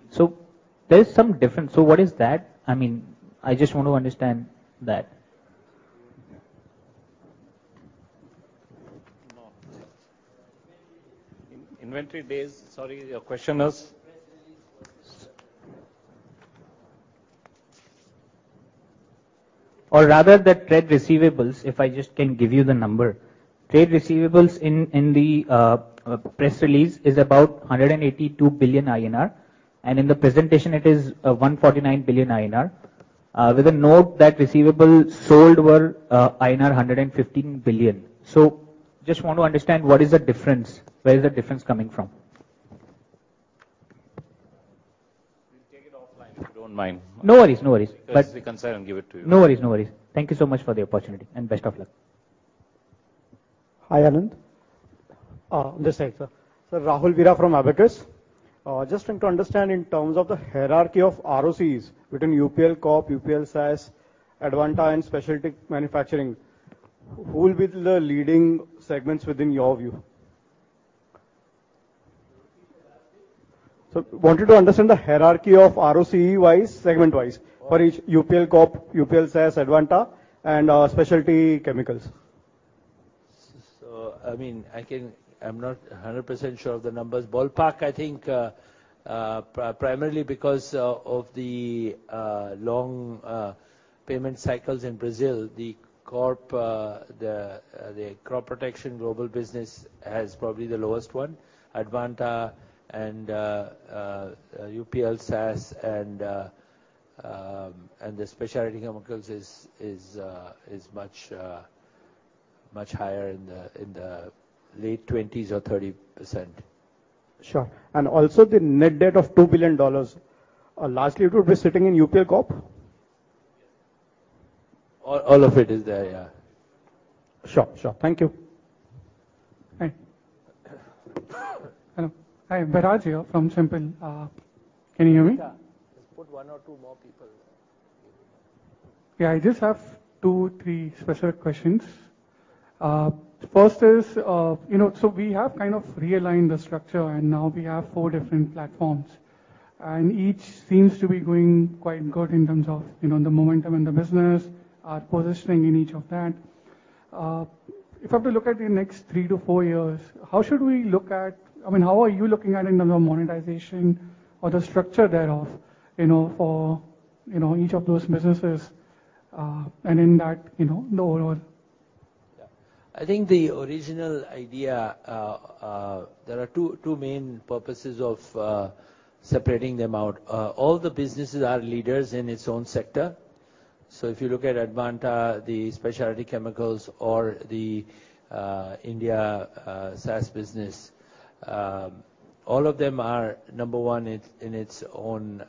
There's some difference. What is that? I mean, I just want to understand that. Yeah. No. In-inventory days. Sorry, your question was? Press release. Or rather the trade receivables, if I just can give you the number. Trade receivables in the press release is about 182 billion INR, and in the presentation it is 149 billion INR, with a note that receivables sold were INR 115 billion. Just want to understand what is the difference. Where is that difference coming from? We'll take it offline, if you don't mind. No worries, no worries. We can sit and give it to you. No worries. Thank you so much for the opportunity, and best of luck. Hi, Anand. Oh, this side, sir. Sir, Rahul Veera from Abakkus. Just trying to understand in terms of the hierarchy of ROCs within UPL Corp, UPL SAS, Advanta, and Specialty Manufacturing. Who will be the leading segments within your view? Can you repeat your last bit? Sir, wanted to understand the hierarchy of ROCE-wise, segment-wise for each UPL Corp, UPL SAS, Advanta, and Specialty Chemicals. I mean, I'm not 100% sure of the numbers. Ballpark, I think, primarily because of the long payment cycles in Brazil, the crop protection global business has probably the lowest one. Advanta and UPL SAS and the Specialty Chemicals is much higher in the 20s or 30%. Sure. Also the net debt of $2 billion, largely it would be sitting in UPL Corp? All of it is there, yeah. Sure. Sure. Thank you. Okay. Hello. Hi, Bajrang here from Simpel. Can you hear me? Yeah. Just put one or two more people. Yeah, I just have two, three specific questions. First is, you know, so we have kind of realigned the structure, and now we have four different platforms, and each seems to be going quite good in terms of, you know, the momentum in the business, our positioning in each of that. If I have to look at the next three to four years, I mean, how are you looking at in the monetization or the structure thereof, you know, for, you know, each of those businesses, and in that, you know, the overall? I think the original idea, there are two main purposes of separating them out. All the businesses are leaders in its own sector. If you look at Advanta, the specialty chemicals or the India SAS business, all of them are number one in its own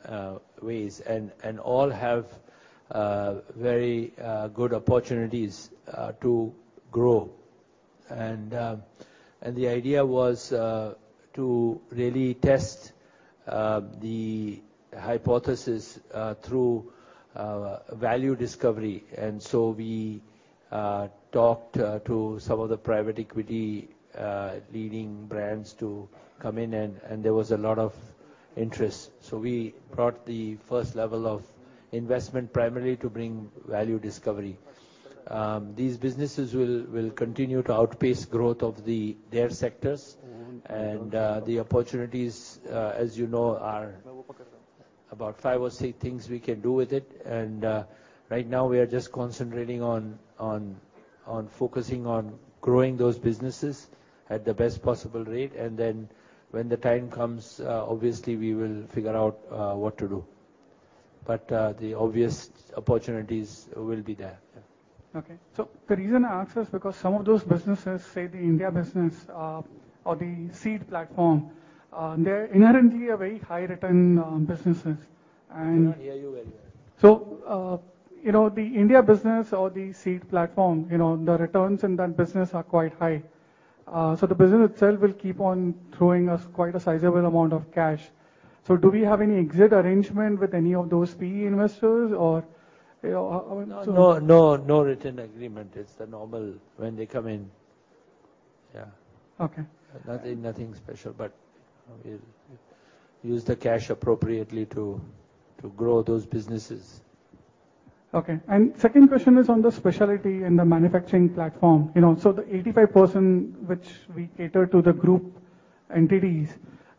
ways and all have very good opportunities to grow. The idea was to really test the hypothesis through value discovery. We talked to some of the private equity leading brands to come in, and there was a lot of interest. We brought the first level of investment primarily to bring value discovery. These businesses will continue to outpace growth of their sectors. The opportunities, as you know, are about 5 or 6 things we can do with it. Right now we are just concentrating on focusing on growing those businesses at the best possible rate. Then when the time comes, obviously we will figure out what to do. The obvious opportunities will be there. Yeah. Okay. The reason I ask is because some of those businesses, say, the India business, or the seed platform, they're inherently a very high-return, businesses. I cannot hear you very well. you know, the India business or the seed platform, you know, the returns in that business are quite high. The business itself will keep on throwing us quite a sizable amount of cash. Do we have any exit arrangement with any of those PE investors or, you know, I mean? No, no written agreement. It's the normal when they come in. Yeah. Okay. Nothing special, but we'll use the cash appropriately to grow those businesses. Okay. Second question is on the specialty and the manufacturing platform. You know, so the 85% which we cater to the group entities,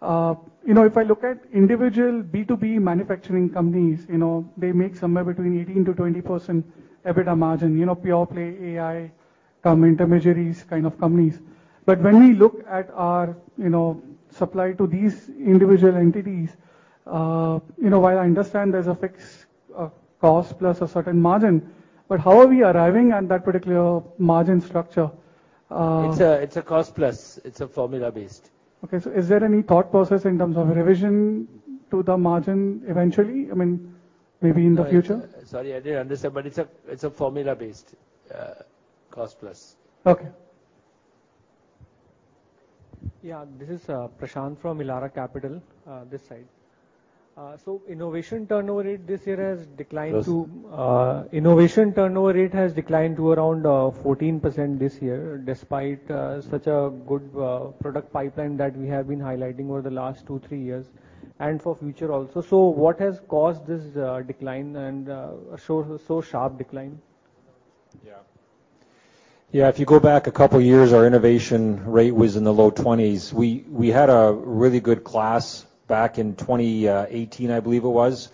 you know, if I look at individual B2B manufacturing companies, you know, they make somewhere between 18%-20% EBITDA margin, you know, pure play AI, intermediaries kind of companies. When we look at our, you know, supply to these individual entities, you know, while I understand there's a fixed cost plus a certain margin, but how are we arriving at that particular margin structure? It's a cost plus. It's a formula based. Okay, is there any thought process in terms of revision to the margin eventually? I mean, maybe in the future. Sorry, I didn't understand, it's a formula based, cost plus. Okay. Yeah. This is Prashant from Elara Capital, this side. Innovation turnover rate this year has declined. Yes. Innovation turnover rate has declined to around 14% this year, despite such a good product pipeline that we have been highlighting over the last 2, 3 years, and for future also. What has caused this decline and so sharp decline? If you go back a couple years, our innovation rate was in the low 20s. We had a really good class back in 2018, I believe it was,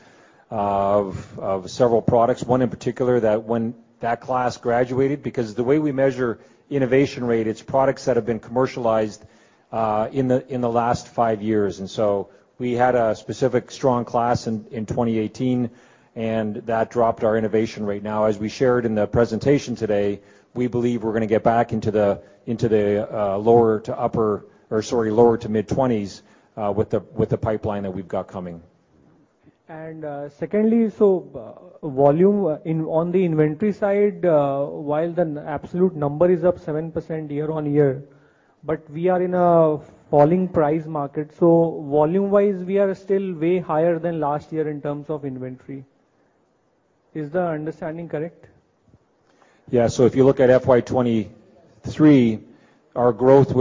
of several products. One in particular that when that class graduated, because the way we measure innovation rate, it's products that have been commercialized in the last 5 years. We had a specific strong class in 2018, and that dropped our innovation rate. As we shared in the presentation today, we believe we're gonna get back into the lower to mid-20s with the pipeline that we've got coming. secondly, volume on the inventory side, while the absolute number is up 7% year-on-year, but we are in a falling price market. volume-wise, we are still way higher than last year in terms of inventory. Is the understanding correct? Yeah. If you look at FY23, our growth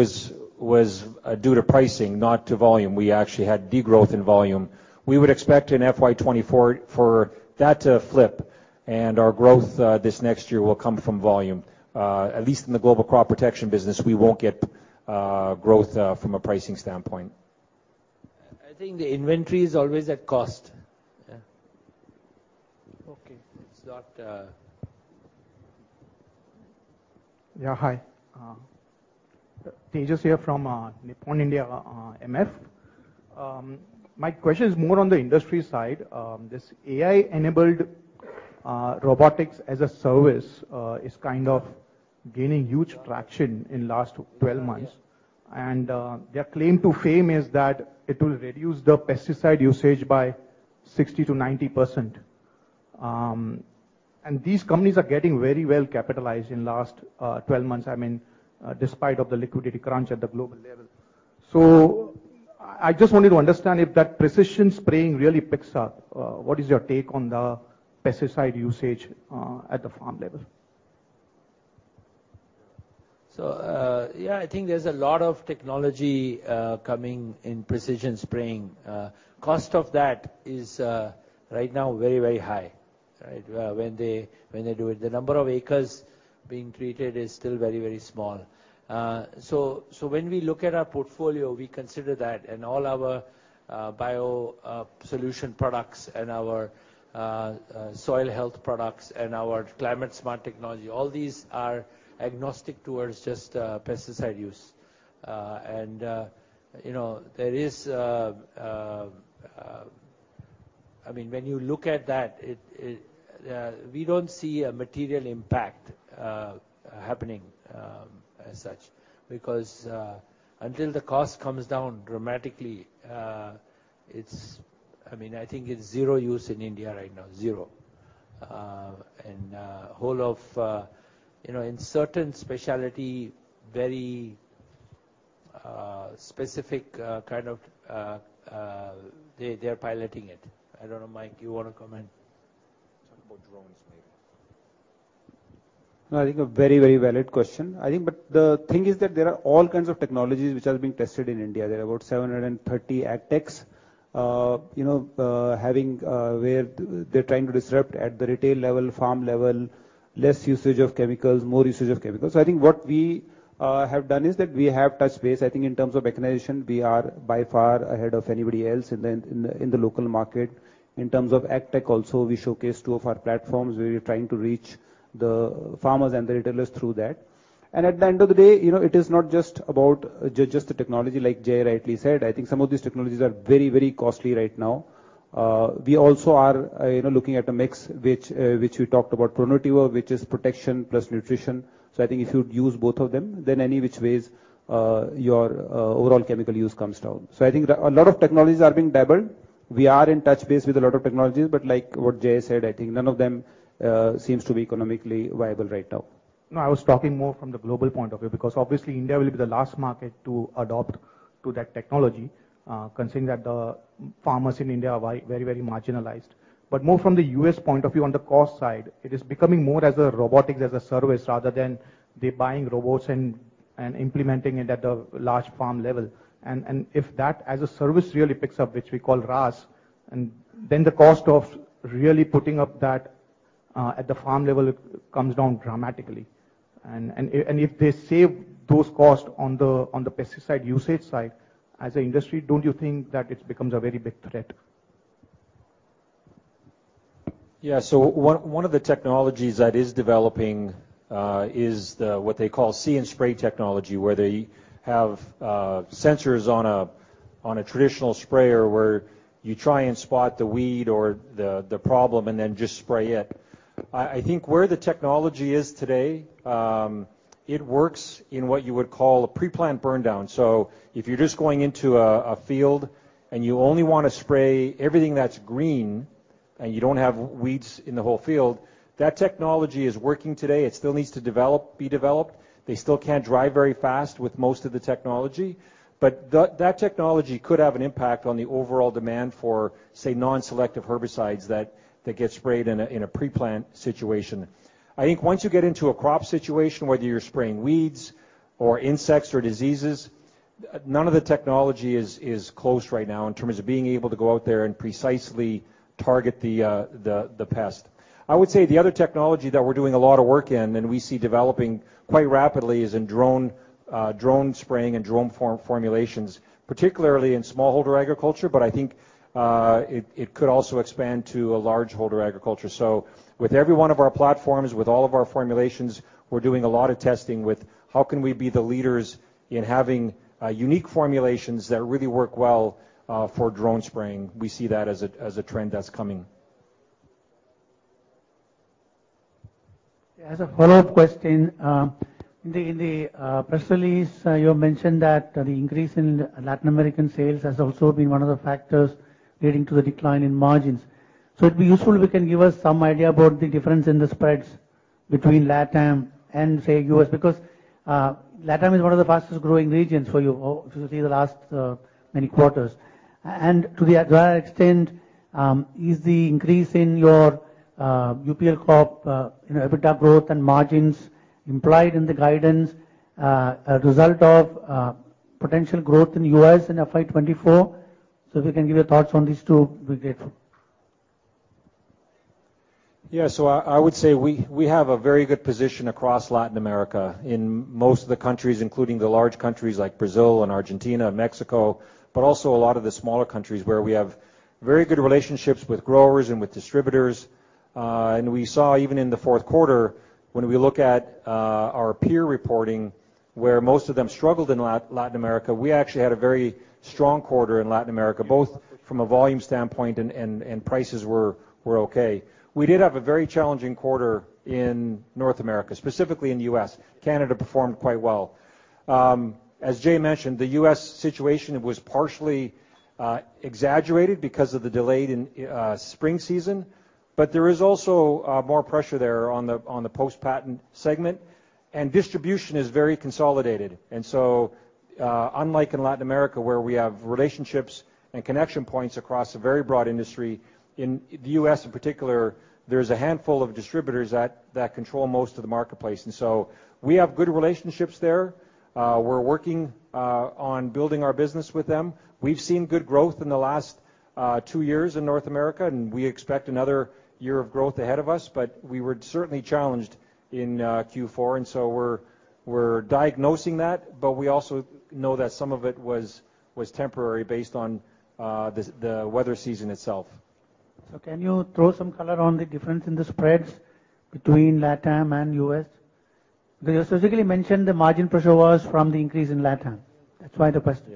was due to pricing, not to volume. We actually had degrowth in volume. We would expect in FY24 for that to flip, and our growth this next year will come from volume. At least in the global crop protection business, we won't get growth from a pricing standpoint. I think the inventory is always at cost. Yeah. Okay. It's not... Hi, Tejas here from Nippon India MF. My question is more on the industry side. This AI-enabled robotics as a service is kind of gaining huge traction in last 12 months. Their claim to fame is that it will reduce the pesticide usage by 60%-90%. These companies are getting very well capitalized in last 12 months, I mean, despite of the liquidity crunch at the global level. I just wanted to understand if that precision spraying really picks up, what is your take on the pesticide usage at the farm level? Yeah, I think there's a lot of technology coming in precision spraying. Cost of that is right now very, very high, right? When they do it. The number of acres being treated is still very, very small. When we look at our portfolio, we consider that and all our bio solution products and our soil health products and our climate smart technology, all these are agnostic towards just pesticide use. And, you know, there is I mean, when you look at that, it, we don't see a material impact happening as such because until the cost comes down dramatically, I mean, I think it's zero use in India right now, zero. whole of, you know, in certain specialty, very specific, kind of, they are piloting it. I don't know, Mike, do you wanna comment? Talk about drones maybe. No, I think a very, very valid question. I think, the thing is that there are all kinds of technologies which are being tested in India. There are about 730 AgTechs, you know, having, where they're trying to disrupt at the retail level, farm level, less usage of chemicals, more usage of chemicals. I think what we have done is that we have touched base. I think in terms of mechanization, we are by far ahead of anybody else in the local market. In terms of AgTech also, we showcased two of our platforms where we're trying to reach the farmers and the retailers through that. At the end of the day, you know, it is not just about just the technology, like Jai rightly said. I think some of these technologies are very, very costly right now. We also are, you know, looking at a mix which we talked about, Pronutiva, which is protection plus nutrition. I think if you use both of them, then any which ways, your overall chemical use comes down. I think a lot of technologies are being dabbled. We are in touch base with a lot of technologies, but like what Jai said, I think none of them seems to be economically viable right now. No, I was talking more from the global point of view, because obviously India will be the last market to adopt to that technology, considering that the farmers in India are very marginalized. More from the U.S. point of view on the cost side, it is becoming more as a robotics as a service rather than they buying robots and implementing it at the large farm level. If that as a service really picks up, which we call RaaS, then the cost of really putting up that at the farm level comes down dramatically. If they save those costs on the pesticide usage side, as an industry, don't you think that it becomes a very big threat? Yeah. One of the technologies that is developing, is what they call See & Spray technology, where they have sensors on a traditional sprayer, where you try and spot the weed or the problem and then just spray it. I think where the technology is today, it works in what you would call a pre-plant burn down. If you're just going into a field and you only wanna spray everything that's green and you don't have weeds in the whole field, that technology is working today. It still needs to develop, be developed. They still can't drive very fast with most of the technology. That technology could have an impact on the overall demand for, say, non-selective herbicides that get sprayed in a pre-plant situation. I think once you get into a crop situation, whether you're spraying weeds or insects or diseases, none of the technology is close right now in terms of being able to go out there and precisely target the pest. I would say the other technology that we're doing a lot of work in, and we see developing quite rapidly, is in drone spraying and drone formulations, particularly in smallholder agriculture, but I think it could also expand to a largeholder agriculture. With every one of our platforms, with all of our formulations, we're doing a lot of testing with how can we be the leaders in having unique formulations that really work well for drone spraying. We see that as a trend that's coming. Yeah. As a follow-up question, in the press release, you mentioned that the increase in Latin American sales has also been one of the factors leading to the decline in margins. It'd be useful if you can give us some idea about the difference in the spreads between LatAm and, say, U.S., because LatAm is one of the fastest growing regions for you through the last many quarters. To the other extent, is the increase in your UPL Corp, you know, EBITDA growth and margins implied in the guidance, a result of potential growth in U.S. in FY24? If you can give your thoughts on these two, would be great. I would say we have a very good position across Latin America in most of the countries, including the large countries like Brazil and Argentina, Mexico, but also a lot of the smaller countries where we have very good relationships with growers and with distributors. And we saw even in the 4th quarter, when we look at our peer reporting, where most of them struggled in Latin America, we actually had a very strong quarter in Latin America, both from a volume standpoint and prices were okay. We did have a very challenging quarter in North America, specifically in the U.S. Canada performed quite well. As Jai mentioned, the U.S. situation was partially exaggerated because of the delayed in spring season. But there is also more pressure there on the post-patent segment. Distribution is very consolidated, so unlike in Latin America where we have relationships and connection points across a very broad industry, in the U.S. in particular, there's a handful of distributors that control most of the marketplace. We have good relationships there. We're working on building our business with them. We've seen good growth in the last two years in North America, and we expect another year of growth ahead of us. We were certainly challenged in Q4, so we're diagnosing that, but we also know that some of it was temporary based on the weather season itself. Can you throw some color on the difference in the spreads between LatAm and US? Because you specifically mentioned the margin pressure was from the increase in LatAm. That's why the question.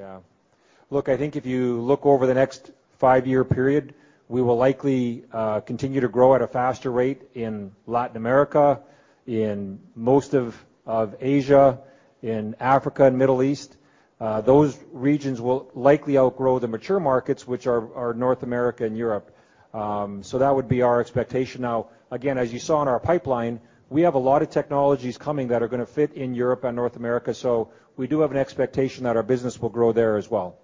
Look, I think if you look over the next five-year period, we will likely continue to grow at a faster rate in Latin America, in most of Asia, in Africa and Middle East. Those regions will likely outgrow the mature markets, which are North America and Europe. That would be our expectation. Now, again, as you saw in our pipeline, we have a lot of technologies coming that are gonna fit in Europe and North America, we do have an expectation that our business will grow there as well.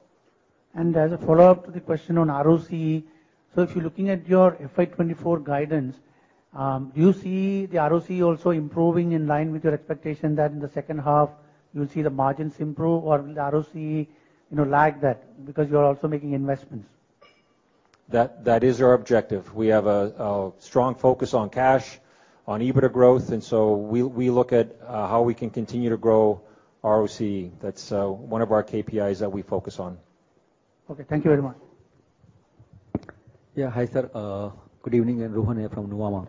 As a follow-up to the question on ROC, if you're looking at your FY24 guidance, do you see the ROC also improving in line with your expectation that in the second half you'll see the margins improve, or will the ROC, you know, lag that because you are also making investments? That is our objective. We have a strong focus on cash, on EBITDA growth, we look at how we can continue to grow ROC. That's one of our KPIs that we focus on. Okay, thank you very much. Hi, sir. Good evening. Rohan here from Nuvama.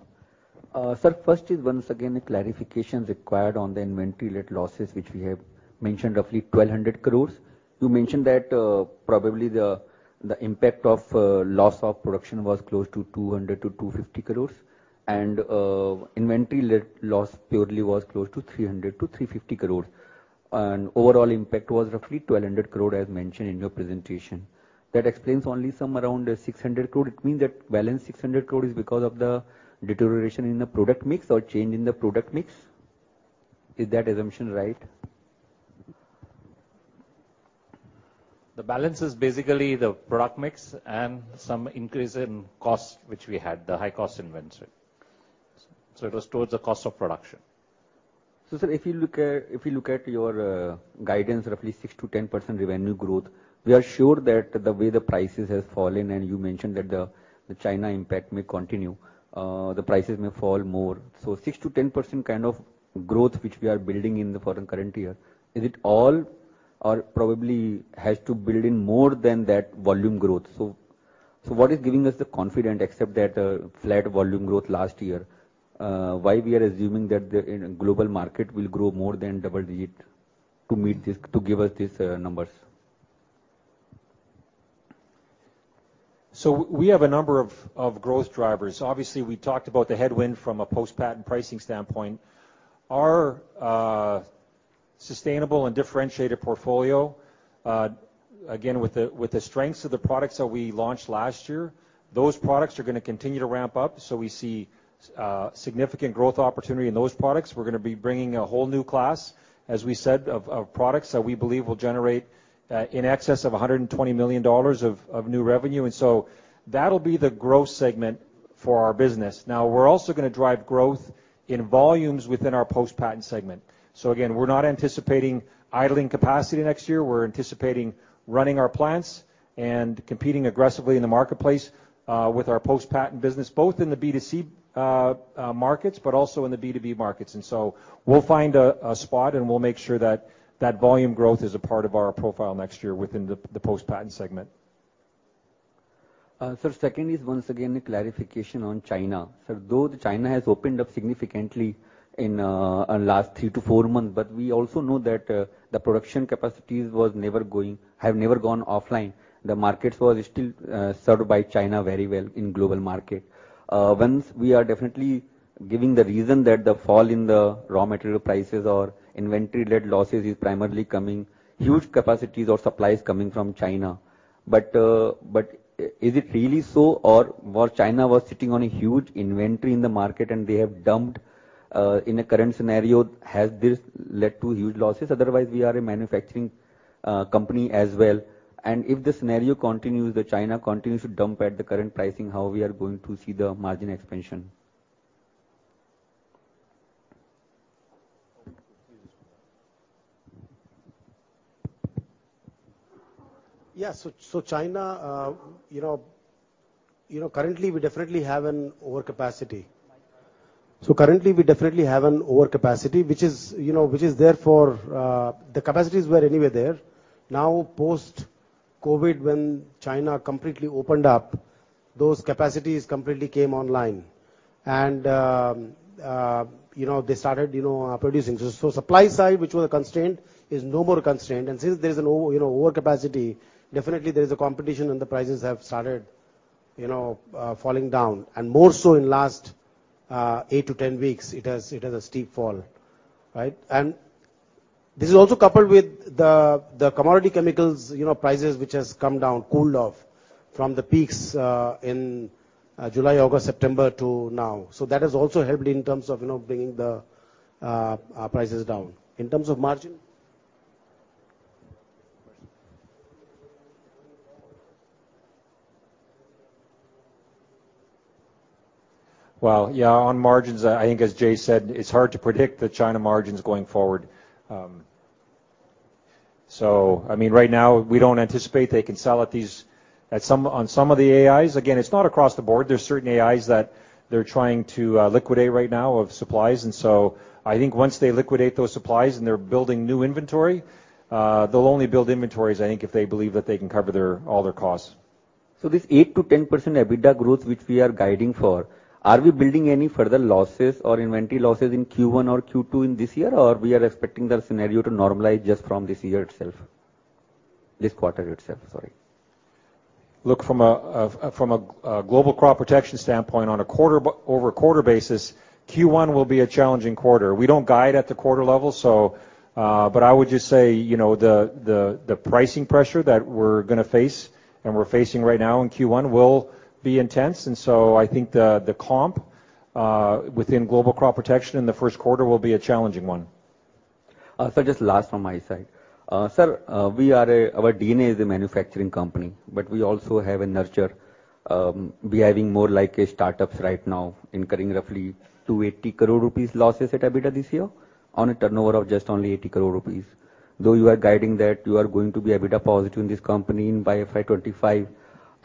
Sir, first is once again a clarification required on the inventory-led losses which we have mentioned roughly 1,200 crores. You mentioned that, probably the impact of loss of production was close to 200-250 crores, and inventory-led loss purely was close to 300-350 crores. Overall impact was roughly 1,200 crore as mentioned in your presentation. That explains only some around 600 crore. It means that balance 600 crore is because of the deterioration in the product mix or change in the product mix? Is that assumption right? The balance is basically the product mix and some increase in costs which we had, the high-cost inventory. Yes. It was towards the cost of production. Sir, if you look at your guidance roughly 6%-10% revenue growth, we are sure that the way the prices has fallen, and you mentioned that the China impact may continue, the prices may fall more. 6%-10% kind of growth which we are building in the foreign current year, is it all or probably has to build in more than that volume growth? What is giving us the confidence except that flat volume growth last year? Why we are assuming that the, you know, global market will grow more than double-digit to meet this, to give us these numbers? We have a number of growth drivers. Obviously, we talked about the headwind from a post-patent pricing standpoint. Our sustainable and differentiated portfolio, again, with the strengths of the products that we launched last year, those products are gonna continue to ramp up, so we see significant growth opportunity in those products. We're gonna be bringing a whole new class, as we said, of products that we believe will generate in excess of $120 million of new revenue. That'll be the growth segment for our business. We're also gonna drive growth in volumes within our post-patent segment. Again, we're not anticipating idling capacity next year. We're anticipating running our plants and competing aggressively in the marketplace, with our post-patent business, both in the B2C markets, but also in the B2B markets. We'll find a spot, and we'll make sure that that volume growth is a part of our profile next year within the post-patent segment. Sir, second is once again a clarification on China. Sir, though China has opened up significantly in last three to four months, we also know that the production capacities have never gone offline. The markets was still served by China very well in global market. Once we are definitely giving the reason that the fall in the raw material prices or inventory-led losses is primarily coming, huge capacities or supplies coming from China. Is it really so, or while China was sitting on a huge inventory in the market and they have dumped in the current scenario, has this led to huge losses? Otherwise, we are a manufacturing company as well, and if the scenario continues, the China continues to dump at the current pricing, how we are going to see the margin expansion? Yes. China, you know, currently we definitely have an overcapacity. Currently, we definitely have an overcapacity, which is, you know, therefore, the capacities were anyway there. Now post-COVID, when China completely opened up, those capacities completely came online. You know, they started, you know, producing. Supply side, which was a constraint, is no more a constraint. Since there's an over, you know, overcapacity, definitely there is a competition and the prices have started, you know, falling down. More so in last, 8-10 weeks, it has a steep fall, right? This is also coupled with the commodity chemicals, you know, prices which has come down, cooled off from the peaks in July, August, September to now. That has also helped in terms of, you know, bringing our prices down. In terms of margin? Well, yeah, on margins, I think as Jai said, it's hard to predict the China margins going forward. I mean, right now we don't anticipate they can sell at these, on some of the AIs. Again, it's not across the board. There's certain AIs that they're trying to liquidate right now of supplies. I think once they liquidate those supplies and they're building new inventory, they'll only build inventories, I think, if they believe that they can cover their, all their costs. This 8%-10% EBITDA growth which we are guiding for, are we building any further losses or inventory losses in Q1 or Q2 in this year, or we are expecting the scenario to normalize just from this year itself? This quarter itself, sorry. Look, from a global crop protection standpoint on a quarter over a quarter basis, Q1 will be a challenging quarter. We don't guide at the quarter level, I would just say, you know, the pricing pressure that we're gonna face and we're facing right now in Q1 will be intense. I think the comp within global crop protection in the Q1 will be a challenging one. just last on my side. sir, we are a our DNA is a manufacturing company, but we also have a nurture, behaving more like startups right now, incurring roughly 280 crore rupees losses at EBITDA this year on a turnover of just only 80 crore rupees. Though you are guiding that you are going to be EBITDA positive in this company by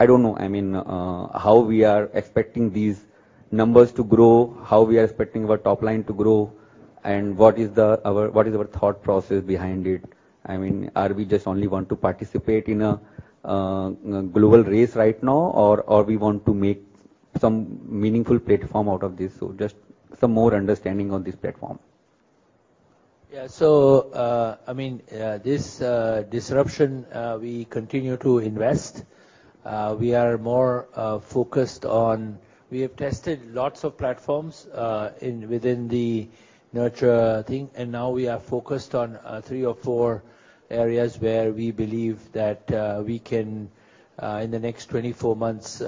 FY25, I don't know, I mean, how we are expecting these numbers to grow, how we are expecting our top line to grow, and what is our thought process behind it. I mean, are we just only want to participate in a global race right now or we want to make some meaningful platform out of this? Just some more understanding on this platform. Yeah. I mean, this disruption, we continue to invest. We are more focused on... We have tested lots of platforms in, within the nurture thing, and now we are focused on three or four areas where we believe that we can in the next 24 months, you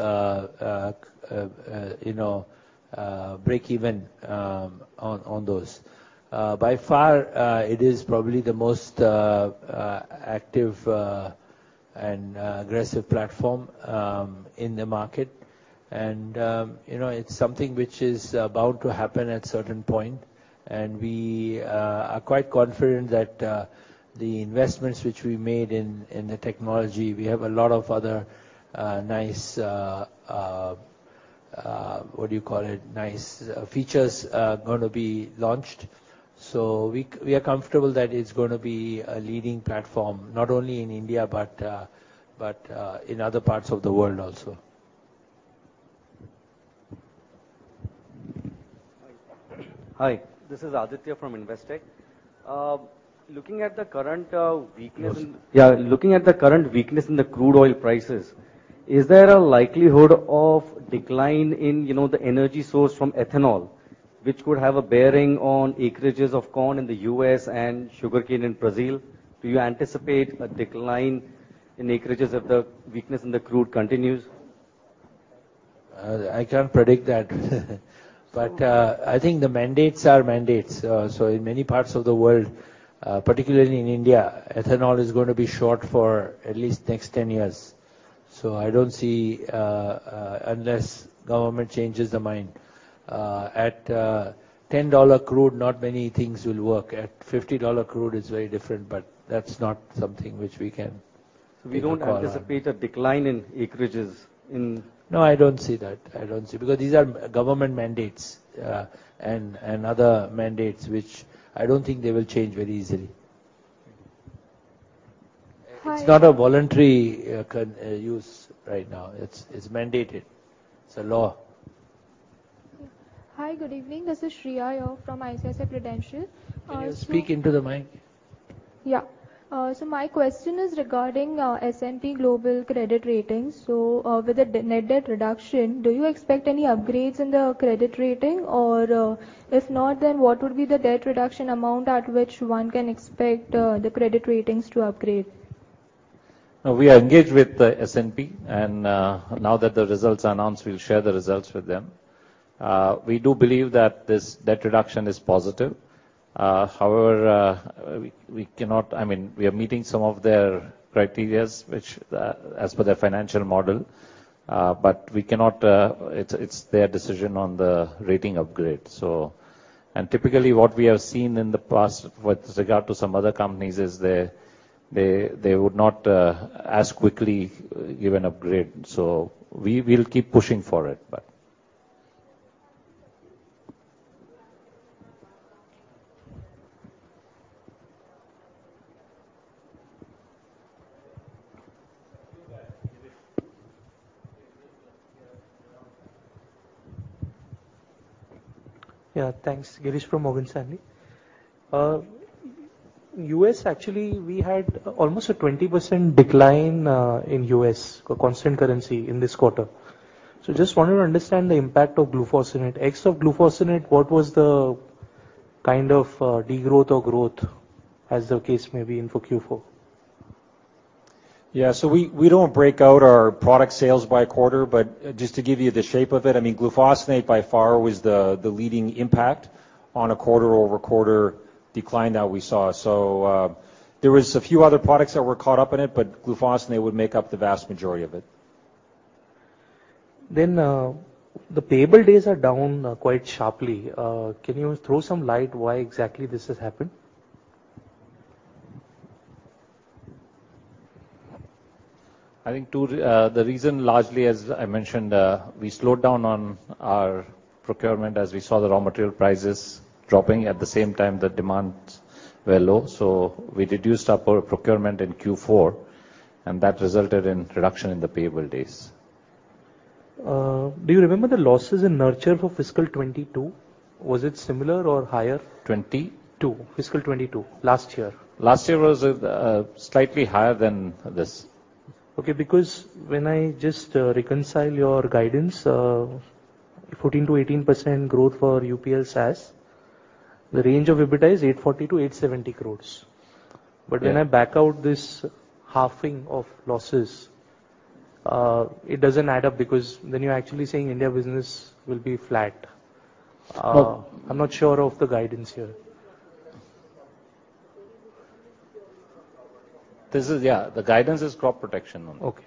know, break even on those. By far, it is probably the most active and aggressive platform in the market. You know, it's something which is about to happen at certain point, and we are quite confident that the investments which we made in the technology, we have a lot of other nice, what do you call it, nice features, gonna be launched. We are comfortable that it's gonna be a leading platform, not only in India but, in other parts of the world also. Hi. This is Aditya from Investec. Looking at the current weakness. Yes. Yeah, looking at the current weakness in the crude oil prices, is there a likelihood of decline in, you know, the energy source from ethanol, which could have a bearing on acreages of corn in the U.S. and sugarcane in Brazil? Do you anticipate a decline in acreages if the weakness in the crude continues? I can't predict that. I think the mandates are mandates. In many parts of the world, particularly in India, ethanol is gonna be short for at least next 10 years. I don't see, unless government changes their mind. At $10 crude not many things will work. At $50 crude it's very different, but that's not something which we can call on. We don't anticipate a decline in acreages. No, I don't see that. I don't see. These are government mandates, and other mandates which I don't think they will change very easily. Hi. It's not a voluntary use right now. It's, it's mandated. It's a law. Hi. Good evening. This is Shriya Yao from ICICI Prudential. Can you speak into the mic? Yeah. My question is regarding S&P Global credit ratings. With the net debt reduction, do you expect any upgrades in the credit rating? If not, then what would be the debt reduction amount at which one can expect the credit ratings to upgrade? We are engaged with the S&P. Now that the results are announced, we'll share the results with them. We do believe that this debt reduction is positive. However, we cannot, I mean, we are meeting some of their criteria, which as per their financial model, we cannot. It's their decision on the rating upgrade. Typically what we have seen in the past with regard to some other companies is they would not as quickly give an upgrade. We will keep pushing for it, but. Yeah, thanks. Girish from Morgan Stanley. U.S., actually, we had almost a 20% decline in U.S. constant currency in this quarter. Just wanted to understand the impact of glufosinate. Ex of glufosinate, what was the kind of degrowth or growth as the case may be in for Q4? Yeah. We, we don't break out our product sales by quarter, but just to give you the shape of it, I mean, glufosinate by far was the leading impact on a quarter-over-quarter decline that we saw. There was a few other products that were caught up in it, but glufosinate would make up the vast majority of it. The payable days are down quite sharply. Can you throw some light why exactly this has happened? I think the reason largely, as I mentioned, we slowed down on our procurement as we saw the raw material prices dropping. At the same time, the demands were low, so we reduced our procurement in Q4, and that resulted in reduction in the payable days. Do you remember the losses in nurture.farm for fiscal 2022? Was it similar or higher? 20? Two. Fiscal 2022. Last year. Last year was slightly higher than this. Okay. Because when I just reconcile your guidance, 14%-18% growth for UPL SAS, the range of EBITDA is 840 crore-870 crore. Yeah. When I back out this halving of losses, it doesn't add up because then you're actually saying India business will be flat. I'm not sure of the guidance here. This is. Yeah. The guidance is crop protection only. Okay.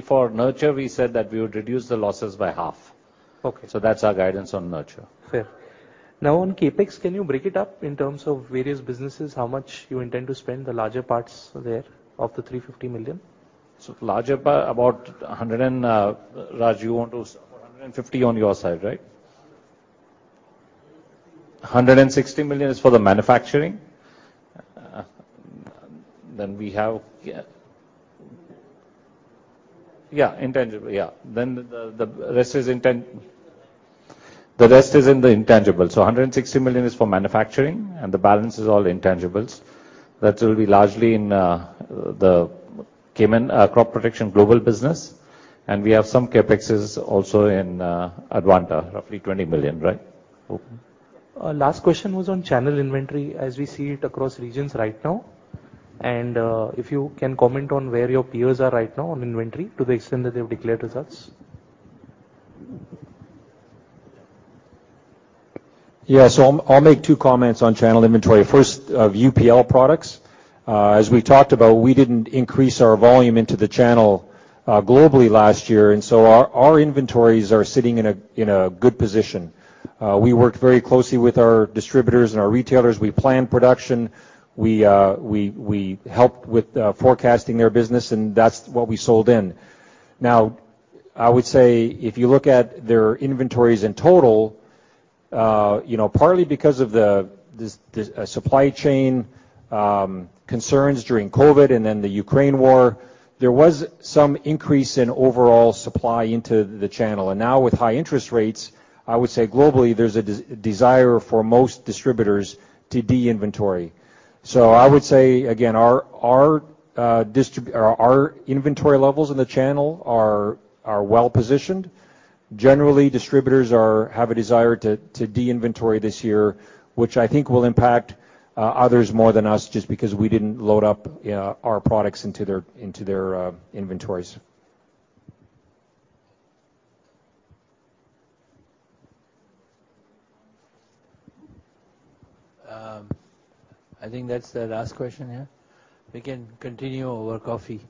For Nurture, we said that we would reduce the losses by half. Okay. That's our guidance on Nurture. Fair. Now on CapEx, can you break it up in terms of various businesses, how much you intend to spend, the larger parts there of the $350 million? Raj, you want to? 150 on your side, right? 160 million is for the manufacturing. Then we have. Yeah. Intangible, yeah. The rest is. The rest is in the intangibles. The rest is in the intangibles. $160 million is for manufacturing, and the balance is all intangibles. That will be largely in the Cayman crop protection global business. We have some CapExes also in Advanta, roughly $20 million, right? Okay. Last question was on channel inventory as we see it across regions right now. If you can comment on where your peers are right now on inventory to the extent that they've declared results. I'll make two comments on channel inventory. First, of UPL products, as we talked about, we didn't increase our volume into the channel, globally last year, our inventories are sitting in a good position. We worked very closely with our distributors and our retailers. We planned production. We helped with forecasting their business, and that's what we sold in. Now, I would say if you look at their inventories in total, you know, partly because of the supply chain concerns during COVID and then the Ukraine war, there was some increase in overall supply into the channel. Now with high interest rates, I would say globally, there's a desire for most distributors to de-inventory. I would say, again, our inventory levels in the channel are well positioned. Generally, distributors have a desire to de-inventory this year, which I think will impact others more than us, just because we didn't load up our products into their inventories. I think that's the last question, yeah? We can continue over coffee.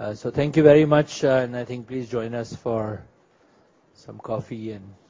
Thank you very much. I think please join us for some coffee and... Thanks.